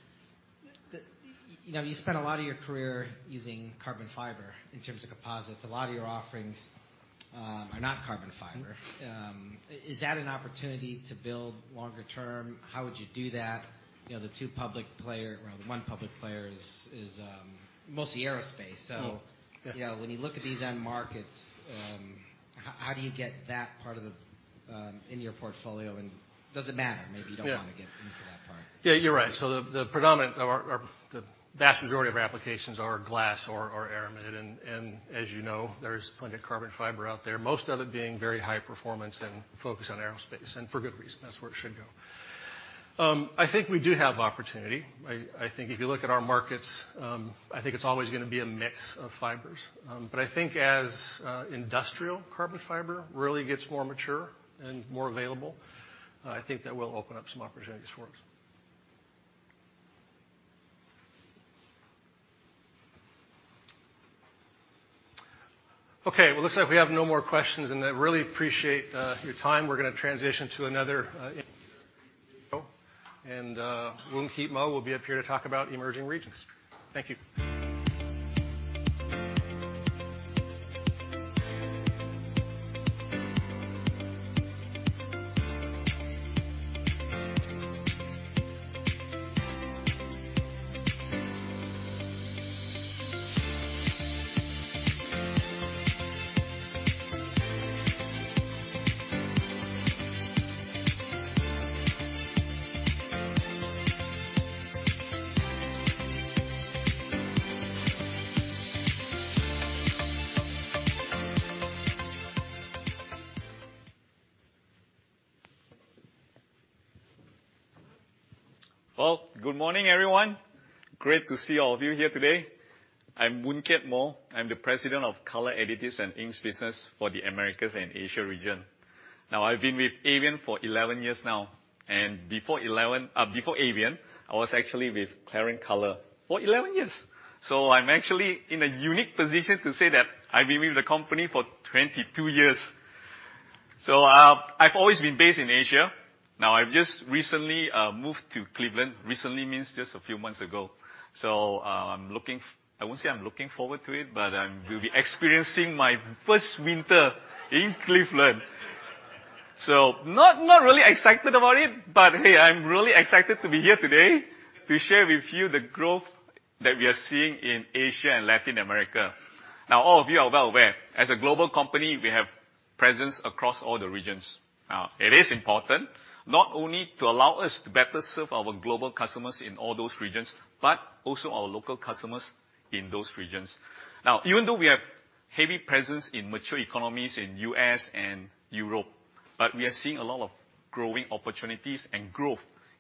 You spent a lot of your career using carbon fiber in terms of composites. A lot of your offerings are not carbon fiber. Is that an opportunity to build longer term? How would you do that? The one public player is mostly aerospace. Yeah. Yeah, when you look at these end markets, how do you get that part in your portfolio, and does it matter? Maybe you don't want to get into that part. Yeah, you're right. The vast majority of our applications are glass or aramid, and as you know, there's plenty of carbon fiber out there, most of it being very high performance and focused on aerospace, and for good reason. That's where it should go. I think we do have opportunity. I think if you look at our markets, I think it's always going to be a mix of fibers. I think as industrial carbon fiber really gets more mature and more available, I think that will open up some opportunities for us. Okay, well, looks like we have no more questions, and I really appreciate your time. We're going to transition to another and Woon Keat Moh will be up here to talk about emerging regions. Thank you. Well, good morning, everyone. Great to see all of you here today. I'm Woon Keat Moh. I'm the president of Color, Additives and Inks for the Americas and Asia region. I've been with Avient for 11 years now, and before Avient, I was actually with Clariant Color for 11 years. I'm actually in a unique position to say that I've been with the company for 22 years. I've always been based in Asia. Now I've just recently moved to Cleveland. Recently means just a few months ago. I won't say I'm looking forward to it, but I will be experiencing my first winter in Cleveland. Not really excited about it, but hey, I'm really excited to be here today to share with you the growth that we are seeing in Asia and Latin America. All of you are well aware, as a global company, we have presence across all the regions. It is important not only to allow us to better serve our global customers in all those regions, but also our local customers in those regions. Even though we have heavy presence in mature economies in the U.S. and Europe, we are seeing a lot of growing opportunities and growth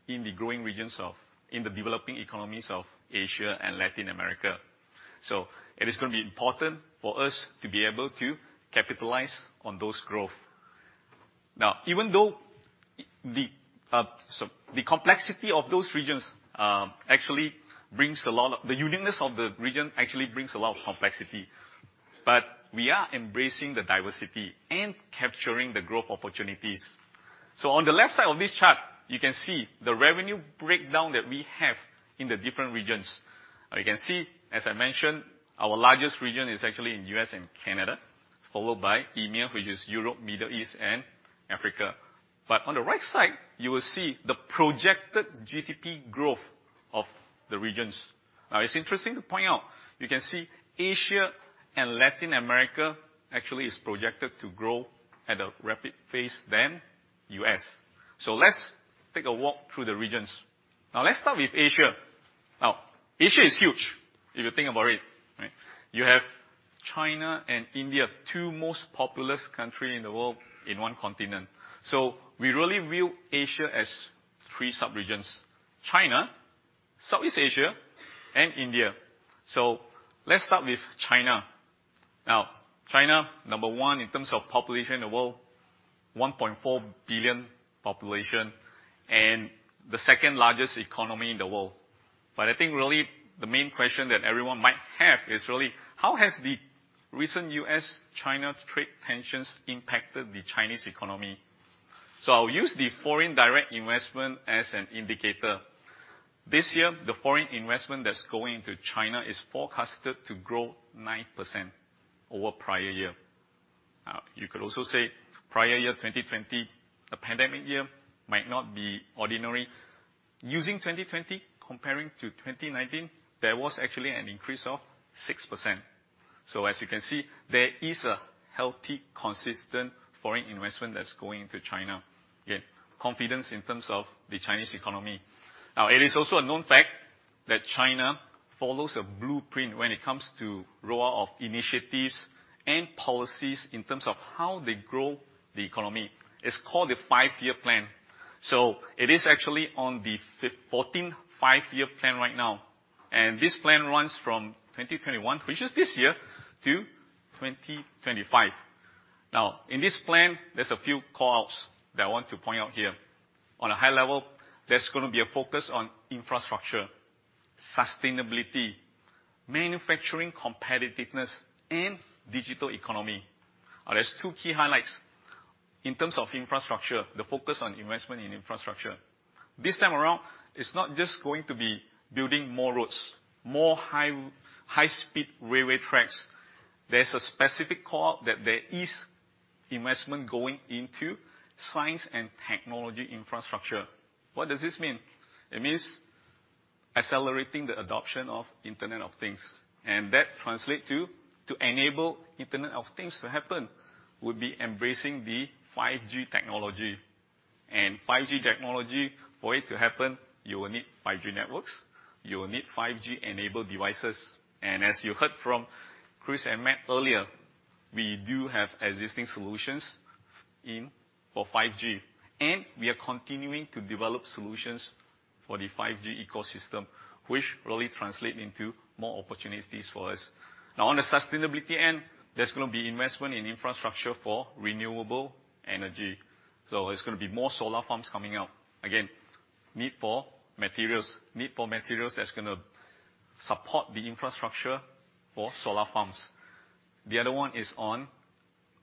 in the developing economies of Asia and Latin America. It is going to be important for us to be able to capitalize on those growth. Even though the uniqueness of the region actually brings a lot of complexity, we are embracing the diversity and capturing the growth opportunities. On the left side of this chart, you can see the revenue breakdown that we have in the different regions. You can see, as I mentioned, our largest region is actually in the U.S. and Canada, followed by EMEA, which is Europe, Middle East, and Africa. On the right side, you will see the projected GDP growth of the regions. It's interesting to point out, you can see Asia and Latin America actually is projected to grow at a rapid phase than the U.S. Let's take a walk through the regions. Let's start with Asia. Asia is huge, if you think about it. You have China and India, two most populous country in the world in one continent. We really view Asia as three subregions: China, Southeast Asia, and India. Let's start with China. China, number one in terms of population in the world, 1.4 billion population, and the second largest economy in the world. I think really the main question that everyone might have is really, how has the recent U.S.-China trade tensions impacted the Chinese economy? I'll use the foreign direct investment as an indicator. This year, the foreign investment that's going into China is forecasted to grow 9% over prior year. You could also say prior year 2020, the pandemic year, might not be ordinary. Using 2020 comparing to 2019, there was actually an increase of 6%. As you can see, there is a healthy, consistent foreign investment that's going to China. Again, confidence in terms of the Chinese economy. It is also a known fact that China follows a blueprint when it comes to rollout of initiatives and policies in terms of how they grow the economy. It's called the Five-Year Plan. It is actually on the 14th Five-Year Plan right now, this plan runs from 2021, which is this year, to 2025. In this plan, there's a few call-outs that I want to point out here. On a high level, there's going to be a focus on infrastructure, sustainability, manufacturing competitiveness, and digital economy. There's two key highlights in terms of infrastructure, the focus on investment in infrastructure. This time around, it's not just going to be building more roads, more high-speed railway tracks. There's a specific call-out that there is investment going into science and technology infrastructure. What does this mean? It means accelerating the adoption of Internet of Things. That translate to enable Internet of Things to happen, would be embracing the 5G technology. 5G technology, for it to happen, you will need 5G networks, you will need 5G-enabled devices. As you heard from Chris and Matt earlier, we do have existing solutions in for 5G, and we are continuing to develop solutions for the 5G ecosystem, which really translate into more opportunities for us. On the sustainability end, there's going to be investment in infrastructure for renewable energy. It's going to be more solar farms coming up. Again, need for materials that's going to support the infrastructure for solar farms. The other one is on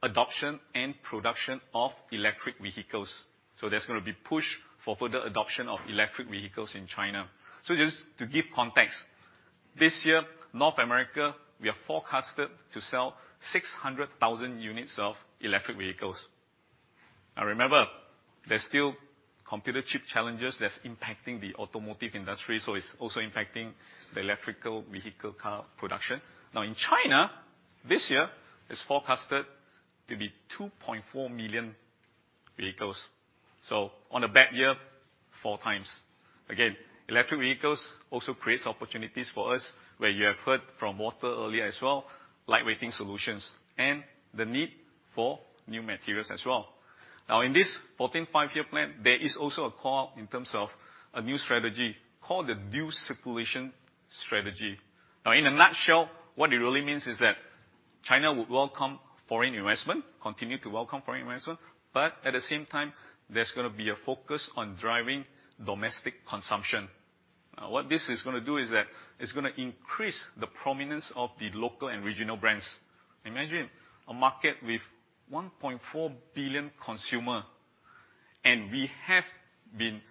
adoption and production of electric vehicles. There's going to be push for further adoption of electric vehicles in China. Just to give context, this year, North America, we are forecasted to sell 600,000 units of electric vehicles. Remember, there's still computer chip challenges that's impacting the automotive industry, so it's also impacting the electrical vehicle car production. In China, this year is forecasted to be 2.4 million units Vehicles. On a bad year, four times. Electric vehicles also creates opportunities for us where you have heard from Walter earlier as well, lightweighting solutions and the need for new materials as well. In this 14th Five-Year Plan, there is also a call in terms of a new strategy called the dual circulation strategy. In a nutshell, what it really means is that China will welcome foreign investment, continue to welcome foreign investment, but at the same time, there's going to be a focus on driving domestic consumption. What this is going to do is that it's going to increase the prominence of the local and regional brands. Imagine a market with 1.4 billion consumer, we have been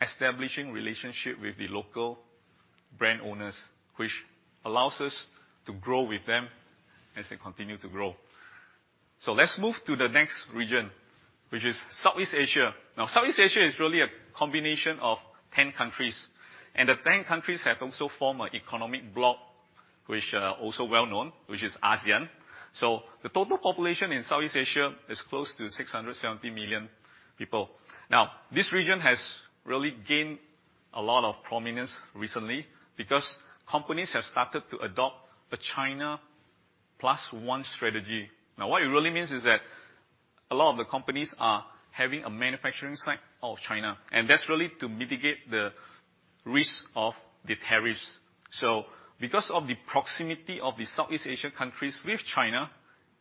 establishing relationship with the local brand owners, which allows us to grow with them as they continue to grow. Let's move to the next region, which is Southeast Asia. Southeast Asia is really a combination of 10 countries. The 10 countries have also formed an economic bloc, which are also well known, which is ASEAN. The total population in Southeast Asia is close to 670 million people. This region has really gained a lot of prominence recently because companies have started to adopt the China Plus One strategy. What it really means is that a lot of the companies are having a manufacturing site out of China, and that's really to mitigate the risk of the tariffs. Because of the proximity of the Southeast Asian countries with China,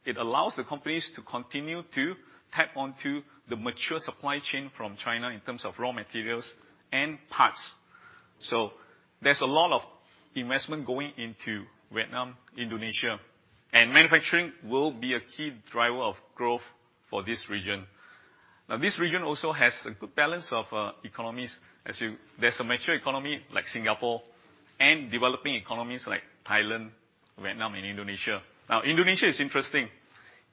it allows the companies to continue to tap onto the mature supply chain from China in terms of raw materials and parts. There's a lot of investment going into Vietnam, Indonesia, and manufacturing will be a key driver of growth for this region. This region also has a good balance of economies. There's a mature economy like Singapore, and developing economies like Thailand, Vietnam and Indonesia. Indonesia is interesting.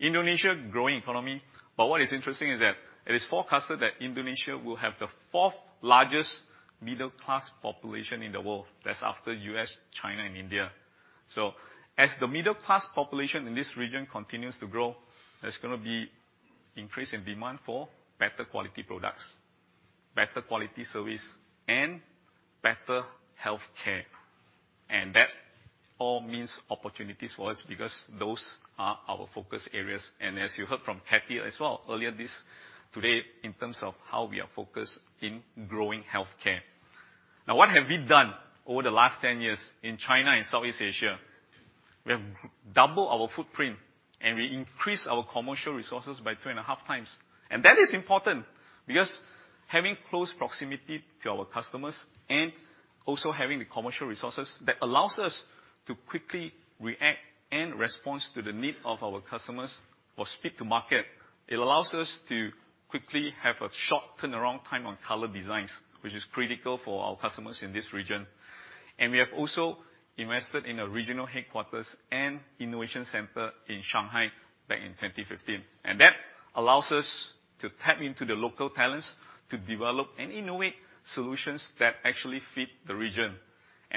Indonesia, growing economy, but what is interesting is that it is forecasted that Indonesia will have the fourth largest middle class population in the world. That's after U.S., China and India. As the middle class population in this region continues to grow, there's going to be increase in demand for better quality products, better quality service and better healthcare. That all means opportunities for us because those are our focus areas. As you heard from Cathy as well earlier this today in terms of how we are focused in growing healthcare. What have we done over the last 10 years in China and Southeast Asia? We have doubled our footprint, and we increase our commercial resources by 2.5 times. That is important because having close proximity to our customers and also having the commercial resources, that allows us to quickly react and respond to the need of our customers or speak to market. It allows us to quickly have a short turnaround time on color designs, which is critical for our customers in this region. We have also invested in a regional headquarters and innovation center in Shanghai back in 2015. That allows us to tap into the local talents to develop and innovate solutions that actually fit the region.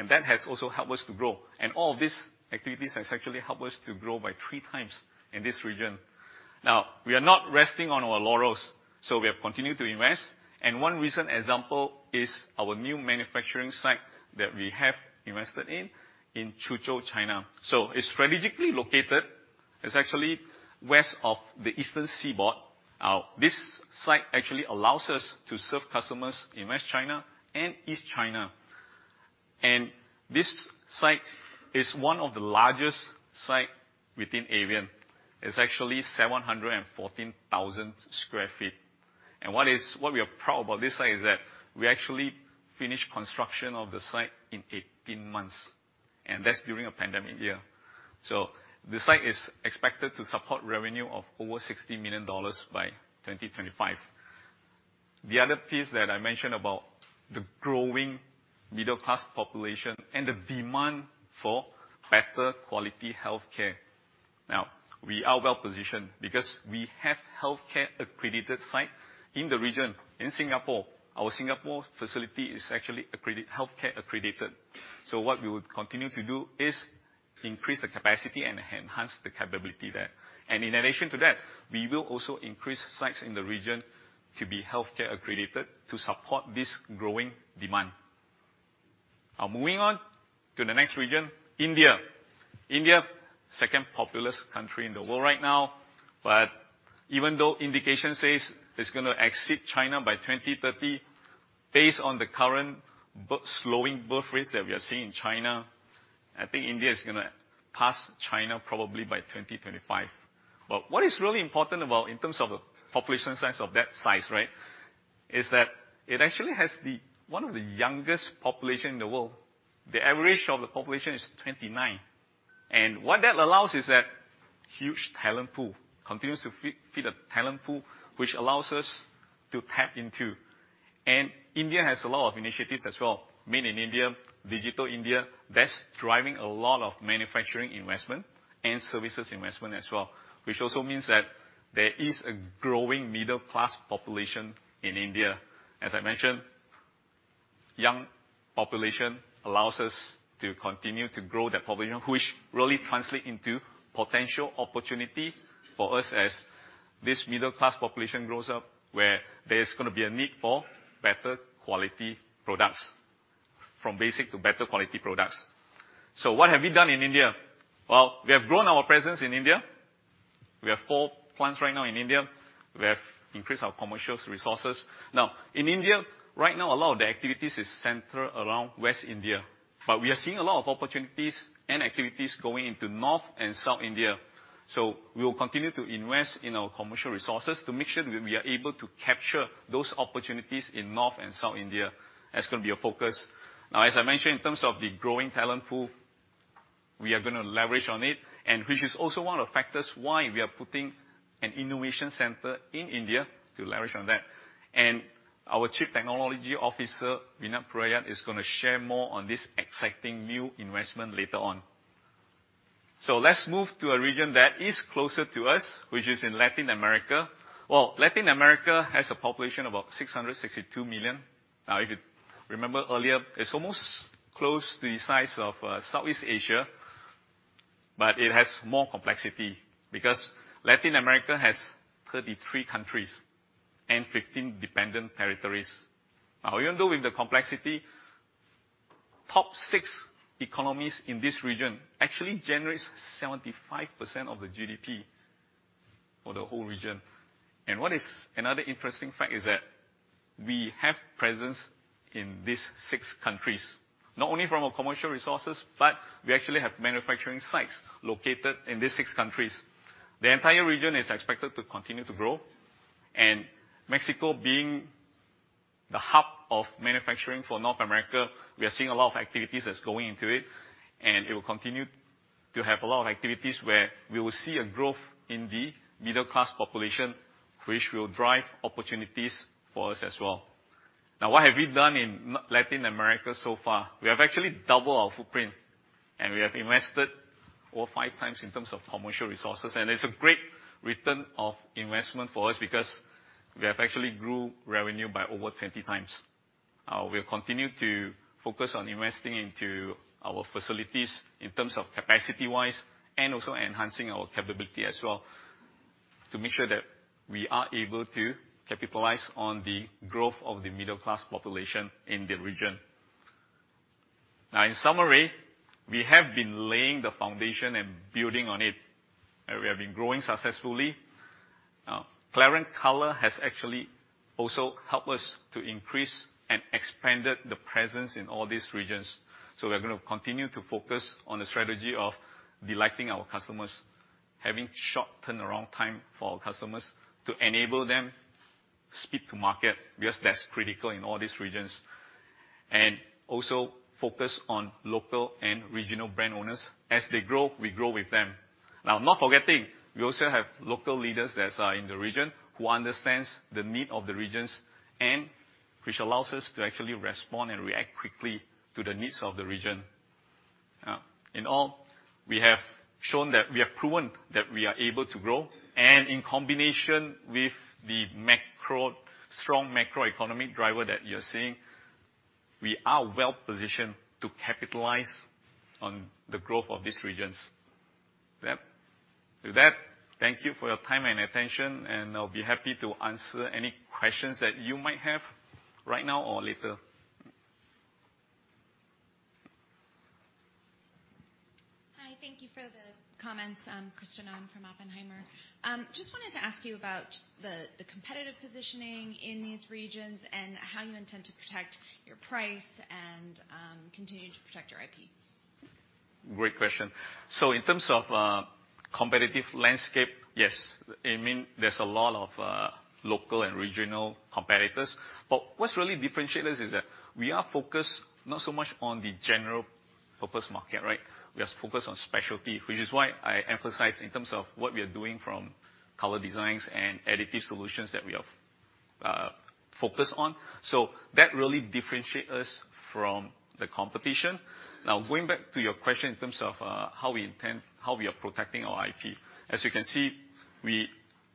That has also helped us to grow. All these activities has actually helped us to grow by 3 times in this region. We are not resting on our laurels, we have continued to invest. One recent example is our new manufacturing site that we have invested in Suzhou, China. It's strategically located. It's actually west of the eastern seaboard. This site actually allows us to serve customers in West China and East China. This site is one of the largest site within Avient. It's actually 714,000 sq ft. What we are proud about this site is that we actually finished construction of the site in 18 months, and that's during a pandemic year. The site is expected to support revenue of over $60 million by 2025. The other piece that I mentioned about the growing middle class population and the demand for better quality healthcare. We are well-positioned because we have healthcare accredited site in the region in Singapore. Our Singapore facility is actually healthcare accredited. What we would continue to do is increase the capacity and enhance the capability there. In addition to that, we will also increase sites in the region to be healthcare accredited to support this growing demand. Moving on to the next region, India. India, 2nd populous country in the world right now. Even though indication says it's going to exceed China by 2030, based on the current slowing birth rates that we are seeing in China, I think India is going to pass China probably by 2025. What is really important about in terms of the population size of that size, right, is that it actually has 1 of the youngest population in the world. The average of the population is 29. What that allows is that huge talent pool. Continues to feed a talent pool, which allows us to tap into. India has a lot of initiatives as well. Make in India, Digital India, that's driving a lot of manufacturing investment and services investment as well, which also means that there is a growing middle class population in India. As I mentioned Young population allows us to continue to grow that population, which really translates into potential opportunity for us as this middle class population grows up, where there's going to be a need for better quality products. From basic to better quality products. What have we done in India? We have grown our presence in India. We have four plants right now in India. We have increased our commercial resources. In India, right now, a lot of the activities are centered around West India, but we are seeing a lot of opportunities and activities going into North and South India. We will continue to invest in our commercial resources to make sure that we are able to capture those opportunities in North and South India. That's going to be a focus. As I mentioned, in terms of the growing talent pool, we are going to leverage on it, and which is also one of the factors why we are putting an innovation center in India to leverage on that. Our chief technology officer, Vinod Parekh, is going to share more on this exciting new investment later on. Let's move to a region that is closer to us, which is in Latin America. Latin America has a population of about 662 million. If you remember earlier, it's almost close to the size of Southeast Asia, but it has more complexity because Latin America has 33 countries and 15 dependent territories. Even though with the complexity, top six economies in this region actually generates 75% of the GDP for the whole region. What is another interesting fact is that we have presence in these six countries, not only from commercial resources, but we actually have manufacturing sites located in these six countries. The entire region is expected to continue to grow, Mexico being the hub of manufacturing for North America, we are seeing a lot of activities that's going into it will continue to have a lot of activities where we will see a growth in the middle class population, which will drive opportunities for us as well. What have we done in Latin America so far? We have actually double our footprint, we have invested four or five times in terms of commercial resources. It's a great return of investment for us because we have actually grew revenue by over 20 times. We have continued to focus on investing into our facilities in terms of capacity-wise and also enhancing our capability as well to make sure that we are able to capitalize on the growth of the middle class population in the region. In summary, we have been laying the foundation and building on it. We have been growing successfully. Clariant Color has actually also helped us to increase and expanded the presence in all these regions. We're going to continue to focus on the strategy of delighting our customers, having short turnaround time for our customers to enable them speed to market, because that's critical in all these regions. Also focus on local and regional brand owners. As they grow, we grow with them. Not forgetting, we also have local leaders that are in the region who understands the need of the regions and which allows us to actually respond and react quickly to the needs of the region. In all, we have shown that we have proven that we are able to grow. In combination with the strong macroeconomic driver that you're seeing, we are well-positioned to capitalize on the growth of these regions. With that, thank you for your time and attention. I'll be happy to answer any questions that you might have right now or later. Hi. Thank you for the comments. Kristen Owen from Oppenheimer. Just wanted to ask you about the competitive positioning in these regions and how you intend to protect your price and continue to protect your IP. Great question. In terms of competitive landscape, yes. There's a lot of local and regional competitors. What's really differentiate us is that we are focused not so much on the general purpose market, right? We are focused on specialty, which is why I emphasize in terms of what we are doing from color designs and additive solutions that we have focused on. That really differentiate us from the competition. Now, going back to your question in terms of how we are protecting our IP. As you can see, we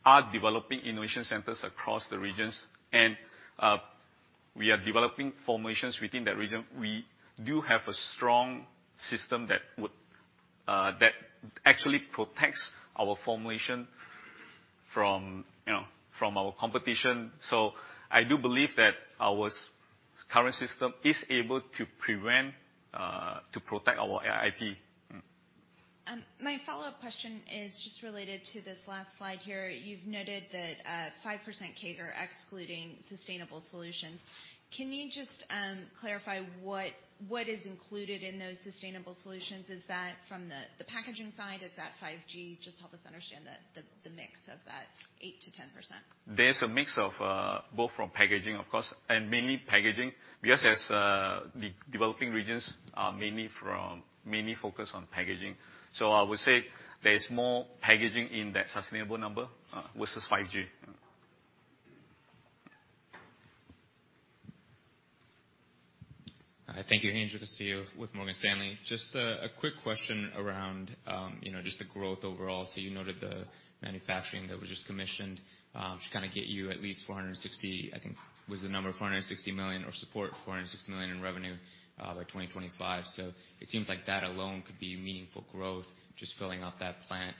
are developing innovation centers across the regions. We are developing formulations within that region. We do have a strong system that actually protects our formulation from our competition. I do believe that our current system is able to protect our IP. My follow-up question is just related to this last slide here. You've noted that 5% CAGR excluding sustainable solutions. Can you just clarify what is included in those sustainable solutions? Is that from the packaging side? Is that 5G? Just help us understand the mix of that 8%-10%. There's a mix of both from packaging, of course, and mainly packaging because as the developing regions are mainly focused on packaging. I would say there is more packaging in that sustainable number versus 5G. Hi. Thank you, Angel Castillo with Morgan Stanley. Just a quick question around just the growth overall. You noted the manufacturing that was just commissioned to kind of get you at least 460, I think was the number, $460 million or support $460 million in revenue by 2025. It seems like that alone could be meaningful growth, just filling up that plant.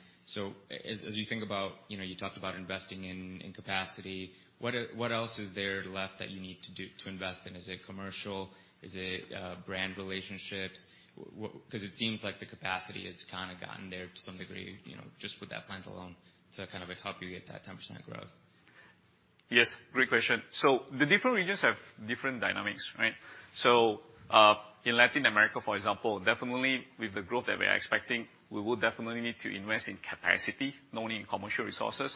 As you think about, you talked about investing in capacity. What else is there left that you need to do to invest in? Is it commercial? Is it brand relationships? Because it seems like the capacity has kind of gotten there to some degree, just with that plant alone to kind of help you get that 10% growth. Yes, great question. The different regions have different dynamics, right? In Latin America, for example, definitely with the growth that we are expecting, we would definitely need to invest in capacity, not only in commercial resources.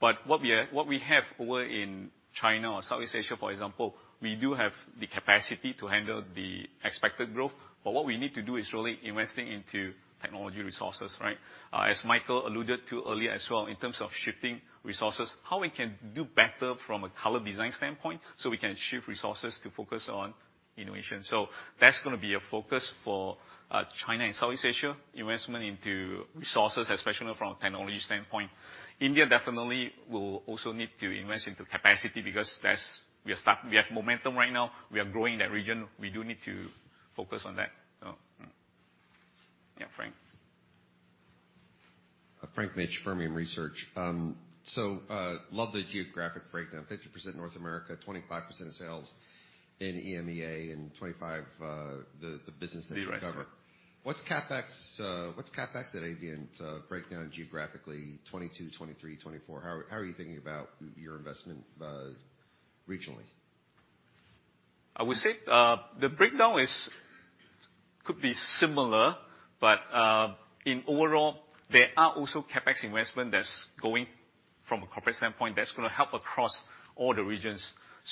What we have over in China or Southeast Asia, for example, we do have the capacity to handle the expected growth. What we need to do is really investing into technology resources, right? As Michael alluded to earlier as well, in terms of shifting resources, how we can do better from a color design standpoint, we can shift resources to focus on innovation. That's going to be a focus for China and Southeast Asia, investment into resources, especially from a technology standpoint. India definitely will also need to invest into capacity because we have momentum right now. We are growing that region. We do need to focus on that. Yeah, Frank. Frank Mitsch, Fermium Research. Love the geographic breakdown. 50% North America, 25% of sales in EMEA, and 25, the business that you recover. What's CapEx at Avient breakdown geographically 2022, 2023, 2024? How are you thinking about your investment regionally? I would say the breakdown could be similar. In overall, there are also CapEx investment that's going from a corporate standpoint, that's going to help across all the regions.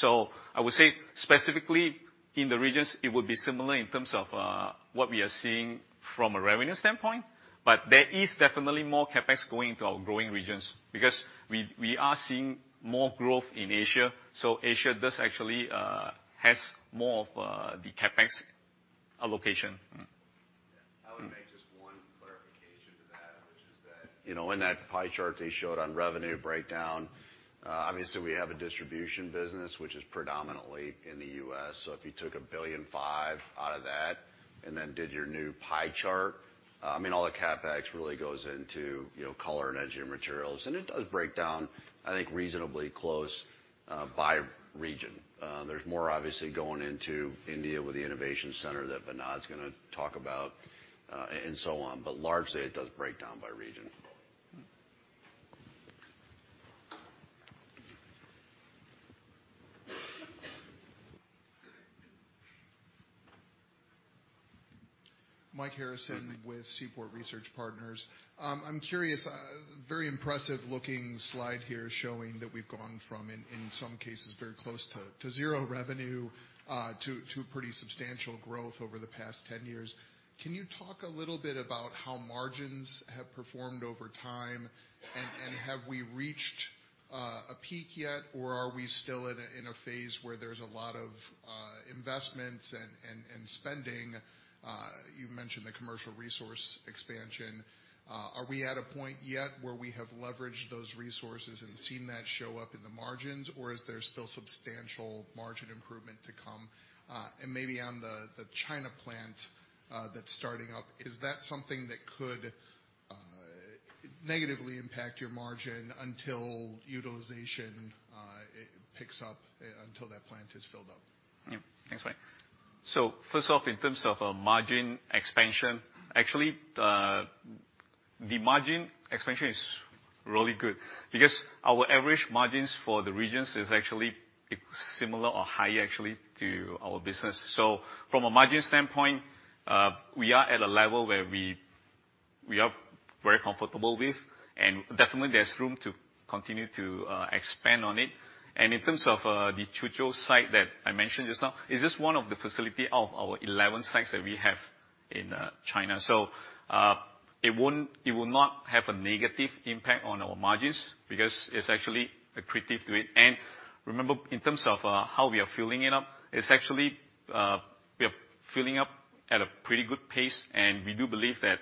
I would say specifically in the regions, it would be similar in terms of what we are seeing from a revenue standpoint. There is definitely more CapEx going into our growing regions because we are seeing more growth in Asia. Asia does actually has more of the CapEx allocation. I would make just one clarification to that, which is that in that pie chart they showed on revenue breakdown, obviously we have a distribution business which is predominantly in the U.S. If you took $1.5 billion out of that and then did your new pie chart, all the CapEx really goes into Color and Engineered Materials. It does break down, I think, reasonably close by region. There's more obviously going into India with the innovation center that Vinod's going to talk about, and so on. Largely, it does break down by region. Mike. Michael Harrison with Seaport Research Partners. I'm curious, very impressive looking slide here showing that we've gone from, in some cases, very close to zero revenue, to pretty substantial growth over the past 10 years. Can you talk a little bit about how margins have performed over time? Have we reached a peak yet, or are we still in a phase where there's a lot of investments and spending? You mentioned the commercial resource expansion. Are we at a point yet where we have leveraged those resources and seen that show up in the margins, or is there still substantial margin improvement to come? Maybe on the China plant that's starting up, is that something that could negatively impact your margin until utilization picks up, until that plant is filled up? Thanks, Mike. First off, in terms of a margin expansion, the margin expansion is really good because our average margins for the regions is similar or high to our business. From a margin standpoint, we are at a level where we are very comfortable with, and definitely there's room to continue to expand on it. In terms of the Suzhou site that I mentioned just now, is just one of the facility of our 11 sites that we have in China. It will not have a negative impact on our margins because it's accretive to it. Remember, in terms of how we are filling it up, we are filling up at a pretty good pace, and we do believe that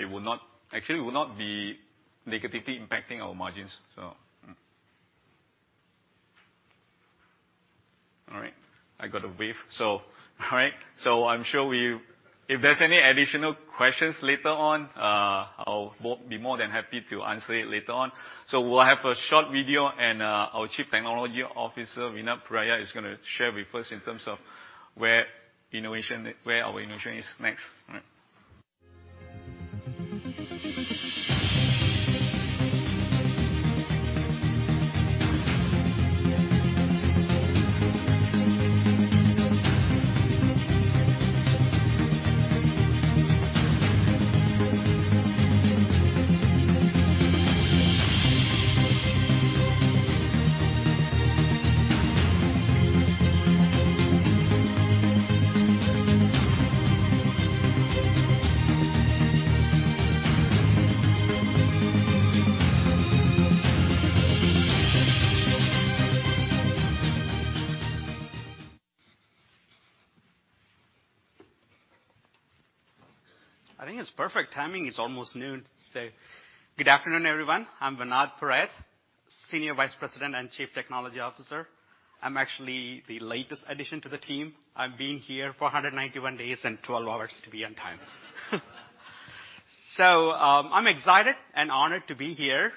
it will not be negatively impacting our margins. I got a wave. I'm sure if there's any additional questions later on, I'll be more than happy to answer it later on. We'll have a short video, and our Chief Technology Officer, Vinod Parekh, is going to share with us in terms of where our innovation is next. I think it's perfect timing. It's almost noon. Good afternoon, everyone. I'm Vinod Parekh, Senior Vice President and Chief Technology Officer. I'm actually the latest addition to the team. I've been here for 191 days and 12 hours, to be on time. I'm excited and honored to be here,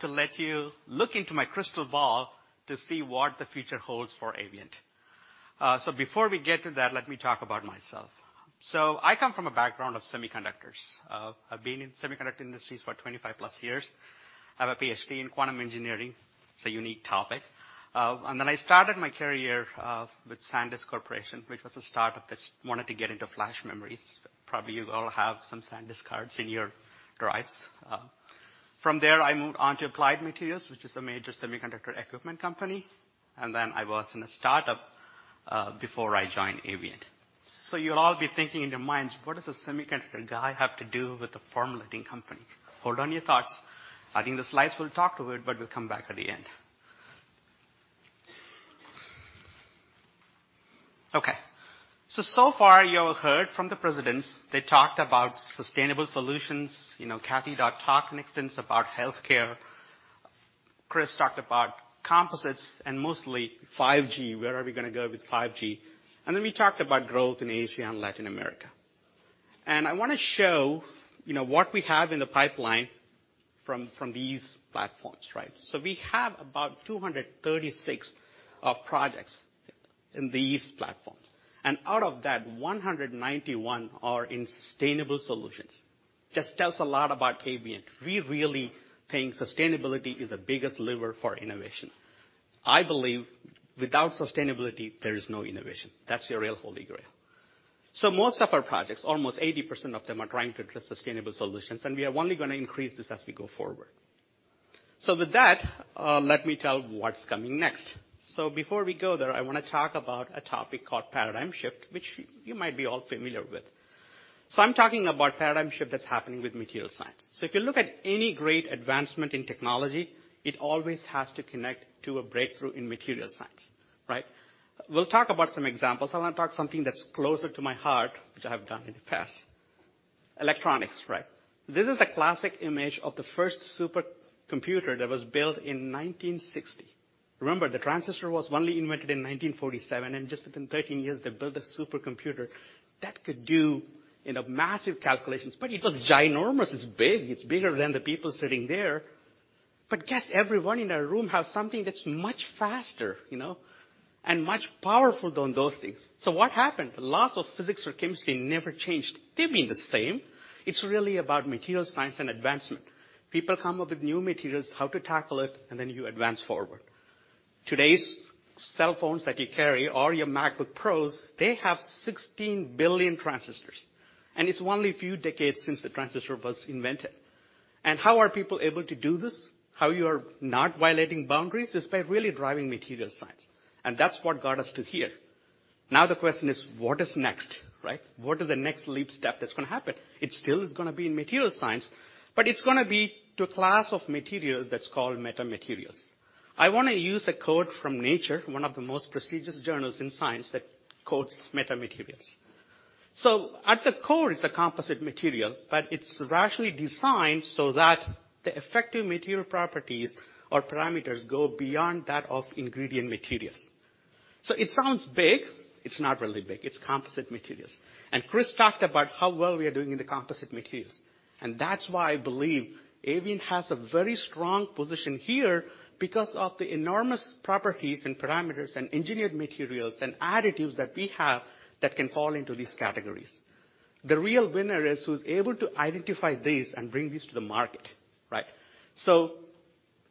to let you look into my crystal ball to see what the future holds for Avient. Before we get to that, let me talk about myself. I come from a background of semiconductors. I've been in semiconductor industries for 25 plus years. I have a PhD in quantum engineering. It's a unique topic. Then I started my career with SanDisk Corporation, which was a startup that wanted to get into flash memories. Probably you all have some SanDisk cards in your drives. From there, I moved on to Applied Materials, which is a major semiconductor equipment company. I was in a startup before I joined Avient. You'll all be thinking in your minds, "What does a semiconductor guy have to do with a formulating company?" Hold on your thoughts. I think the slides will talk to it. We'll come back at the end. So far you've heard from the presidents. They talked about sustainable solutions. Cathy talked in extents about healthcare. Chris talked about composites and mostly 5G, where are we going to go with 5G. We talked about growth in Asia and Latin America. I want to show what we have in the pipeline from these platforms, right? We have about 236 projects in these platforms. Out of that, 191 are in sustainable solutions. Just tells a lot about Avient. We really think sustainability is the biggest lever for innovation. I believe without sustainability, there is no innovation. That's your real holy grail. Most of our projects, almost 80% of them, are trying to address sustainable solutions, and we are only going to increase this as we go forward. With that, let me tell what's coming next. Before we go there, I want to talk about a topic called paradigm shift, which you might be all familiar with. I'm talking about paradigm shift that's happening with material science. If you look at any great advancement in technology, it always has to connect to a breakthrough in material science. Right? We'll talk about some examples. I want to talk something that's closer to my heart, which I have done in the past. Electronics, right? This is a classic image of the first supercomputer that was built in 1960. Remember, the transistor was only invented in 1947, and just within 13 years they built a supercomputer that could do massive calculations. It was ginormous. It's big. It's bigger than the people sitting there. Guess everyone in our room has something that's much faster, and much powerful than those things. What happened? The laws of physics or chemistry never changed. They've been the same. It's really about material science and advancement. People come up with new materials, how to tackle it, and then you advance forward. Today's cell phones that you carry or your MacBook Pros, they have 16 billion transistors. It's only a few decades since the transistor was invented. How are people able to do this? How you are not violating boundaries? Is by really driving material science. That's what got us to here. Now the question is, what is next, right? What is the next leap step that's going to happen? It still is going to be in material science, but it's going to be to a class of materials that's called metamaterials. I want to use a quote from "Nature," one of the most prestigious journals in science, that quotes metamaterials. At the core, it's a composite material, but it's rationally designed so that the effective material properties or parameters go beyond that of ingredient materials. It sounds big. It's not really big. It's composite materials. Chris talked about how well we are doing in the composite materials. That's why I believe Avient has a very strong position here because of the enormous properties and parameters and engineered materials and additives that we have that can fall into these categories. The real winner is who's able to identify these and bring these to the market. Right?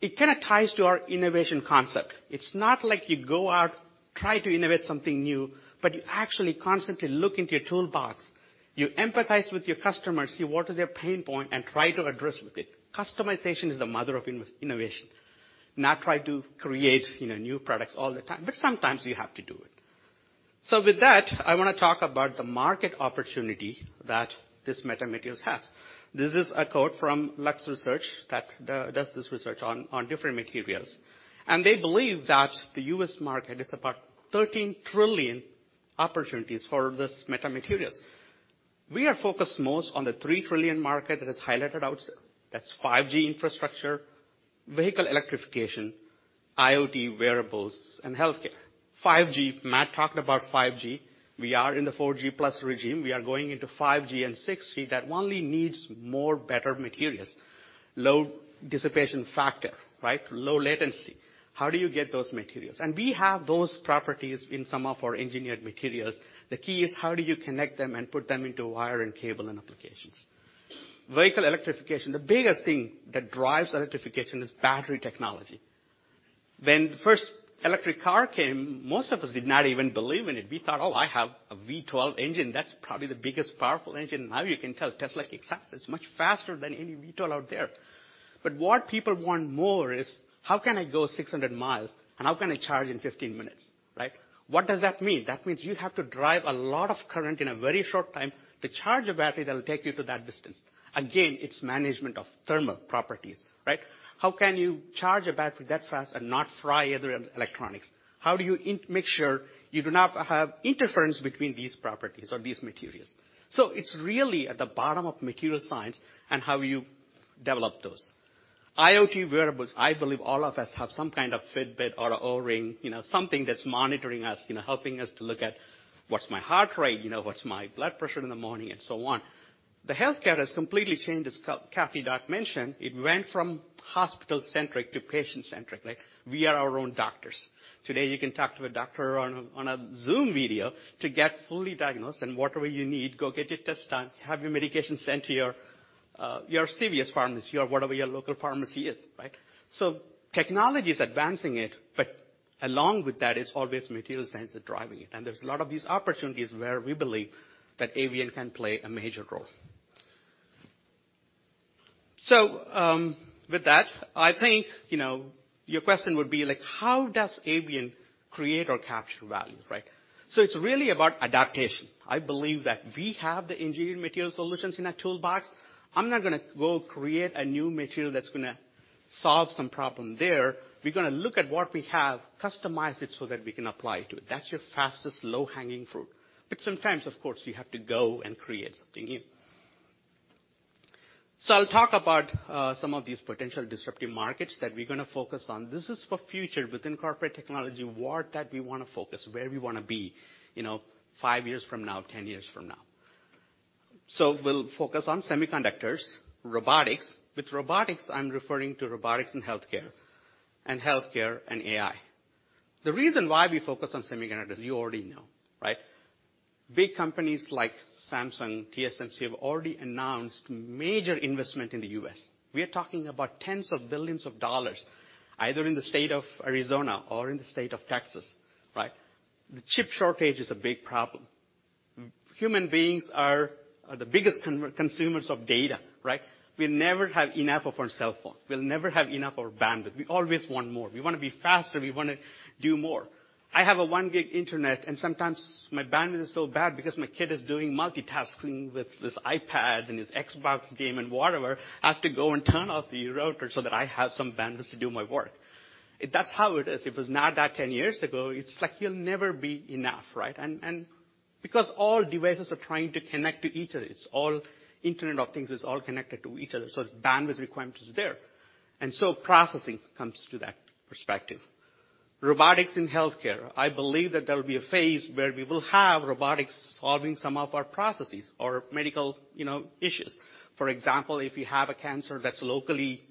It kind of ties to our innovation concept. It's not like you go out, try to innovate something new, but you actually constantly look into your toolbox. You empathize with your customers, see what is their pain point, and try to address with it. Customization is the mother of innovation, not try to create new products all the time. Sometimes you have to do it. With that, I want to talk about the market opportunity that this metamaterials has. This is a quote from Lux Research that does this research on different materials. They believe that the U.S. market is about $13 trillion opportunities for this metamaterials. We are focused most on the $3 trillion market that is highlighted out. That's 5G infrastructure, vehicle electrification, IoT wearables, and healthcare. 5G, Matt talked about 5G. We are in the 4G plus regime. We are going into 5G and 6G that only needs more better materials. Low dissipation factor, right? Low latency. How do you get those materials? We have those properties in some of our engineered materials. The key is how do you connect them and put them into wire and cable and applications. Vehicle electrification. The biggest thing that drives electrification is battery technology. When the first electric car came, most of us did not even believe in it. We thought, "Oh, I have a V12 engine. That's probably the biggest powerful engine." Now you can tell Tesla kicks up. It's much faster than any V12 out there. What people want more is, how can I go 600 miles, and how can I charge in 15 minutes, right? What does that mean? Means you have to drive a lot of current in a very short time to charge a battery that'll take you to that distance. Again, it's management of thermal properties, right? How can you charge a battery that fast and not fry other electronics? How do you make sure you do not have interference between these properties or these materials? It's really at the bottom of material science and how you develop those. IoT wearables, I believe all of us have some kind of Fitbit or an Oura Ring, something that's monitoring us, helping us to look at what's my heart rate, what's my blood pressure in the morning, and so on. The healthcare has completely changed, as Cathy mentioned. It went from hospital-centric to patient-centric. We are our own doctors. Today, you can talk to a doctor on a Zoom video to get fully diagnosed and whatever you need, go get your test done, have your medication sent to your CVS Pharmacy or whatever your local pharmacy is, right? Technology is advancing it, but along with that, it's always material science that's driving it. There's a lot of these opportunities where we believe that Avient can play a major role. With that, I think your question would be, how does Avient create or capture value, right? It's really about adaptation. I believe that we have the engineering material solutions in our toolbox. I'm not going to go create a new material that's going to solve some problem there. We're going to look at what we have, customize it so that we can apply to it. That's your fastest low-hanging fruit. Sometimes, of course, you have to go and create something new. I'll talk about some of these potential disruptive markets that we're going to focus on. This is for future within corporate technology, where that we want to focus, where we want to be five years from now, 10 years from now. We'll focus on semiconductors, robotics. With robotics, I'm referring to robotics in healthcare, and healthcare and AI. The reason why we focus on semiconductors, you already know, right? Big companies like Samsung, TSMC, have already announced major investment in the U.S. We are talking about tens of billions of dollars, either in the state of Arizona or in the state of Texas, right? The chip shortage is a big problem. Human beings are the biggest consumers of data, right? We'll never have enough of our cell phone. We'll never have enough of bandwidth. We always want more. We want to be faster. We want to do more. I have a 1 gig internet, and sometimes my bandwidth is so bad because my kid is doing multitasking with his iPad and his Xbox game and whatever, I have to go and turn off the router so that I have some bandwidth to do my work. That's how it is. It was not that 10 years ago. It's like it'll never be enough, right? Because all devices are trying to connect to each other, it's all Internet of Things is all connected to each other, so bandwidth requirement is there. Processing comes to that perspective. Robotics in healthcare, I believe that there will be a phase where we will have robotics solving some of our processes or medical issues. For example, if you have a cancer that's locally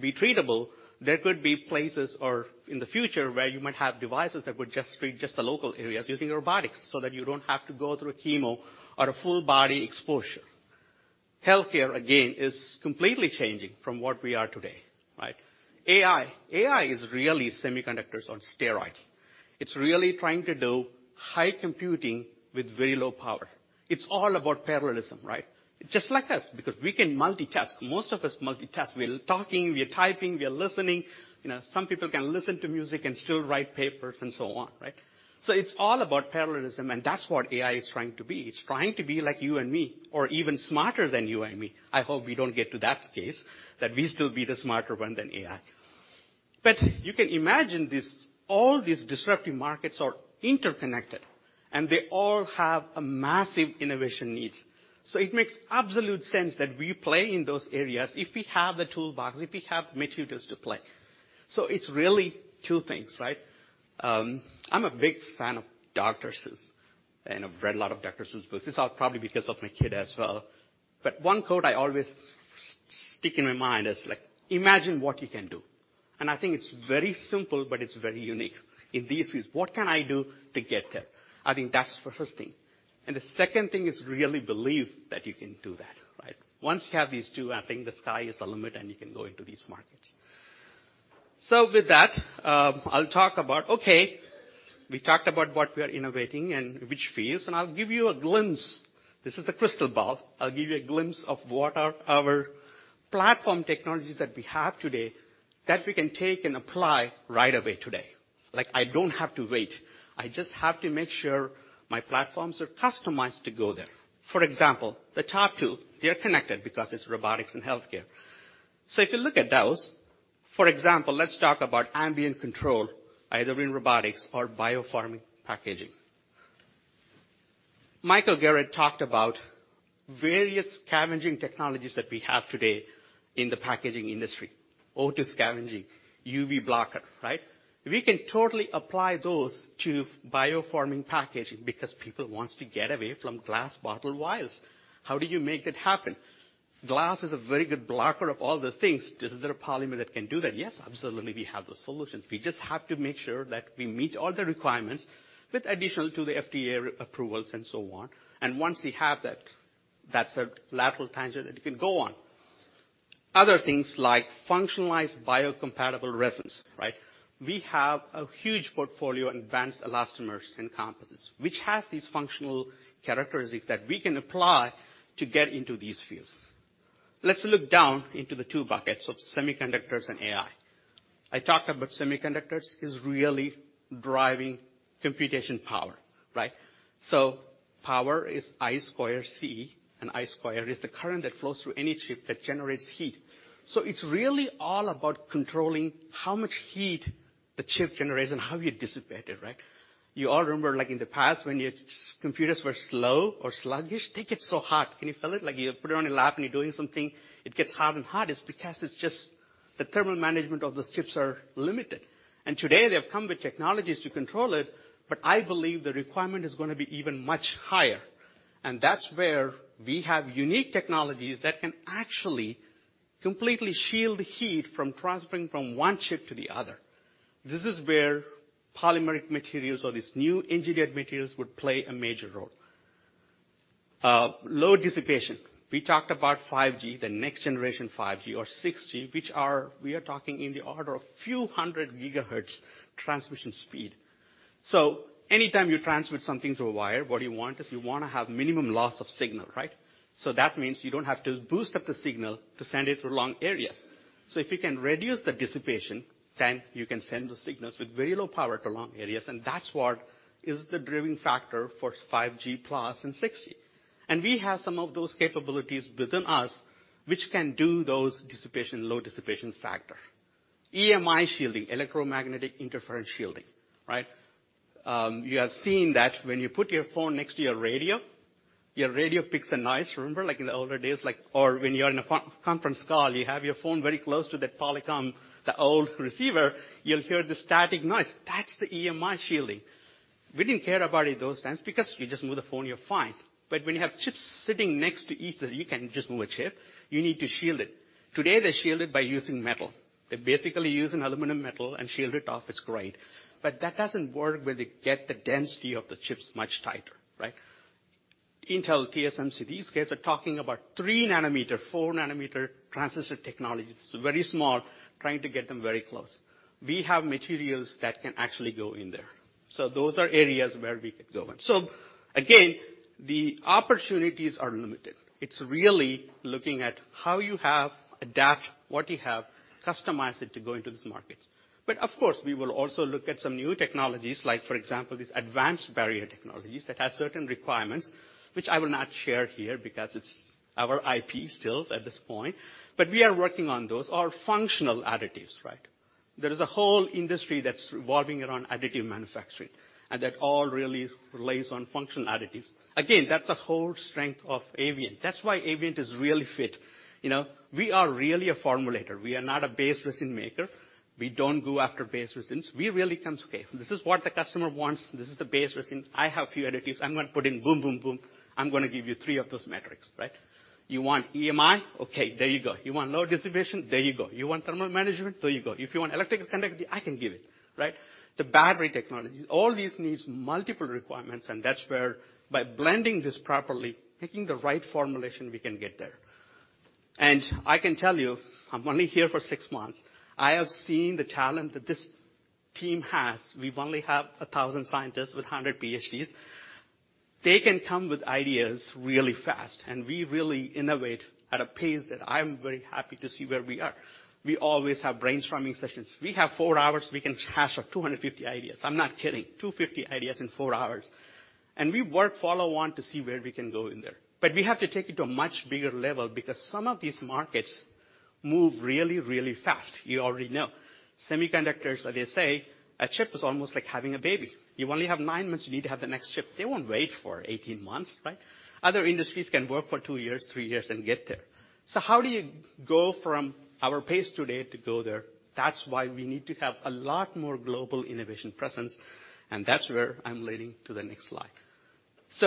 be treatable, there could be places or in the future where you might have devices that would just treat just the local areas using robotics so that you don't have to go through chemo or a full body exposure. Healthcare, again, is completely changing from what we are today, right? AI. AI is really semiconductors on steroids. It's really trying to do high computing with very low power. It's all about parallelism, right? Just like us, because we can multitask. Most of us multitask. We're talking, we're typing, we're listening. Some people can listen to music and still write papers and so on, right? It's all about parallelism, and that's what AI is trying to be. It's trying to be like you and me, or even smarter than you and me. I hope we don't get to that case, that we still be the smarter one than AI. You can imagine all these disruptive markets are interconnected, and they all have a massive innovation needs. It makes absolute sense that we play in those areas if we have the toolbox, if we have materials to play. It's really two things, right? I'm a big fan of Dr. Seuss, and I've read a lot of Dr. Seuss books. It's all probably because of my kid as well. But one quote I always stick in my mind is, "Imagine what you can do." I think it's very simple, but it's very unique. In these fields, what can I do to get there? I think that's the first thing. The second thing is really believe that you can do that, right? Once you have these two, I think the sky is the limit and you can go into these markets. With that, I'll talk about, okay, we talked about what we are innovating and which fields. I'll give you a glimpse. This is the crystal ball. I'll give you a glimpse of what are our platform technologies that we have today that we can take and apply right away today. I don't have to wait. I just have to make sure my platforms are customized to go there. For example, the top two, they are connected because it's robotics and healthcare. If you look at those, for example, let's talk about ambient control, either in robotics or biopharming packaging. Michael Garratt talked about various scavenging technologies that we have today in the packaging industry, O2 scavenging, UV blocker, right? We can totally apply those to biopharming packaging because people want to get away from glass bottle vials. How do you make that happen? Glass is a very good blocker of all the things. Is there a polymer that can do that? Yes, absolutely, we have the solutions. We just have to make sure that we meet all the requirements with additional to the FDA approvals and so on. Once we have that's a lateral tangent that can go on. Other things like functionalized biocompatible resins, right? We have a huge portfolio in advanced elastomers and composites, which has these functional characteristics that we can apply to get into these fields. Let's look down into the two buckets of semiconductors and AI. I talked about semiconductors is really driving computation power. Power is I squared R, and I squared is the current that flows through any chip that generates heat. It's really all about controlling how much heat the chip generates and how you dissipate it. You all remember in the past, when your computers were slow or sluggish, they get so hot. Can you feel it? You put it on your lap and you're doing something, it gets hotter and hotter. It's because it's just the thermal management of the chips are limited. Today, they have come with technologies to control it, but I believe the requirement is going to be even much higher. That's where we have unique technologies that can actually completely shield the heat from transferring from one chip to the other. This is where polymeric materials or these new engineered materials would play a major role. Load dissipation. We talked about 5G, the next generation 5G or 6G, which are, we are talking in the order of few hundred gigahertz transmission speed. Anytime you transmit something through a wire, what do you want? Is you want to have minimum loss of signal. That means you don't have to boost up the signal to send it through long areas. If you can reduce the dissipation, then you can send the signals with very low power to long areas, that's what is the driving factor for 5G plus and 6G. We have some of those capabilities within us which can do those dissipation, low dissipation factor. EMI shielding, electromagnetic interference shielding. You have seen that when you put your phone next to your radio, your radio picks the noise. Remember? Like in the older days or when you're in a conference call, you have your phone very close to that Polycom, the old receiver, you'll hear the static noise. That's the EMI shielding. We didn't care about it those times because you just move the phone, you're fine. When you have chips sitting next to each other, you can't just move a chip. You need to shield it. Today, they shield it by using metal. They're basically using aluminum metal and shield it off. It's great. That doesn't work when they get the density of the chips much tighter. Intel, TSMC, these guys are talking about three nanometer, four nanometer transistor technology. This is very small, trying to get them very close. We have materials that can actually go in there. Those are areas where we could go in. Again, the opportunities are limited. It's really looking at how you have adapt what you have, customize it to go into this market. Of course, we will also look at some new technologies, like for example, these advanced barrier technologies that have certain requirements, which I will not share here because it's our IP still at this point. We are working on those. Functional additives. There is a whole industry that's revolving around additive manufacturing, and that all really relies on functional additives. Again, that's a whole strength of Avient. That's why Avient is really fit. We are really a formulator. We are not a base resin maker. We don't go after base resins. We really come, say, "This is what the customer wants. This is the base resin. I have few additives. I'm going to put in boom, boom. I'm going to give you 3 of those metrics." You want EMI? Okay, there you go. You want low dissipation? There you go. You want thermal management? There you go. If you want electrical conductivity, I can give it. The battery technologies, all these needs multiple requirements, and that's where by blending this properly, picking the right formulation, we can get there. I can tell you, I'm only here for 6 months. I have seen the talent that this team has. We've only have 1,000 scientists with 100 PhDs. They can come with ideas really fast, and we really innovate at a pace that I'm very happy to see where we are. We always have brainstorming sessions. We have 4 hours, we can hash out 250 ideas. I'm not kidding. 250 ideas in 4 hours. We work follow on to see where we can go in there. We have to take it to a much bigger level because some of these markets move really, really fast. You already know. Semiconductors, as they say, a chip is almost like having a baby. You only have nine months, you need to have the next chip. They won't wait for 18 months. Other industries can work for two years, three years, and get there. How do you go from our pace today to go there? That's why we need to have a lot more global innovation presence, and that's where I'm leading to the next slide.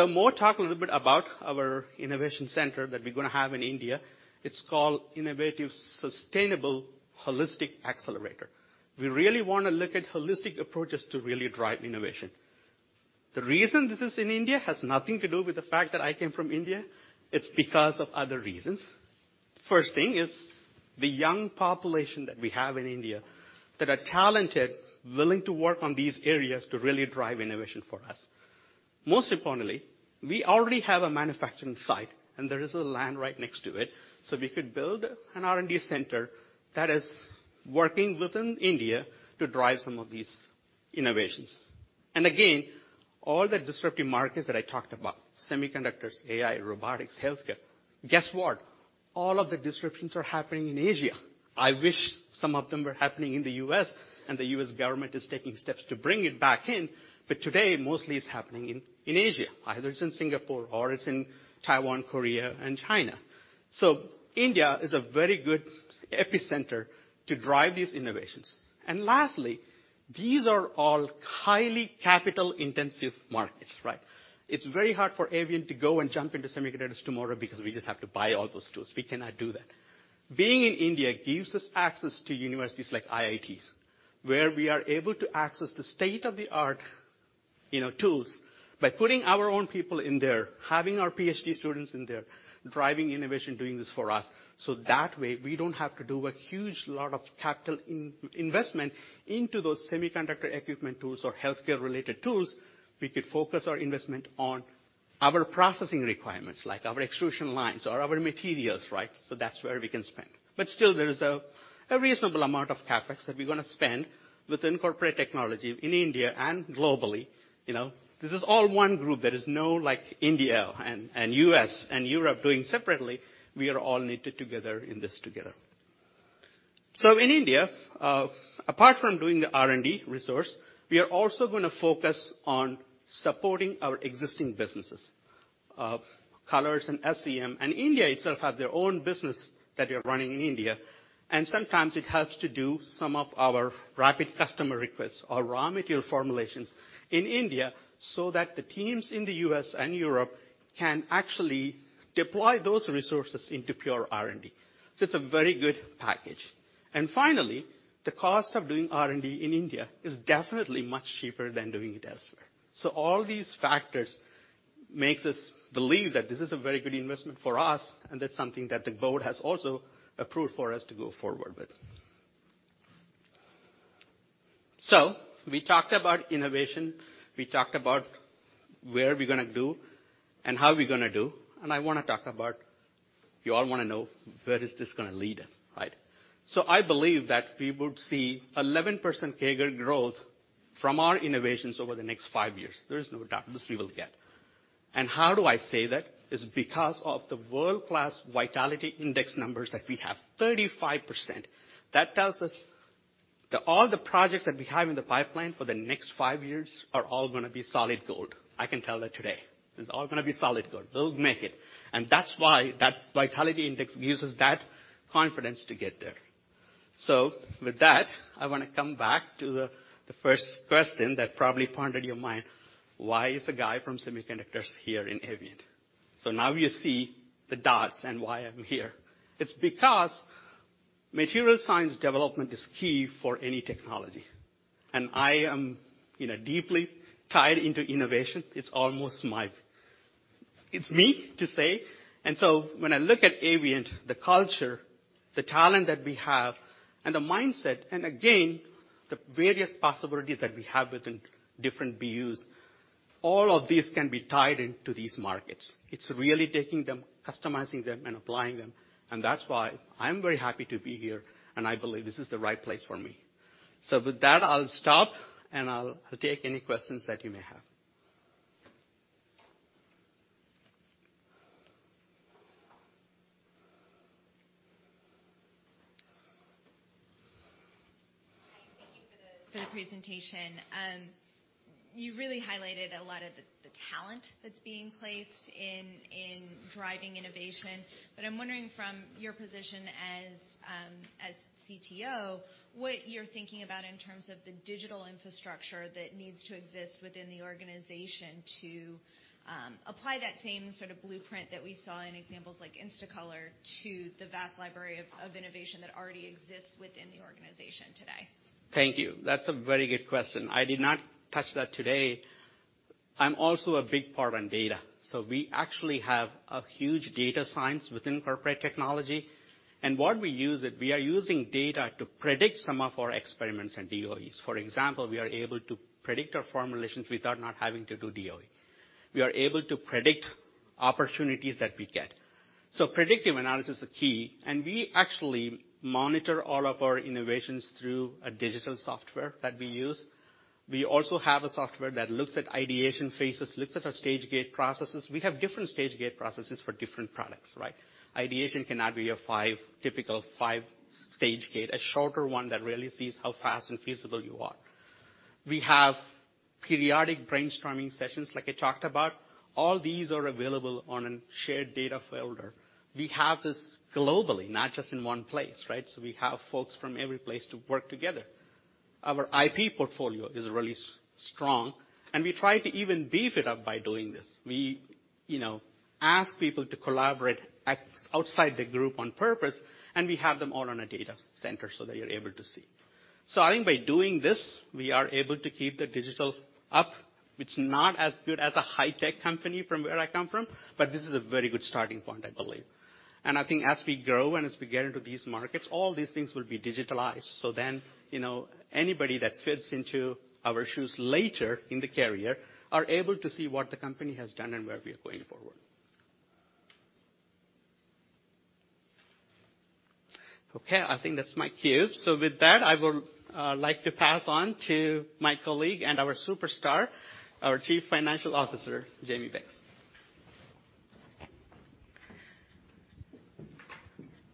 More talk a little bit about our innovation center that we're going to have in India. It's called Innovative Sustainable Holistic Accelerator. We really want to look at holistic approaches to really drive innovation. The reason this is in India has nothing to do with the fact that I came from India. It's because of other reasons. First thing is the young population that we have in India that are talented, willing to work on these areas to really drive innovation for us. Most importantly, we already have a manufacturing site, and there is a land right next to it. We could build an R&D center that is working within India to drive some of these innovations. Again, all the disruptive markets that I talked about, semiconductors, AI, robotics, healthcare, guess what? All of the disruptions are happening in Asia. I wish some of them were happening in the U.S., and the U.S. government is taking steps to bring it back in. Today, mostly it's happening in Asia. Either it's in Singapore or it's in Taiwan, Korea, and China. India is a very good epicenter to drive these innovations. Lastly, these are all highly capital-intensive markets. It's very hard for Avient to go and jump into semiconductors tomorrow because we just have to buy all those tools. We cannot do that. Being in India gives us access to universities like IITs, where we are able to access the state-of-the-art tools by putting our own people in there, having our PhD students in there, driving innovation, doing this for us. That way, we don't have to do a huge lot of capital investment into those semiconductor equipment tools or healthcare-related tools. We could focus our investment on our processing requirements, like our extrusion lines or our materials. That's where we can spend. Still, there is a reasonable amount of CapEx that we're going to spend within corporate technology in India and globally. This is all one group. There is no India and U.S. and Europe doing separately. We are all knitted together in this together. In India, apart from doing the R&D resource, we are also going to focus on supporting our existing businesses. Colors and SEM, and India itself have their own business that we are running in India, and sometimes it helps to do some of our rapid customer requests or raw material formulations in India so that the teams in the U.S. and Europe can actually deploy those resources into pure R&D. It's a very good package. Finally, the cost of doing R&D in India is definitely much cheaper than doing it elsewhere. All these factors makes us believe that this is a very good investment for us, and that's something that the board has also approved for us to go forward with. We talked about innovation, we talked about where we're going to do and how we're going to do, and I want to talk about, you all want to know, where is this going to lead us. I believe that we would see 11% CAGR growth from our innovations over the next five years. There is no doubt this we will get. How do I say that? Is because of the world-class vitality index numbers that we have, 35%. That tells us that all the projects that we have in the pipeline for the next five years are all going to be solid gold. I can tell that today. This is all going to be solid gold. They'll make it. That's why that vitality index gives us that confidence to get there. With that, I want to come back to the first question that probably pondered your mind. Why is a guy from semiconductors here in Avient? Now you see the dots and why I'm here. It's because material science development is key for any technology. I am deeply tied into innovation. It's me to say. When I look at Avient, the culture, the talent that we have and the mindset, and again, the various possibilities that we have within different BUs, all of these can be tied into these markets. It's really taking them, customizing them, and applying them, and that's why I'm very happy to be here, and I believe this is the right place for me. With that, I'll stop, and I'll take any questions that you may have. Hi, thank you for the presentation. You really highlighted a lot of the talent that's being placed in driving innovation. I'm wondering from your position as CTO, what you're thinking about in terms of the digital infrastructure that needs to exist within the organization to apply that same sort of blueprint that we saw in examples like InstaColor to the vast library of innovation that already exists within the organization today. Thank you. That's a very good question. I did not touch that today. I'm also a big part on data. We actually have a huge data science within corporate technology. What we use it, we are using data to predict some of our experiments and DOEs. For example, we are able to predict our formulations without not having to do DOE. We are able to predict opportunities that we get. Predictive analysis is a key, and we actually monitor all of our innovations through a digital software that we use. We also have a software that looks at ideation phases, looks at our stage gate processes. We have different stage gate processes for different products. Ideation cannot be a typical 5-stage gate, a shorter one that really sees how fast and feasible you are. We have periodic brainstorming sessions, like I talked about. All these are available on a shared data folder. We have this globally, not just in one place. We have folks from every place to work together. Our IP portfolio is really strong, and we try to even beef it up by doing this. We ask people to collaborate outside the group on purpose, and we have them all on a data center so that you're able to see. I think by doing this, we are able to keep the digital up. It's not as good as a high-tech company from where I come from, but this is a very good starting point, I believe. I think as we grow and as we get into these markets, all these things will be digitalized. Anybody that fits into our shoes later in the career are able to see what the company has done and where we are going forward. Okay, I think that's my cue. With that, I would like to pass on to my colleague and our superstar, our Chief Financial Officer, Jamie Beggs. Nice job, Vinod.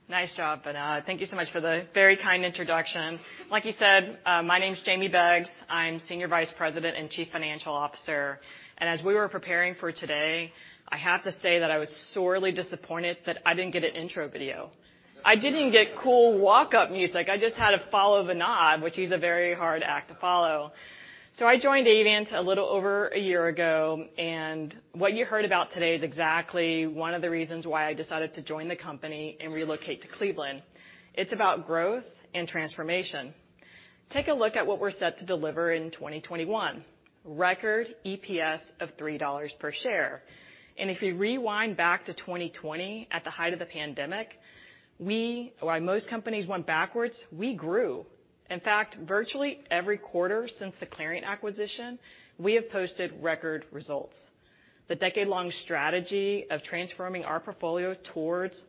Thank you so much for the very kind introduction. Like you said, my name's Jamie Beggs. I'm Senior Vice President and Chief Financial Officer. As we were preparing for today, I have to say that I was sorely disappointed that I didn't get an intro video. I didn't get cool walk-up music. I just had to follow Vinod, which he's a very hard act to follow. I joined Avient a little over a year ago, and what you heard about today is exactly one of the reasons why I decided to join the company and relocate to Cleveland. It's about growth and transformation. Take a look at what we're set to deliver in 2021. Record EPS of $3 per share. If we rewind back to 2020 at the height of the pandemic, while most companies went backwards, we grew. In fact, virtually every quarter since the Clariant acquisition, we have posted record results. The decade-long strategy of transforming our portfolio towards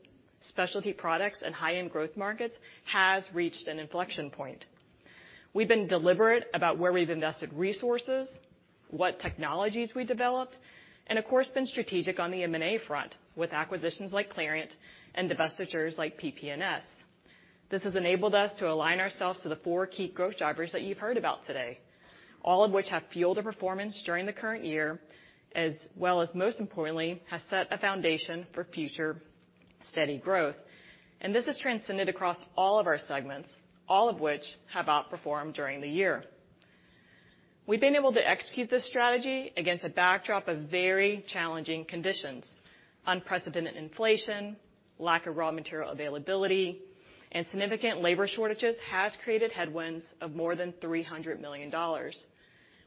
specialty products and high-end growth markets has reached an inflection point. We've been deliberate about where we've invested resources, what technologies we developed, and of course, been strategic on the M&A front with acquisitions like Clariant and divestitures like PP&S. This has enabled us to align ourselves to the four key growth drivers that you've heard about today, all of which have fueled the performance during the current year, as well as, most importantly, has set a foundation for future steady growth. This has transcended across all of our segments, all of which have outperformed during the year. We've been able to execute this strategy against a backdrop of very challenging conditions. Unprecedented inflation, lack of raw material availability, and significant labor shortages has created headwinds of more than $300 million.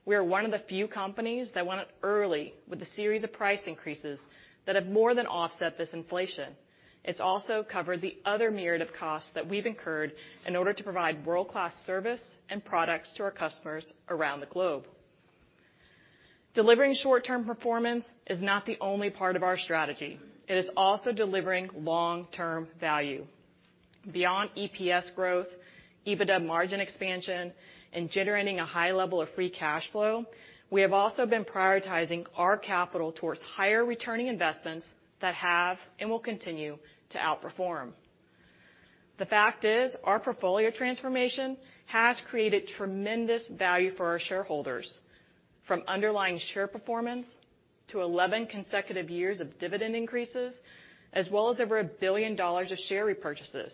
We are one of the few companies that went early with a series of price increases that have more than offset this inflation. It's also covered the other myriad of costs that we've incurred in order to provide world-class service and products to our customers around the globe. Delivering short-term performance is not the only part of our strategy. It is also delivering long-term value. Beyond EPS growth, EBITDA margin expansion, and generating a high level of free cash flow, we have also been prioritizing our capital towards higher returning investments that have, and will continue, to outperform. The fact is, our portfolio transformation has created tremendous value for our shareholders. From underlying share performance to 11 consecutive years of dividend increases, as well as over $1 billion of share repurchases.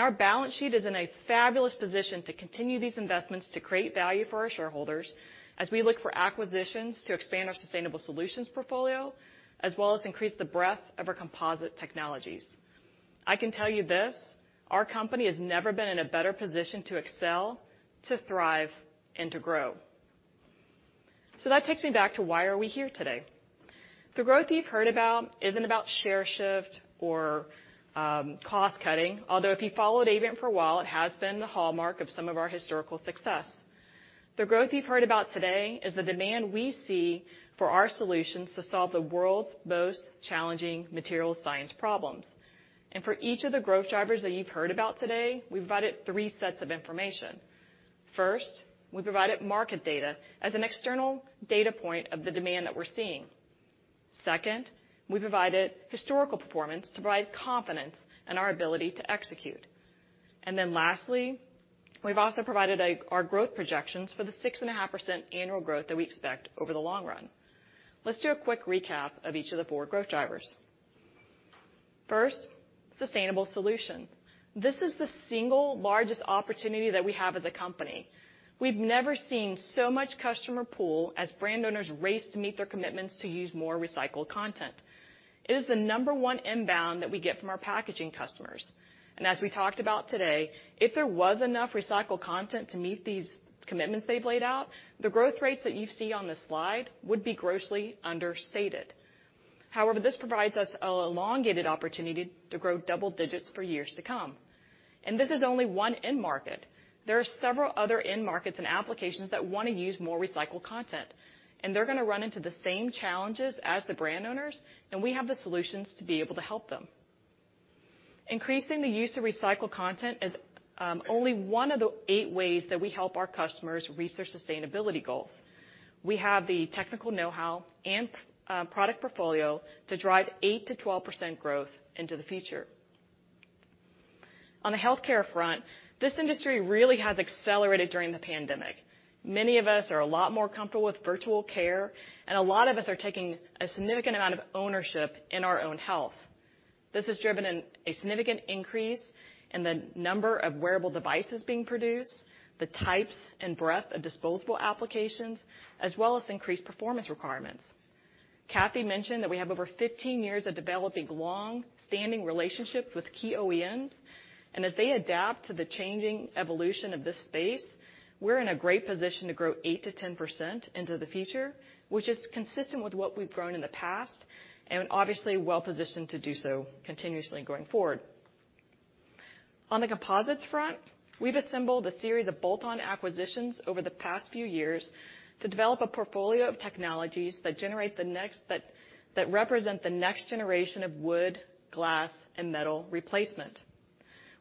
Our balance sheet is in a fabulous position to continue these investments to create value for our shareholders, as we look for acquisitions to expand our sustainable solutions portfolio, as well as increase the breadth of our composite technologies. I can tell you this, our company has never been in a better position to excel, to thrive, and to grow. That takes me back to why are we here today. The growth you've heard about isn't about share shift or cost-cutting. Although, if you've followed Avient for a while, it has been the hallmark of some of our historical success. The growth you've heard about today is the demand we see for our solutions to solve the world's most challenging material science problems. For each of the growth drivers that you've heard about today, we've provided three sets of information. First, we provided market data as an external data point of the demand that we're seeing. Second, we provided historical performance to provide confidence in our ability to execute. Lastly, we've also provided our growth projections for the 6.5% annual growth that we expect over the long run. Let's do a quick recap of each of the four growth drivers. First, sustainable solutions. This is the single largest opportunity that we have as a company. We've never seen so much customer pull as brand owners race to meet their commitments to use more recycled content. It is the number 1 inbound that we get from our packaging customers. As we talked about today, if there was enough recycled content to meet these commitments they've laid out, the growth rates that you see on this slide would be grossly understated. However, this provides us an elongated opportunity to grow double digits for years to come. This is only 1 end market. There are several other end markets and applications that want to use more recycled content, and they're going to run into the same challenges as the brand owners, and we have the solutions to be able to help them. Increasing the use of recycled content is only 1 of the 8 ways that we help our customers reach their sustainability goals. We have the technical know-how and product portfolio to drive 8%-12% growth into the future. On the healthcare front, this industry really has accelerated during the pandemic. Many of us are a lot more comfortable with virtual care, and a lot of us are taking a significant amount of ownership in our own health. This has driven a significant increase in the number of wearable devices being produced, the types and breadth of disposable applications, as well as increased performance requirements. Cathy mentioned that we have over 15 years of developing long-standing relationships with key OEMs, and as they adapt to the changing evolution of this space, we're in a great position to grow 8%-10% into the future, which is consistent with what we've grown in the past, and obviously well-positioned to do so continuously going forward. On the composites front, we've assembled a series of bolt-on acquisitions over the past few years to develop a portfolio of technologies that represent the next generation of wood, glass, and metal replacement.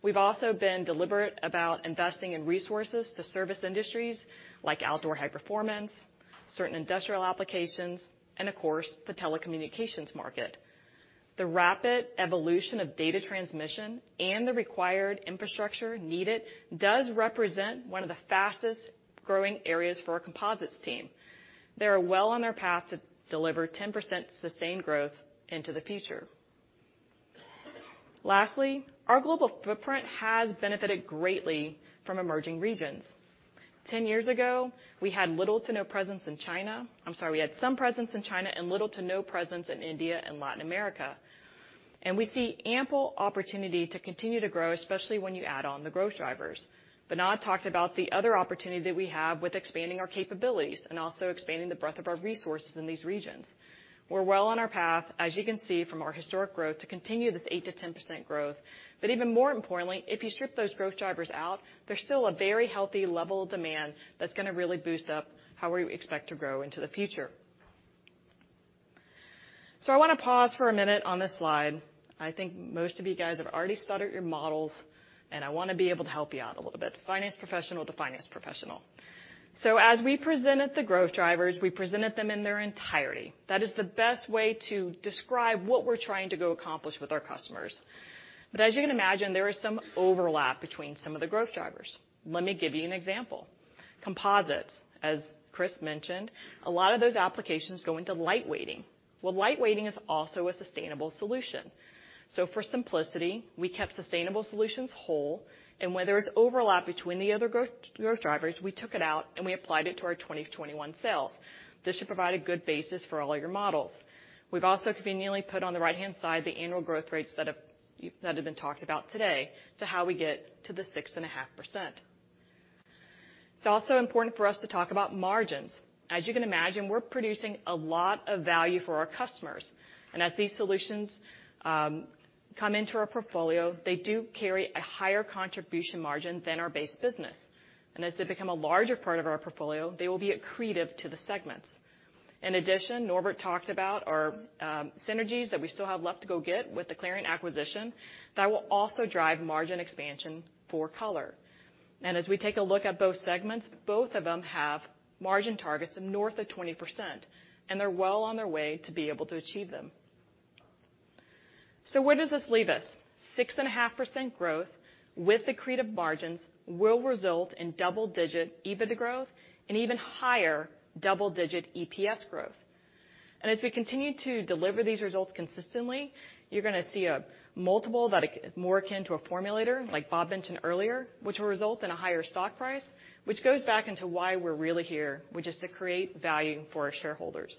We've also been deliberate about investing in resources to service industries like outdoor high performance, certain industrial applications, and of course, the telecommunications market. The rapid evolution of data transmission and the required infrastructure needed does represent 1 of the fastest-growing areas for our composites team. They are well on their path to deliver 10% sustained growth into the future. Lastly, our global footprint has benefited greatly from emerging regions. 10 years ago, we had little to no presence in China. I'm sorry, we had some presence in China and little to no presence in India and Latin America. We see ample opportunity to continue to grow, especially when you add on the growth drivers. Bernard talked about the other opportunity that we have with expanding our capabilities and also expanding the breadth of our resources in these regions. We're well on our path, as you can see from our historic growth, to continue this 8%-10% growth. Even more importantly, if you strip those growth drivers out, there's still a very healthy level of demand that's going to really boost up how we expect to grow into the future. I want to pause for a minute on this slide. I think most of you guys have already started your models, and I want to be able to help you out a little bit, finance professional to finance professional. As we presented the growth drivers, we presented them in their entirety. That is the best way to describe what we're trying to go accomplish with our customers. As you can imagine, there is some overlap between some of the growth drivers. Let me give you an example. Composites, as Chris mentioned, a lot of those applications go into lightweighting. Well, lightweighting is also a sustainable solution. For simplicity, we kept sustainable solutions whole, and where there's overlap between the other growth drivers, we took it out, and we applied it to our 2021 sales. This should provide a good basis for all your models. We've also conveniently put on the right-hand side the annual growth rates that have been talked about today to how we get to the 6.5%. It's also important for us to talk about margins. As you can imagine, we're producing a lot of value for our customers. As these solutions come into our portfolio, they do carry a higher contribution margin than our base business. As they become a larger part of our portfolio, they will be accretive to the segments. In addition, Norbert talked about our synergies that we still have left to go get with the Clariant acquisition. That will also drive margin expansion for Color. As we take a look at both segments, both of them have margin targets of north of 20%, and they're well on their way to be able to achieve them. Where does this leave us? 6.5% growth with accretive margins will result in double-digit EBITDA growth and even higher double-digit EPS growth. As we continue to deliver these results consistently, you're going to see a multiple that is more akin to a formulator, like Bob mentioned earlier, which will result in a higher stock price, which goes back into why we're really here, which is to create value for our shareholders.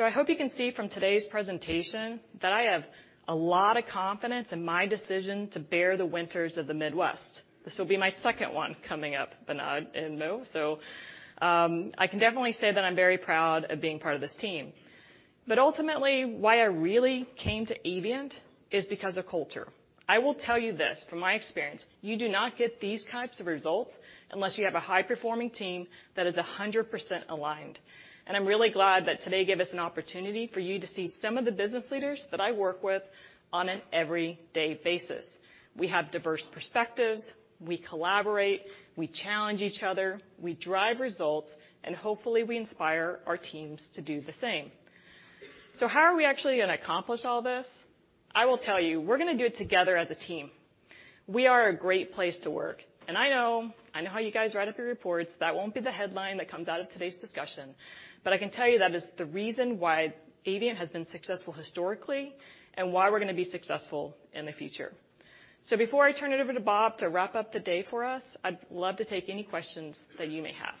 I hope you can see from today's presentation that I have a lot of confidence in my decision to bear the winters of the Midwest. This will be my second one coming up, Bernard and Moh. I can definitely say that I'm very proud of being part of this team. Ultimately, why I really came to Avient is because of culture. I will tell you this, from my experience, you do not get these types of results unless you have a high-performing team that is 100% aligned. I'm really glad that today gave us an opportunity for you to see some of the business leaders that I work with on an everyday basis. We have diverse perspectives. We collaborate, we challenge each other, we drive results, and hopefully, we inspire our teams to do the same. How are we actually going to accomplish all this? I will tell you, we're going to do it together as a team. We are a great place to work, and I know how you guys write up your reports. That won't be the headline that comes out of today's discussion, but I can tell you that is the reason why Avient has been successful historically and why we're going to be successful in the future. Before I turn it over to Bob to wrap up the day for us, I'd love to take any questions that you may have.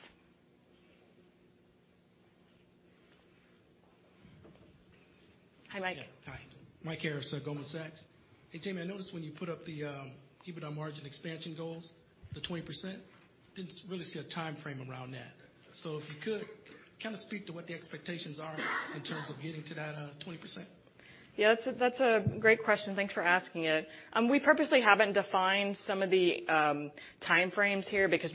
Hi, Mike. Hi. Mike Harrison, Seaport Research Partners. Hey, Jamie, I noticed when you put up the EBITDA margin expansion goals, the 20%, didn't really see a time frame around that. If you could, can you speak to what the expectations are in terms of getting to that 20%? Yeah, that's a great question. Thanks for asking it. We purposely haven't defined some of the time frames here because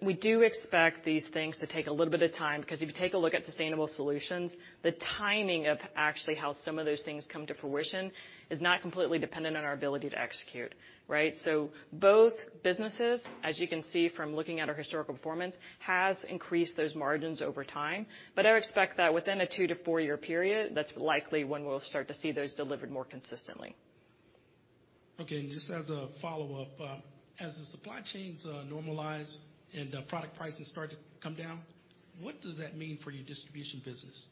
we do expect these things to take a little bit of time, because if you take a look at sustainable solutions, the timing of actually how some of those things come to fruition is not completely dependent on our ability to execute. Right? Both businesses, as you can see from looking at our historical performance, has increased those margins over time. But I would expect that within a two to four-year period, that's likely when we'll start to see those delivered more consistently. Okay, just as a follow-up, as the supply chains normalize and product prices start to come down, what does that mean for your distribution business?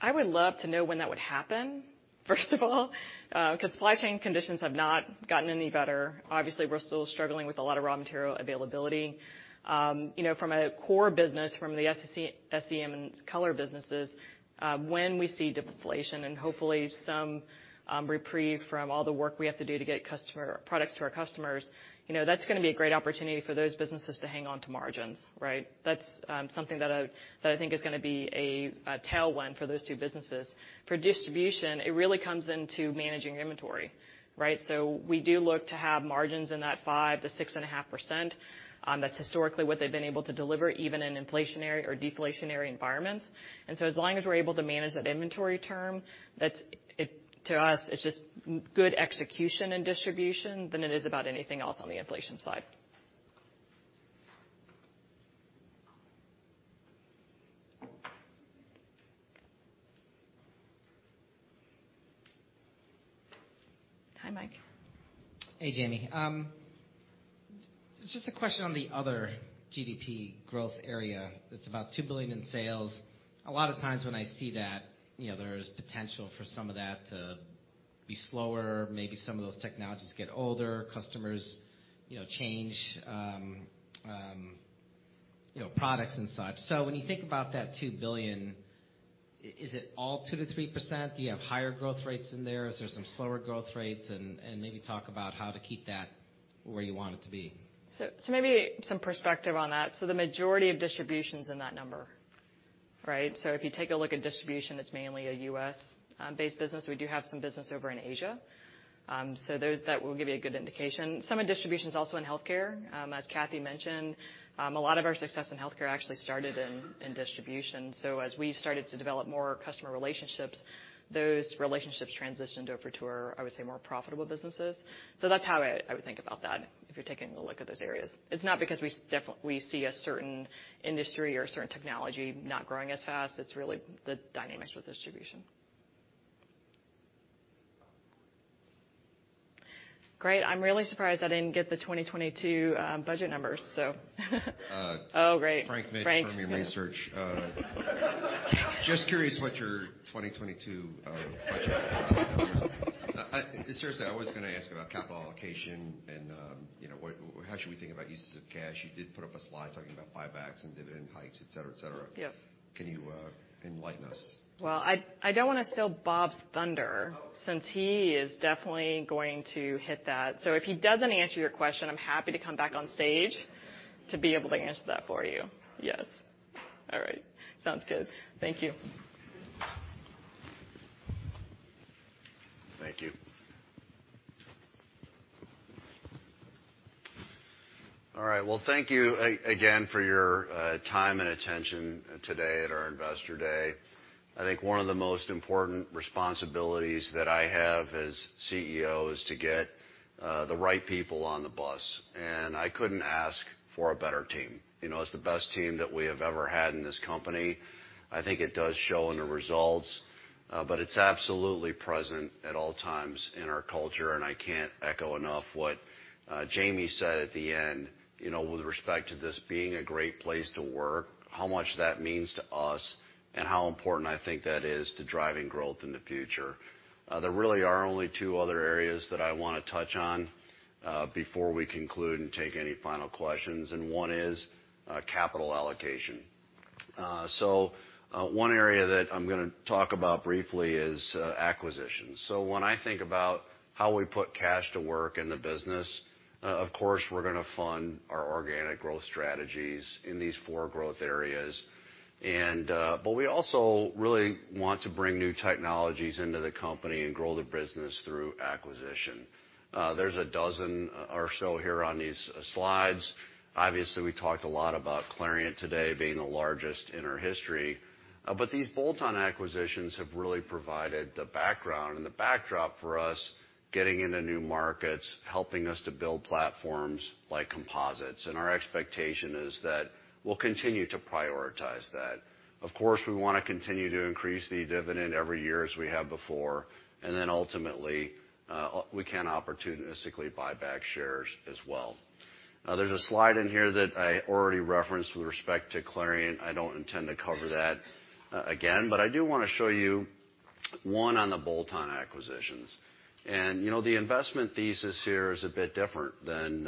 I would love to know when that would happen, first of all, because supply chain conditions have not gotten any better. Obviously, we're still struggling with a lot of raw material availability. From a core business, from the SEM and Color businesses, when we see deflation and hopefully some reprieve from all the work we have to do to get products to our customers, that's going to be a great opportunity for those businesses to hang on to margins, right? That's something that I think is going to be a tailwind for those two businesses. For distribution, it really comes into managing inventory, right? We do look to have margins in that 5%-6.5%. That's historically what they've been able to deliver, even in inflationary or deflationary environments. As long as we're able to manage that inventory turn, to us, it's just good execution in distribution than it is about anything else on the inflation side. Hi, Mike. Hey, Jamie. Just a question on the other GDP growth area that's about $2 billion in sales. A lot of times when I see that, there is potential for some of that to be slower. Maybe some of those technologies get older, customers change products and such. When you think about that $2 billion, is it all 2%-3%? Do you have higher growth rates in there? Is there some slower growth rates? Maybe talk how to keep that where you want it to be. Maybe some perspective on that. The majority of distribution's in that number. If you take a look at distribution, it's mainly a U.S.-based business. We do have some business over in Asia. That will give you a good indication. Some of distribution's also in healthcare. As Cathy mentioned, a lot of our success in healthcare actually started in distribution. As we started to develop more customer relationships, those relationships transitioned over to our, I would say, more profitable businesses. That's how I would think about that, if you're taking a look at those areas. It's not because we see a certain industry or a certain technology not growing as fast. It's really the dynamics with distribution. Great. I'm really surprised I didn't get the 2022 budget numbers, so Oh, great. Frank Mitsch Frank from Fermium Research. Just curious what your 2022 budget numbers. Seriously, I was going to ask about capital allocation and how should we think about uses of cash. You did put up a slide talking about buybacks and dividend hikes, et cetera. Yes. Can you enlighten us? Well, I don't want to steal Bob's thunder, since he is definitely going to hit that. If he doesn't answer your question, I'm happy to come back on stage to be able to answer that for you. Yes. All right. Sounds good. Thank you. Thank you. Well, thank you again for your time and attention today at our Investor Day. I think one of the most important responsibilities that I have as CEO is to get the right people on the bus. I couldn't ask for a better team. It's the best team that we have ever had in this company. I think it does show in the results, but it's absolutely present at all times in our culture, and I can't echo enough what Jamie said at the end, with respect to this being a great place to work, how much that means to us, and how important I think that is to driving growth in the future. There really are only two other areas that I want to touch on before we conclude and take any final questions, one is capital allocation. One area that I'm going to talk about briefly is acquisitions. When I think about how we put cash to work in the business, of course, we're going to fund our organic growth strategies in these four growth areas. We also really want to bring new technologies into the company and grow the business through acquisition. There's a dozen or so here on these slides. Obviously, we talked a lot about Clariant today being the largest in our history. These bolt-on acquisitions have really provided the background and the backdrop for us getting into new markets, helping us to build platforms like composites. Our expectation is that we'll continue to prioritize that. Of course, we want to continue to increase the dividend every year as we have before. Then ultimately, we can opportunistically buy back shares as well. There's a slide in here that I already referenced with respect to Clariant. I don't intend to cover that again, but I do want to show you one on the bolt-on acquisitions. The investment thesis here is a bit different than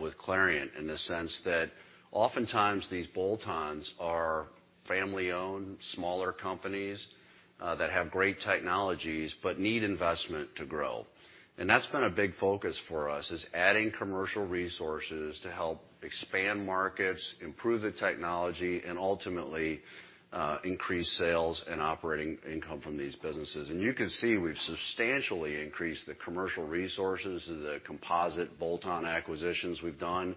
with Clariant in the sense that oftentimes these bolt-ons are family-owned, smaller companies that have great technologies, need investment to grow. That's been a big focus for us, is adding commercial resources to help expand markets, improve the technology, ultimately increase sales and operating income from these businesses. You can see we've substantially increased the commercial resources of the composite bolt-on acquisitions we've done.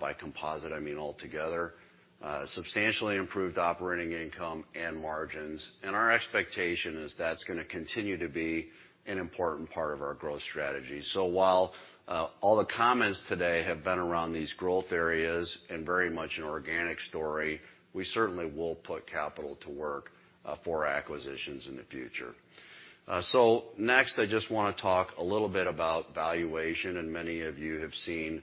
By composite, I mean altogether. Substantially improved operating income and margins. Our expectation is that's going to continue to be an important part of our growth strategy. While all the comments today have been around these growth areas and very much an organic story, we certainly will put capital to work for acquisitions in the future. Next, I just want to talk a little bit about valuation, and many of you have seen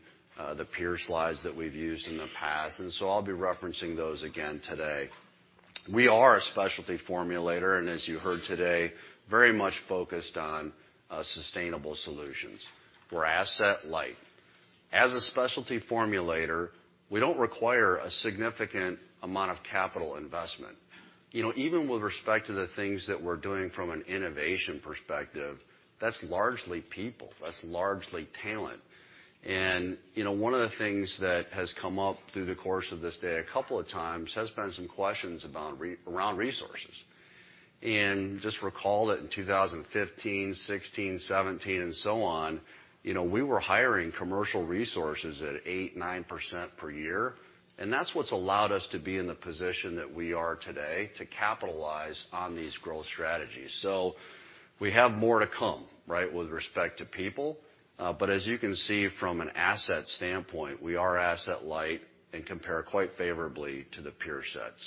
the peer slides that we've used in the past, I'll be referencing those again today. We are a specialty formulator, and as you heard today, very much focused on sustainable solutions. We're asset light. As a specialty formulator, we don't require a significant amount of capital investment. Even with respect to the things that we're doing from an innovation perspective, that's largely people. That's largely talent. One of the things that has come up through the course of this day a couple of times has been some questions around resources. Just recall that in 2015, 2016, 2017, and so on, we were hiring commercial resources at 8%, 9% per year, and that's what's allowed us to be in the position that we are today to capitalize on these growth strategies. We have more to come with respect to people, but as you can see from an asset standpoint, we are asset light and compare quite favorably to the peer sets.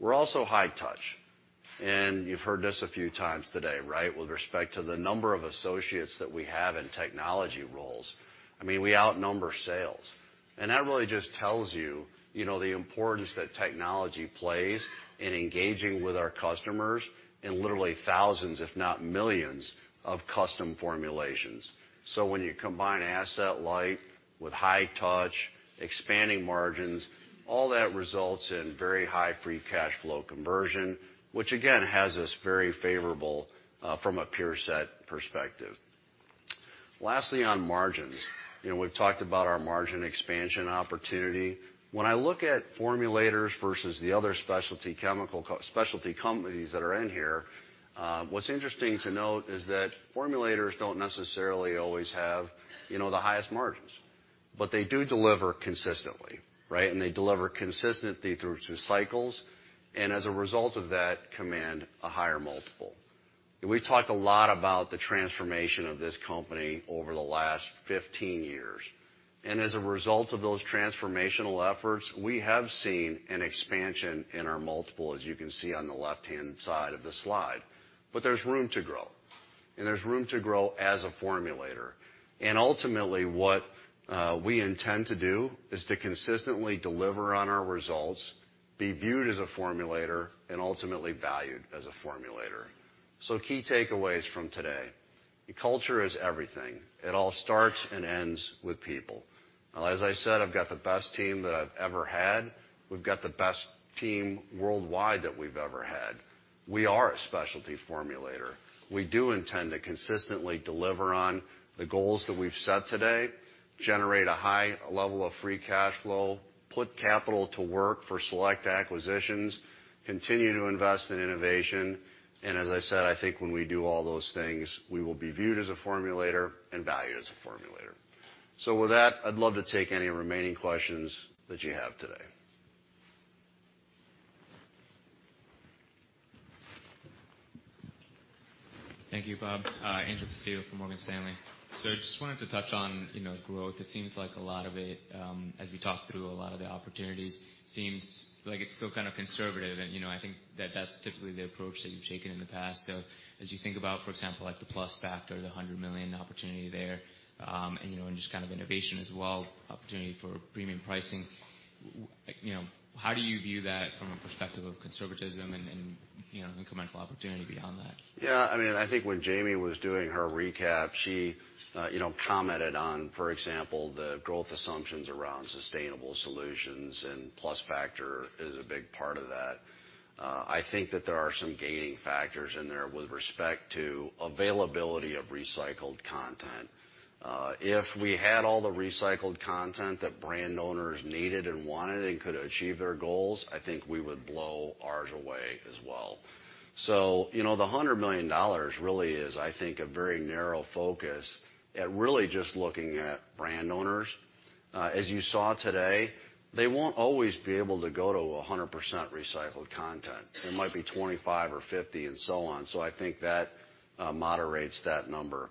We're also high touch, and you've heard this a few times today with respect to the number of associates that we have in technology roles. We outnumber sales. That really just tells you the importance that technology plays in engaging with our customers in literally thousands, if not millions of custom formulations. When you combine Asset-light with high touch, expanding margins, all that results in very high free cash flow conversion, which again has us very favorable from a peer set perspective. Lastly, on margins. We've talked about our margin expansion opportunity. When I look at formulators versus the other specialty companies that are in here, what's interesting to note is that formulators don't necessarily always have the highest margins, but they do deliver consistently, right? They deliver consistently through cycles and as a result of that, command a higher multiple. We've talked a lot about the transformation of this company over the last 15 years. As a result of those transformational efforts, we have seen an expansion in our multiple, as you can see on the left-hand side of the slide. There's room to grow, and there's room to grow as a formulator. Ultimately, what we intend to do is to consistently deliver on our results, be viewed as a formulator, and ultimately valued as a formulator. Key takeaways from today. Culture is everything. It all starts and ends with people. As I said, I've got the best team that I've ever had. We've got the best team worldwide that we've ever had. We are a specialty formulator. We do intend to consistently deliver on the goals that we've set today, generate a high level of free cash flow, put capital to work for select acquisitions, continue to invest in innovation, as I said, I think when we do all those things, we will be viewed as a formulator and valued as a formulator. With that, I'd love to take any remaining questions that you have today. Thank you, Bob. Angel Castillo from Morgan Stanley. I just wanted to touch on growth. It seems like a lot of it, as we talked through a lot of the opportunities, seems like it's still kind of conservative and I think that that's typically the approach that you've taken in the past. As you think about, for example, like the Plus Factor, the $100 million opportunity there, and just kind of innovation as well, opportunity for premium pricing, how do you view that from a perspective of conservatism and incremental opportunity beyond that? I think when Jamie was doing her recap, she commented on, for example, the growth assumptions around sustainable solutions, and Plus Factor is a big part of that. I think that there are some gating factors in there with respect to availability of recycled content. If we had all the recycled content that brand owners needed and wanted and could achieve their goals, I think we would blow ours away as well. The $100 million really is, I think, a very narrow focus at really just looking at brand owners. As you saw today, they won't always be able to go to 100% recycled content. It might be 25 or 50 and so on. I think that moderates that number.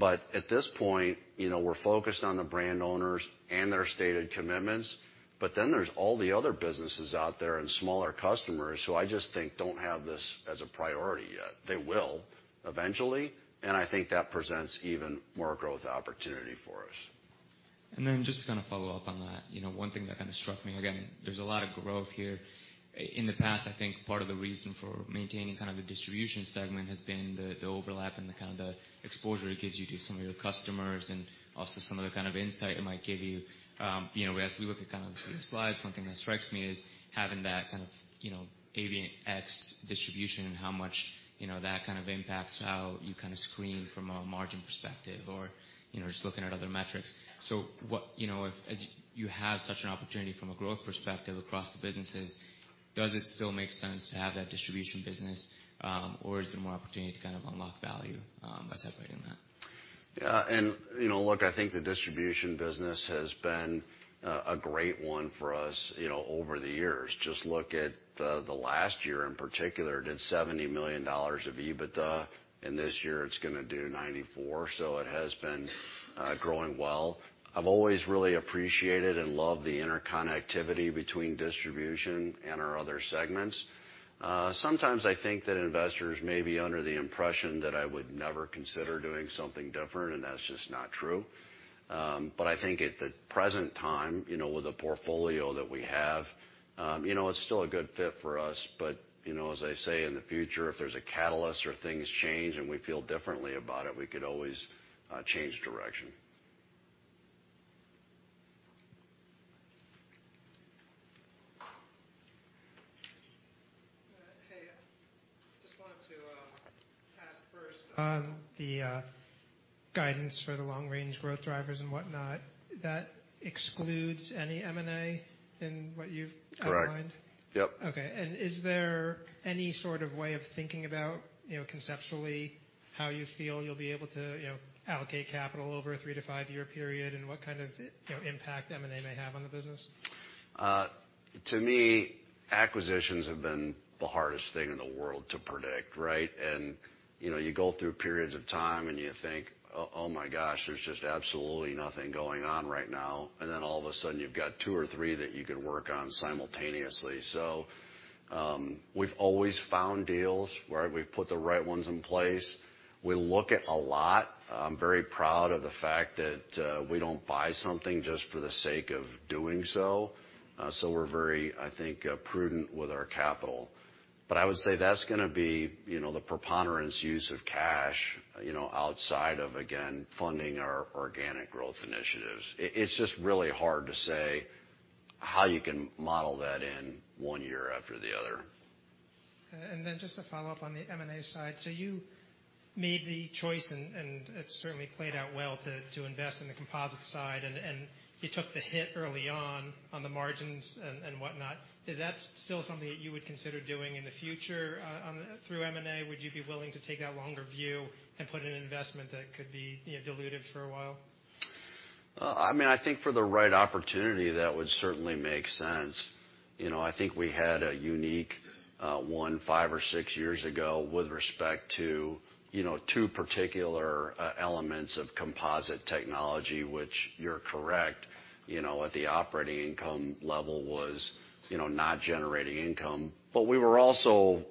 At this point, we're focused on the brand owners and their stated commitments, but then there's all the other businesses out there and smaller customers who I just think don't have this as a priority yet. They will eventually, and I think that presents even more growth opportunity for us. Just to follow up on that, one thing that struck me, again, there's a lot of growth here. In the past, I think part of the reason for maintaining the Distribution Segment has been the overlap and the kind of the exposure it gives you to some of your customers and also some of the kind of insight it might give you. As we look at the previous slides, one thing that strikes me is having that kind of Avient X Distribution and how much that kind of impacts how you screen from a margin perspective or just looking at other metrics. As you have such an opportunity from a growth perspective across the businesses, does it still make sense to have that Distribution Business? Or is there more opportunity to unlock value by separating that? Look, I think the distribution business has been a great one for us over the years. Just look at the last year in particular, it did $70 million of EBITDA, and this year it's going to do $94 million. It has been growing well. I've always really appreciated and loved the interconnectivity between distribution and our other segments. Sometimes I think that investors may be under the impression that I would never consider doing something different, and that's just not true. I think at the present time, with the portfolio that we have, it's still a good fit for us. As I say, in the future, if there's a catalyst or things change and we feel differently about it, we could always change direction. Hey, just wanted to ask first on the guidance for the long-range growth drivers and whatnot. That excludes any M&A in what you've outlined? Correct. Yep. Is there any sort of way of thinking about conceptually how you feel you'll be able to allocate capital over a three to five-year period and what kind of impact M&A may have on the business? To me, acquisitions have been the hardest thing in the world to predict, right? You go through periods of time and you think, "Oh, my gosh, there's just absolutely nothing going on right now." Then all of a sudden you've got two or three that you could work on simultaneously. We've always found deals where we've put the right ones in place. We look at a lot. I'm very proud of the fact that we don't buy something just for the sake of doing so. We're very, I think, prudent with our capital. I would say that's gonna be the preponderance use of cash outside of, again, funding our organic growth initiatives. It's just really hard to say how you can model that in one year after the other. Just to follow up on the M&A side. You made the choice, and it certainly played out well, to invest in the composite side, and you took the hit early on the margins and whatnot. Is that still something that you would consider doing in the future through M&A? Would you be willing to take that longer view and put in an investment that could be diluted for a while? I think for the right opportunity, that would certainly make sense. I think we had a unique one five or six years ago with respect to two particular elements of composite technology, which you're correct, at the operating income level was not generating income. We were also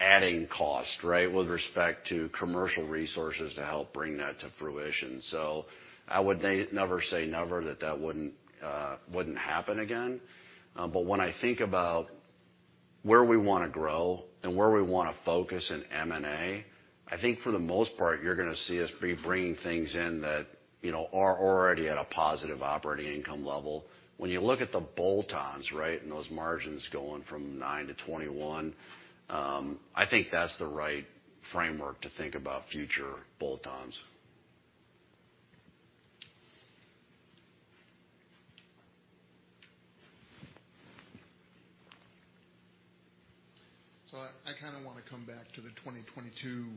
adding cost, right, with respect to commercial resources to help bring that to fruition. I would never say never that that wouldn't happen again. When I think about where we want to grow and where we want to focus in M&A, I think for the most part, you're going to see us be bringing things in that are already at a positive operating income level. When you look at the bolt-ons, right, and those margins going from 9-21, I think that's the right framework to think about future bolt-ons. I kind of want to come back to the 2022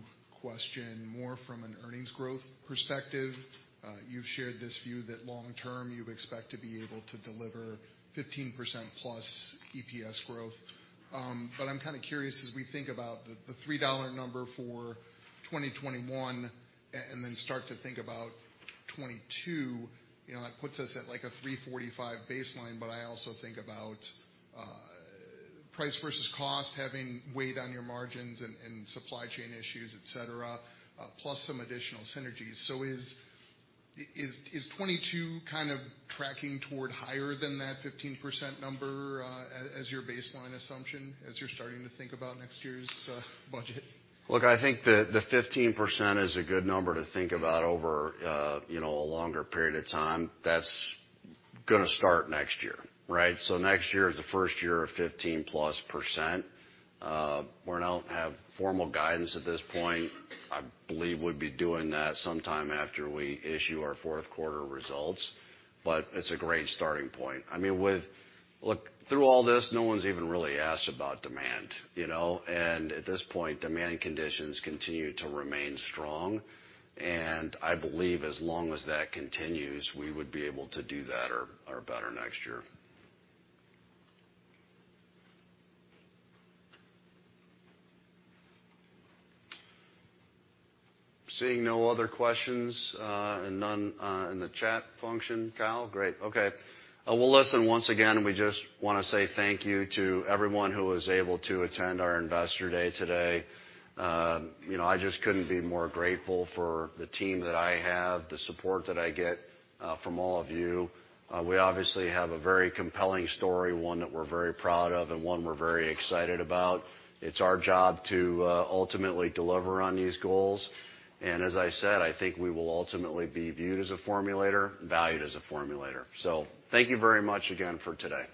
question more from an earnings growth perspective. You've shared this view that long term, you expect to be able to deliver 15%+ EPS growth. I'm kind of curious, as we think about the $3 number for 2021 and then start to think about 2022, that puts us at like a $3.45 baseline. I also think about price versus cost having weighed on your margins and supply chain issues, et cetera, plus some additional synergies. Is 2022 kind of tracking toward higher than that 15% number as your baseline assumption, as you're starting to think about next year's budget? I think the 15% is a good number to think about over a longer period of time. That's going to start next year, right? Next year is the first year of 15% plus. We don't have formal guidance at this point. I believe we'd be doing that sometime after we issue our fourth quarter results. It's a great starting point. Through all this, no one's even really asked about demand. At this point, demand conditions continue to remain strong, and I believe as long as that continues, we would be able to do that or better next year. Seeing no other questions and none in the chat function, Cal? Great. Okay. Listen, once again, we just want to say thank you to everyone who was able to attend our Investor Day today. I just couldn't be more grateful for the team that I have, the support that I get from all of you. We obviously have a very compelling story, one that we're very proud of and one we're very excited about. It's our job to ultimately deliver on these goals. As I said, I think we will ultimately be viewed as a formulator, valued as a formulator. Thank you very much again for today.